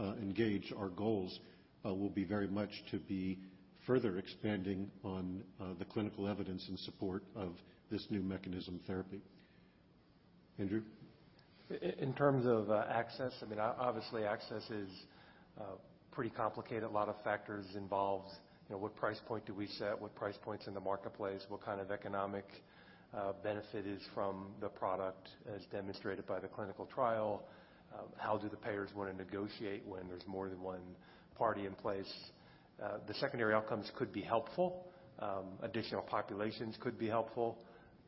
Speaker 2: engage. Our goals will be very much to be further expanding on the clinical evidence in support of this new mechanism therapy. Andrew?
Speaker 11: In terms of access, obviously access is pretty complicated. A lot of factors involved. What price point do we set? What price point's in the marketplace? What kind of economic benefit is from the product as demonstrated by the clinical trial? How do the payers want to negotiate when there's more than one party in place? The secondary outcomes could be helpful. Additional populations could be helpful,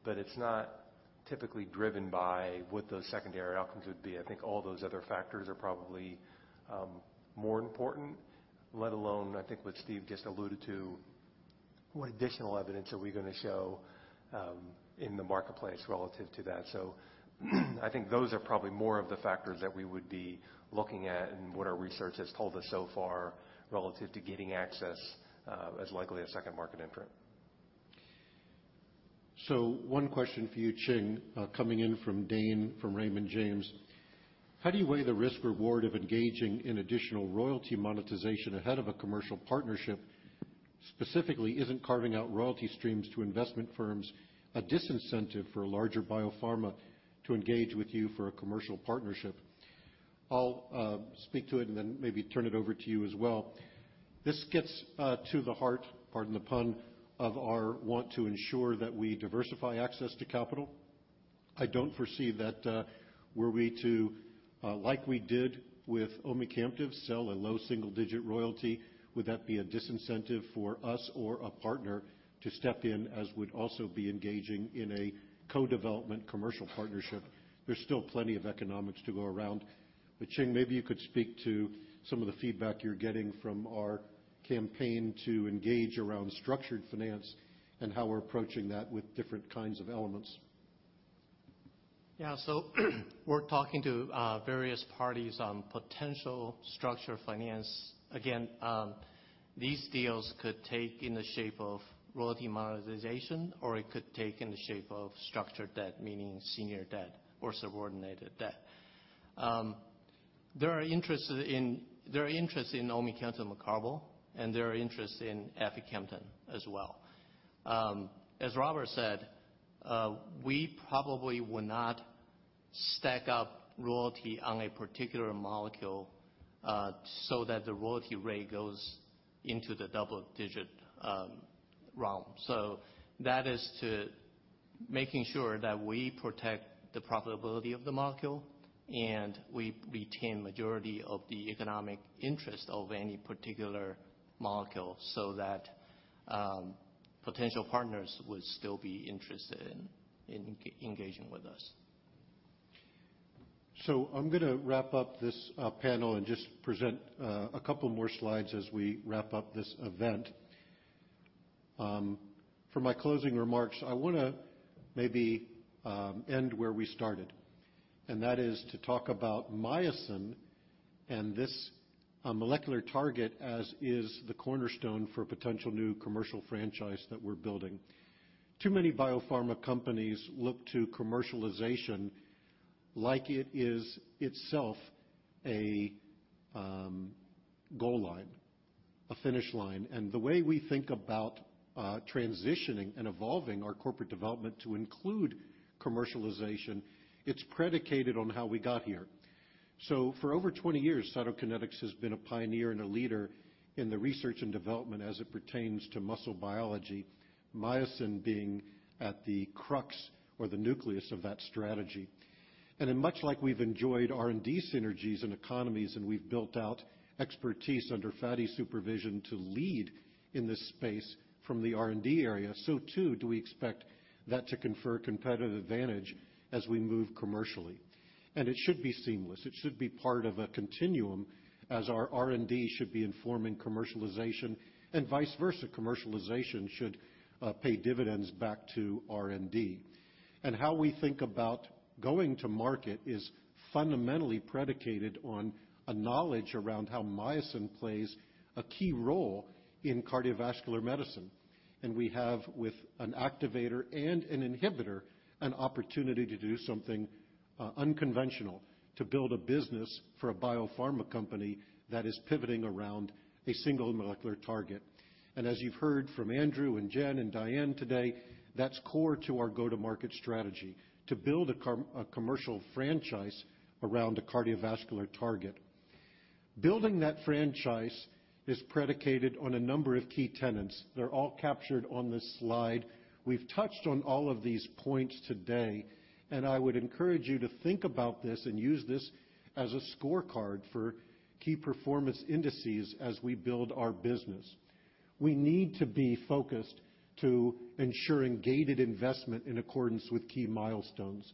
Speaker 11: but it's not typically driven by what those secondary outcomes would be. I think all those other factors are probably more important, let alone, I think what Steve just alluded to. What additional evidence are we going to show in the marketplace relative to that? I think those are probably more of the factors that we would be looking at and what our research has told us so far relative to gaining access, as likely a second market entrant.
Speaker 2: One question for you, Ching, coming in from Dane, from Raymond James. How do you weigh the risk-reward of engaging in additional royalty monetization ahead of a commercial partnership? Specifically, isn't carving out royalty streams to investment firms a disincentive for a larger biopharma to engage with you for a commercial partnership? I'll speak to it and then maybe turn it over to you as well. This gets to the heart, pardon the pun, of our want to ensure that we diversify access to capital. I don't foresee that, were we to, like we did with omecamtiv, sell a low single-digit royalty, would that be a disincentive for us or a partner to step in as we'd also be engaging in a co-development commercial partnership? There's still plenty of economics to go around. Ching, maybe you could speak to some of the feedback you're getting from our campaign to engage around structured finance and how we're approaching that with different kinds of elements.
Speaker 17: Yeah. We're talking to various parties on potential structured finance. Again, these deals could take in the shape of royalty monetization, or it could take in the shape of structured debt, meaning senior debt or subordinated debt. There are interests in omecamtiv mecarbil, and there are interests in aficamten as well. As Robert said, we probably would not stack up royalty on a particular molecule, so that the royalty rate goes into the double-digit realm. That is to making sure that we protect the profitability of the molecule and we retain majority of the economic interest of any particular molecule so that potential partners would still be interested in engaging with us.
Speaker 2: I'm going to wrap up this panel and just present a couple more slides as we wrap up this event. For my closing remarks, I want to maybe end where we started, and that is to talk about myosin and this molecular target as is the cornerstone for a potential new commercial franchise that we're building. Too many biopharma companies look to commercialization like it is itself a goal line, a finish line. The way we think about transitioning and evolving our corporate development to include commercialization, it's predicated on how we got here. For over 20 years, Cytokinetics has been a pioneer and a leader in the research and development as it pertains to muscle biology, myosin being at the crux or the nucleus of that strategy. In much like we've enjoyed R&D synergies and economies, we've built out expertise under Fady's supervision to lead in this space from the R&D area, so too do we expect that to confer competitive advantage as we move commercially. It should be seamless. It should be part of a continuum as our R&D should be informing commercialization and vice versa. Commercialization should pay dividends back to R&D. How we think about going to market is fundamentally predicated on a knowledge around how myosin plays a key role in cardiovascular medicine. We have, with an activator and an inhibitor, an opportunity to do something unconventional to build a business for a biopharma company that is pivoting around a single molecular target. As you've heard from Andrew and Jen and Diann today, that's core to our go-to-market strategy, to build a commercial franchise around a cardiovascular target. Building that franchise is predicated on a number of key tenets. They're all captured on this slide. We've touched on all of these points today, and I would encourage you to think about this and use this as a scorecard for key performance indices as we build our business. We need to be focused to ensuring gated investment in accordance with key milestones.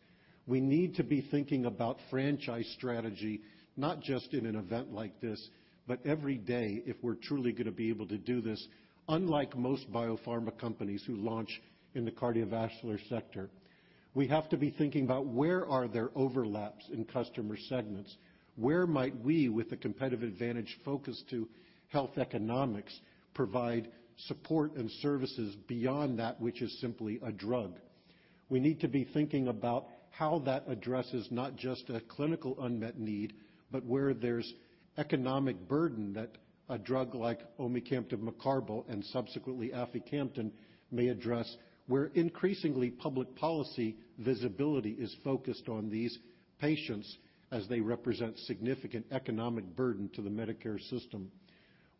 Speaker 2: We need to be thinking about franchise strategy, not just in an event like this, but every day if we're truly going to be able to do this, unlike most biopharma companies who launch in the cardiovascular sector. We have to be thinking about where are there overlaps in customer segments. Where might we, with a competitive advantage focus to health economics, provide support and services beyond that which is simply a drug? We need to be thinking about how that addresses not just a clinical unmet need, but where there's economic burden that a drug like omecamtiv mecarbil and subsequently aficamten may address, where increasingly public policy visibility is focused on these patients as they represent significant economic burden to the Medicare system.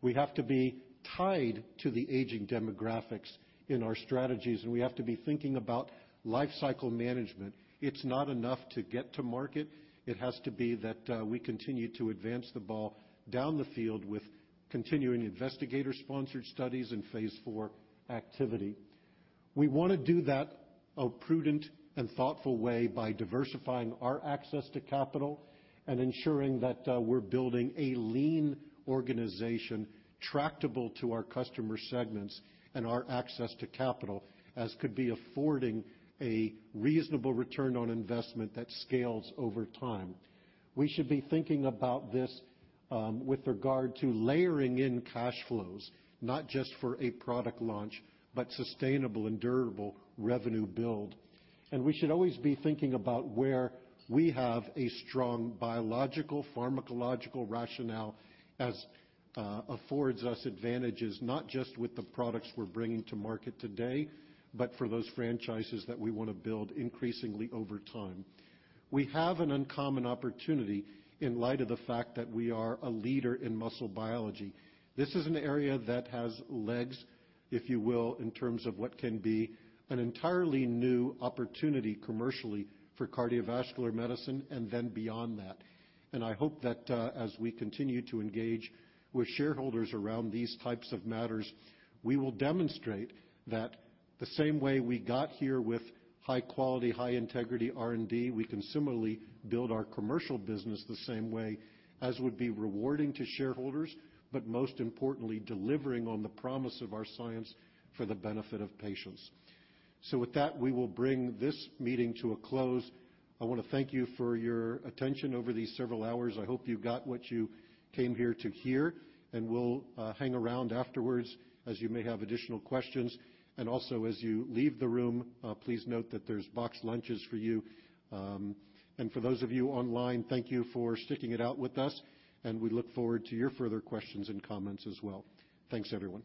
Speaker 2: We have to be tied to the aging demographics in our strategies. We have to be thinking about life cycle management. It's not enough to get to market. It has to be that we continue to advance the ball down the field with continuing investigator-sponsored studies and phase IV activity. We want to do that a prudent and thoughtful way by diversifying our access to capital and ensuring that we're building a lean organization tractable to our customer segments and our access to capital as could be affording a reasonable return on investment that scales over time. We should be thinking about this with regard to layering in cash flows, not just for a product launch, but sustainable and durable revenue build. We should always be thinking about where we have a strong biological pharmacological rationale as affords us advantages, not just with the products we're bringing to market today, but for those franchises that we want to build increasingly over time. We have an uncommon opportunity in light of the fact that we are a leader in muscle biology. This is an area that has legs, if you will, in terms of what can be an entirely new opportunity commercially for cardiovascular medicine and then beyond that. I hope that, as we continue to engage with shareholders around these types of matters, we will demonstrate that the same way we got here with high quality, high integrity R&D, we can similarly build our commercial business the same way as would be rewarding to shareholders, but most importantly, delivering on the promise of our science for the benefit of patients. With that, we will bring this meeting to a close. I want to thank you for your attention over these several hours. I hope you got what you came here to hear, and we'll hang around afterwards as you may have additional questions. As you leave the room, please note that there's boxed lunches for you. For those of you online, thank you for sticking it out with us, and we look forward to your further questions and comments as well. Thanks, everyone.